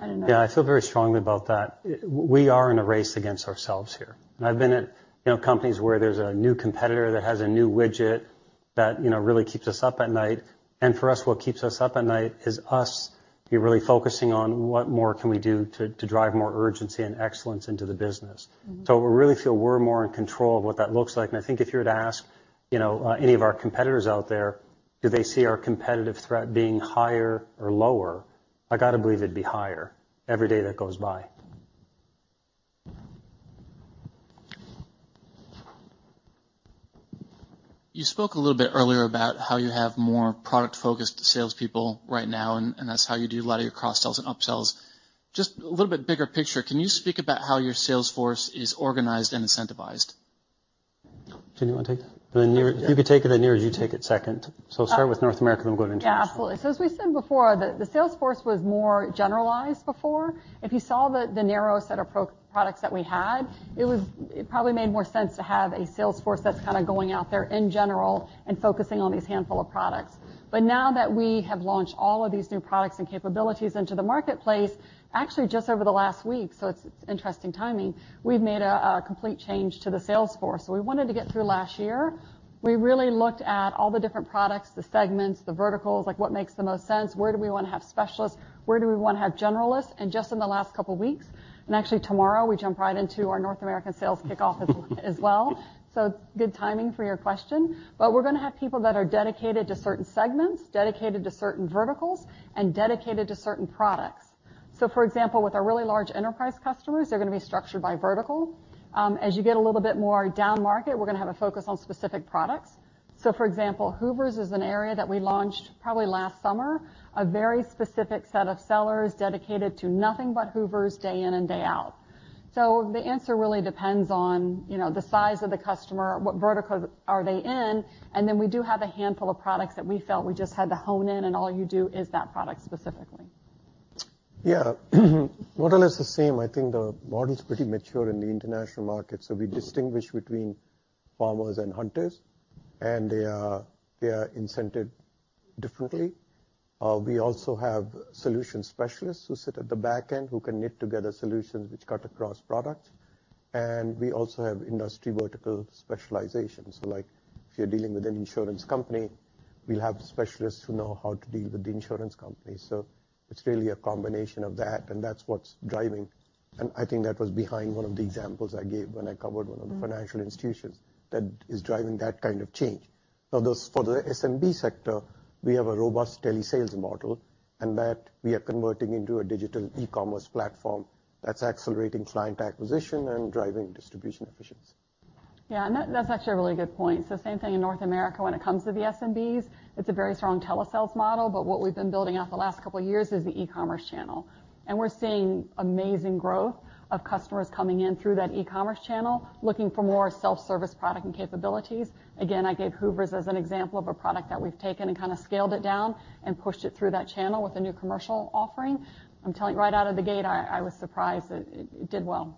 I feel very strongly about that. We are in a race against ourselves here. I've been at, you know, companies where there's a new competitor that has a new widget that, you know, really keeps us up at night. For us, what keeps us up at night is us really focusing on what more can we do to drive more urgency and excellence into the business. Mm-hmm. We really feel we're more in control of what that looks like. I think if you were to ask, you know, any of our competitors out there, do they see our competitive threat being higher or lower? I gotta believe it'd be higher every day that goes by. You spoke a little bit earlier about how you have more product-focused salespeople right now, and that's how you do a lot of your cross-sells and upsells. Just a little bit bigger picture, can you speak about how your sales force is organized and incentivized? Ginny, wanna take that? You could take it, Neeraj, you take it second. Start with North America, then we'll go to international. Yeah, absolutely. As we said before, the sales force was more generalized before. If you saw the narrow set of products that we had, it probably made more sense to have a sales force that's kinda going out there in general and focusing on these handful of products. Now that we have launched all of these new products and capabilities into the marketplace, actually just over the last week, it's interesting timing, we've made a complete change to the sales force. We wanted to get through last year. We really looked at all the different products, the segments, the verticals, like what makes the most sense, where do we wanna have specialists, where do we wanna have generalists. Just in the last couple weeks, and actually tomorrow, we jump right into our North American sales kickoff as well. Good timing for your question. We're gonna have people that are dedicated to certain segments, dedicated to certain verticals, and dedicated to certain products. For example, with our really large enterprise customers, they're gonna be structured by vertical. As you get a little bit more down market, we're gonna have a focus on specific products. For example, Hoovers is an area that we launched probably last summer, a very specific set of sellers dedicated to nothing but Hoovers day in and day out. The answer really depends on, you know, the size of the customer, what vertical are they in. Then we do have a handful of products that we felt we just had to hone in, and all you do is that product specifically. Model is the same. I think the model is pretty mature in the international market. We distinguish between farmers and hunters, and they are incented differently. We also have solution specialists who sit at the back end who can knit together solutions which cut across products. We also have industry vertical specializations. Like if you're dealing with an insurance company, we'll have specialists who know how to deal with the insurance company. It's really a combination of that, and that's what's driving. I think that was behind one of the examples I gave when I covered one of the financial institutions that is driving that kind of change. Those for the SMB sector, we have a robust tele sales model, and that we are converting into a digital e-commerce platform that's accelerating client acquisition and driving distribution efficiency. Yeah. That, that's actually a really good point. Same thing in North America when it comes to the SMBs. It's a very strong telesales model, but what we've been building out the last couple of years is the e-commerce channel. We're seeing amazing growth of customers coming in through that e-commerce channel, looking for more self-service product and capabilities. Again, I gave Hoovers as an example of a product that we've taken and kinda scaled it down and pushed it through that channel with a new commercial offering. I'm telling you, right out of the gate, I was surprised it did well.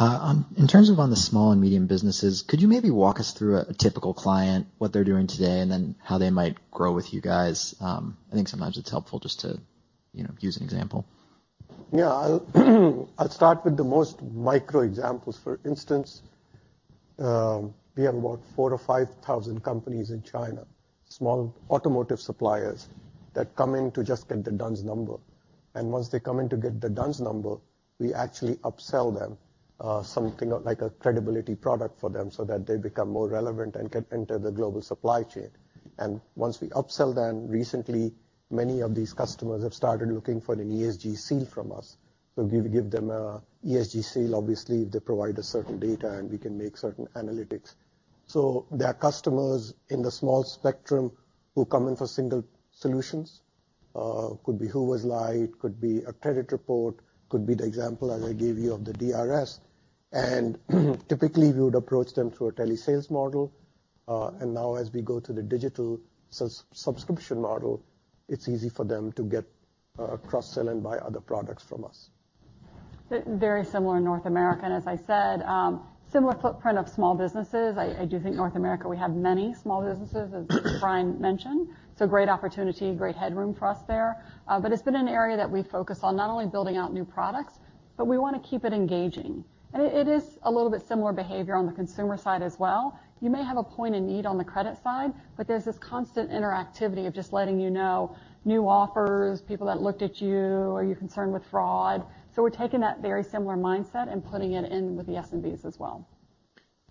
In terms of on the small and medium businesses, could you maybe walk us through a typical client, what they're doing today, and then how they might grow with you guys? I think sometimes it's helpful just to, you know, use an example. Yeah. I'll start with the most micro examples. For instance, we have about 4,000-5,000 companies in China, small automotive suppliers that come in to just get the D-U-N-S Number. Once they come in to get the D-U-N-S Number, we actually upsell them something like a credibility product for them so that they become more relevant and can enter the global supply chain. Once we upsell them, recently, many of these customers have started looking for an ESG seal from us. Give them an ESG seal. Obviously, they provide a certain data, and we can make certain analytics. There are customers in the small spectrum who come in for single solutions. Could be WhoWas Live, could be a credit report, could be the example as I gave you of the DRS. Typically, we would approach them through a telesales model. Now as we go to the digital subscription model, it's easy for them to get a cross-sell and buy other products from us. Very similar in North America. As I said, similar footprint of small businesses. I do think North America, we have many small businesses, as Bryan mentioned. Great opportunity, great headroom for us there. It's been an area that we focus on not only building out new products, but we wanna keep it engaging. It is a little bit similar behavior on the consumer side as well. You may have a point in need on the credit side, but there's this constant interactivity of just letting you know new offers, people that looked at you, are you concerned with fraud? We're taking that very similar mindset and putting it in with the SMBs as well.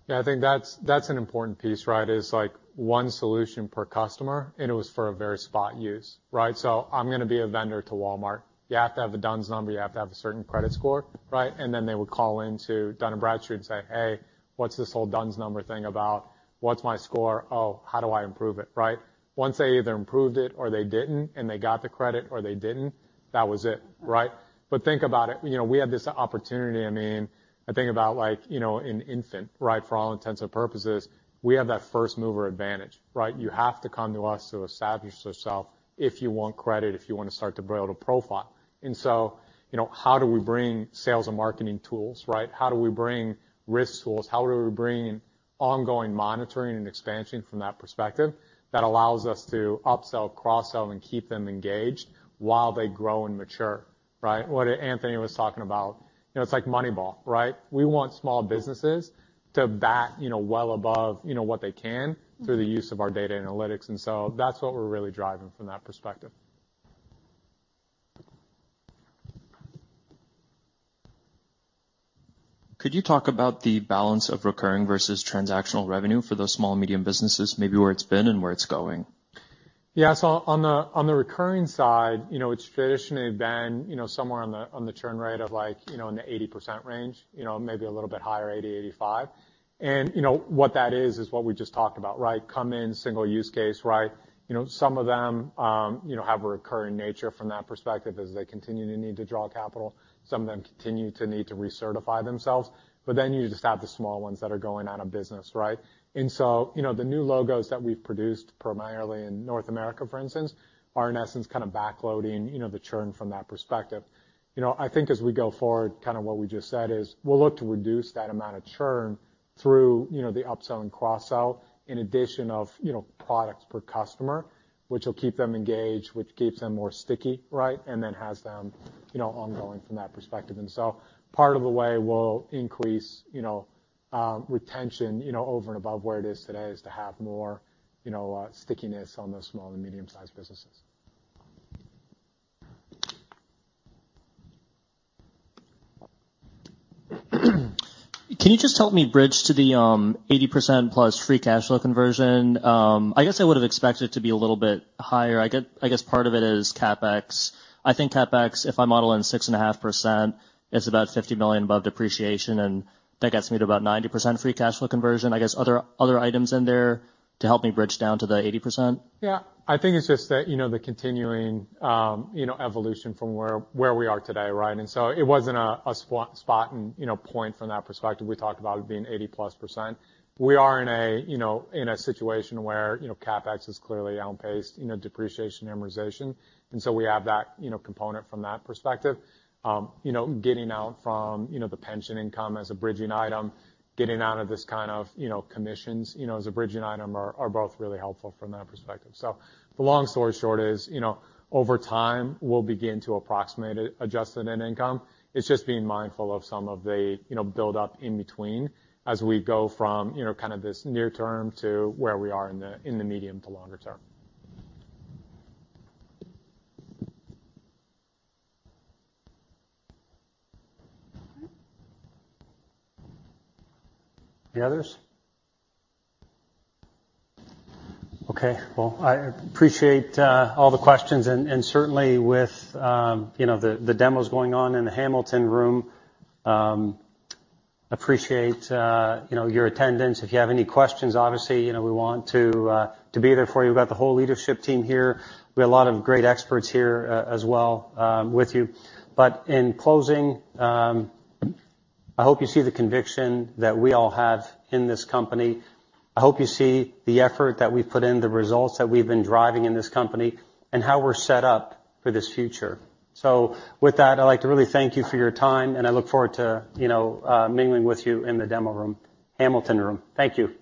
Yeah, I think that's an important piece, right? Is like one solution per customer, and it was for a very spot use, right? I'm gonna be a vendor to Walmart. You have to have a D-U-N-S number, you have to have a certain credit score, right? They would call into Dun & Bradstreet and say, "Hey, what's this whole D-U-N-S number thing about? What's my score? How do I improve it?" Right? Once they either improved it or they didn't, and they got the credit or they didn't, that was it, right? Think about it. You know, we have this opportunity. I mean, I think about like, you know, an infant, right? For all intents and purposes, we have that first mover advantage, right? You have to come to us to establish yourself if you want credit, if you wanna start to build a profile. You know, how do we bring sales and marketing tools, right? How do we bring risk tools? How do we bring ongoing monitoring and expansion from that perspective that allows us to upsell, cross-sell, and keep them engaged while they grow and mature, right? What Anthony was talking about, you know, it's like Moneyball, right? We want small businesses to bat, you know, well above, you know, what they can through the use of our data analytics. That's what we're really driving from that perspective. Could you talk about the balance of recurring versus transactional revenue for those small and medium businesses, maybe where it's been and where it's going? Yeah. On the, on the recurring side, you know, it's traditionally been, you know, somewhere on the, on the churn rate of like, you know, in the 80% range. You know, maybe a little bit higher, 80, 85. You know, what that is is what we just talked about, right? Come in, single use case, right? You know, some of them, you know, have a recurring nature from that perspective as they continue to need to draw capital. Some of them continue to need to recertify themselves, but then you just have the small ones that are going out of business, right? You know, the new logos that we've produced primarily in North America, for instance, are in essence kind of backloading, you know, the churn from that perspective. You know, I think as we go forward, kinda what we just said is we'll look to reduce that amount of churn through, you know, the upsell and cross-sell in addition of, you know, products per customer, which will keep them engaged, which keeps them more sticky, right? Then has them, you know, ongoing from that perspective. Part of the way we'll increase, you know, retention, you know, over and above where it is today is to have more, you know, stickiness on the small and medium-sized businesses. Can you just help me bridge to the 80% plus free cash flow conversion? I guess I would've expected it to be a little bit higher. I guess part of it is CapEx. I think CapEx, if I model in 6.5% is about $50 million above depreciation, and that gets me to about 90% free cash flow conversion. I guess other items in there to help me bridge down to the 80%. Yeah. I think it's just that, you know, the continuing, you know, evolution from where we are today, right? It wasn't a spot and, you know, point from that perspective. We talked about it being 80%+. We are in a, you know, in a situation where, you know, CapEx is clearly outpaced, you know, depreciation, amortization. We have that, you know, component from that perspective. You know, getting out from, you know, the pension income as a bridging item, getting out of this kind of, you know, commissions, you know, as a bridging item are both really helpful from that perspective. The long story short is, you know, over time, we'll begin to approximate it, adjust it in income. It's just being mindful of some of the, you know, buildup in between as we go from, you know, kind of this near term to where we are in the, in the medium to longer term. Any others? Okay. Well, I appreciate all the questions and certainly with, you know, the demos going on in the Hamilton Room. Appreciate, you know, your attendance. If you have any questions, obviously, you know, we want to be there for you. We've got the whole leadership team here. We have a lot of great experts here as well with you. In closing, I hope you see the conviction that we all have in this company. I hope you see the effort that we've put in, the results that we've been driving in this company, and how we're set up for this future. With that, I'd like to really thank you for your time, and I look forward to, you know, mingling with you in the demo room, Hamilton Room. Thank you.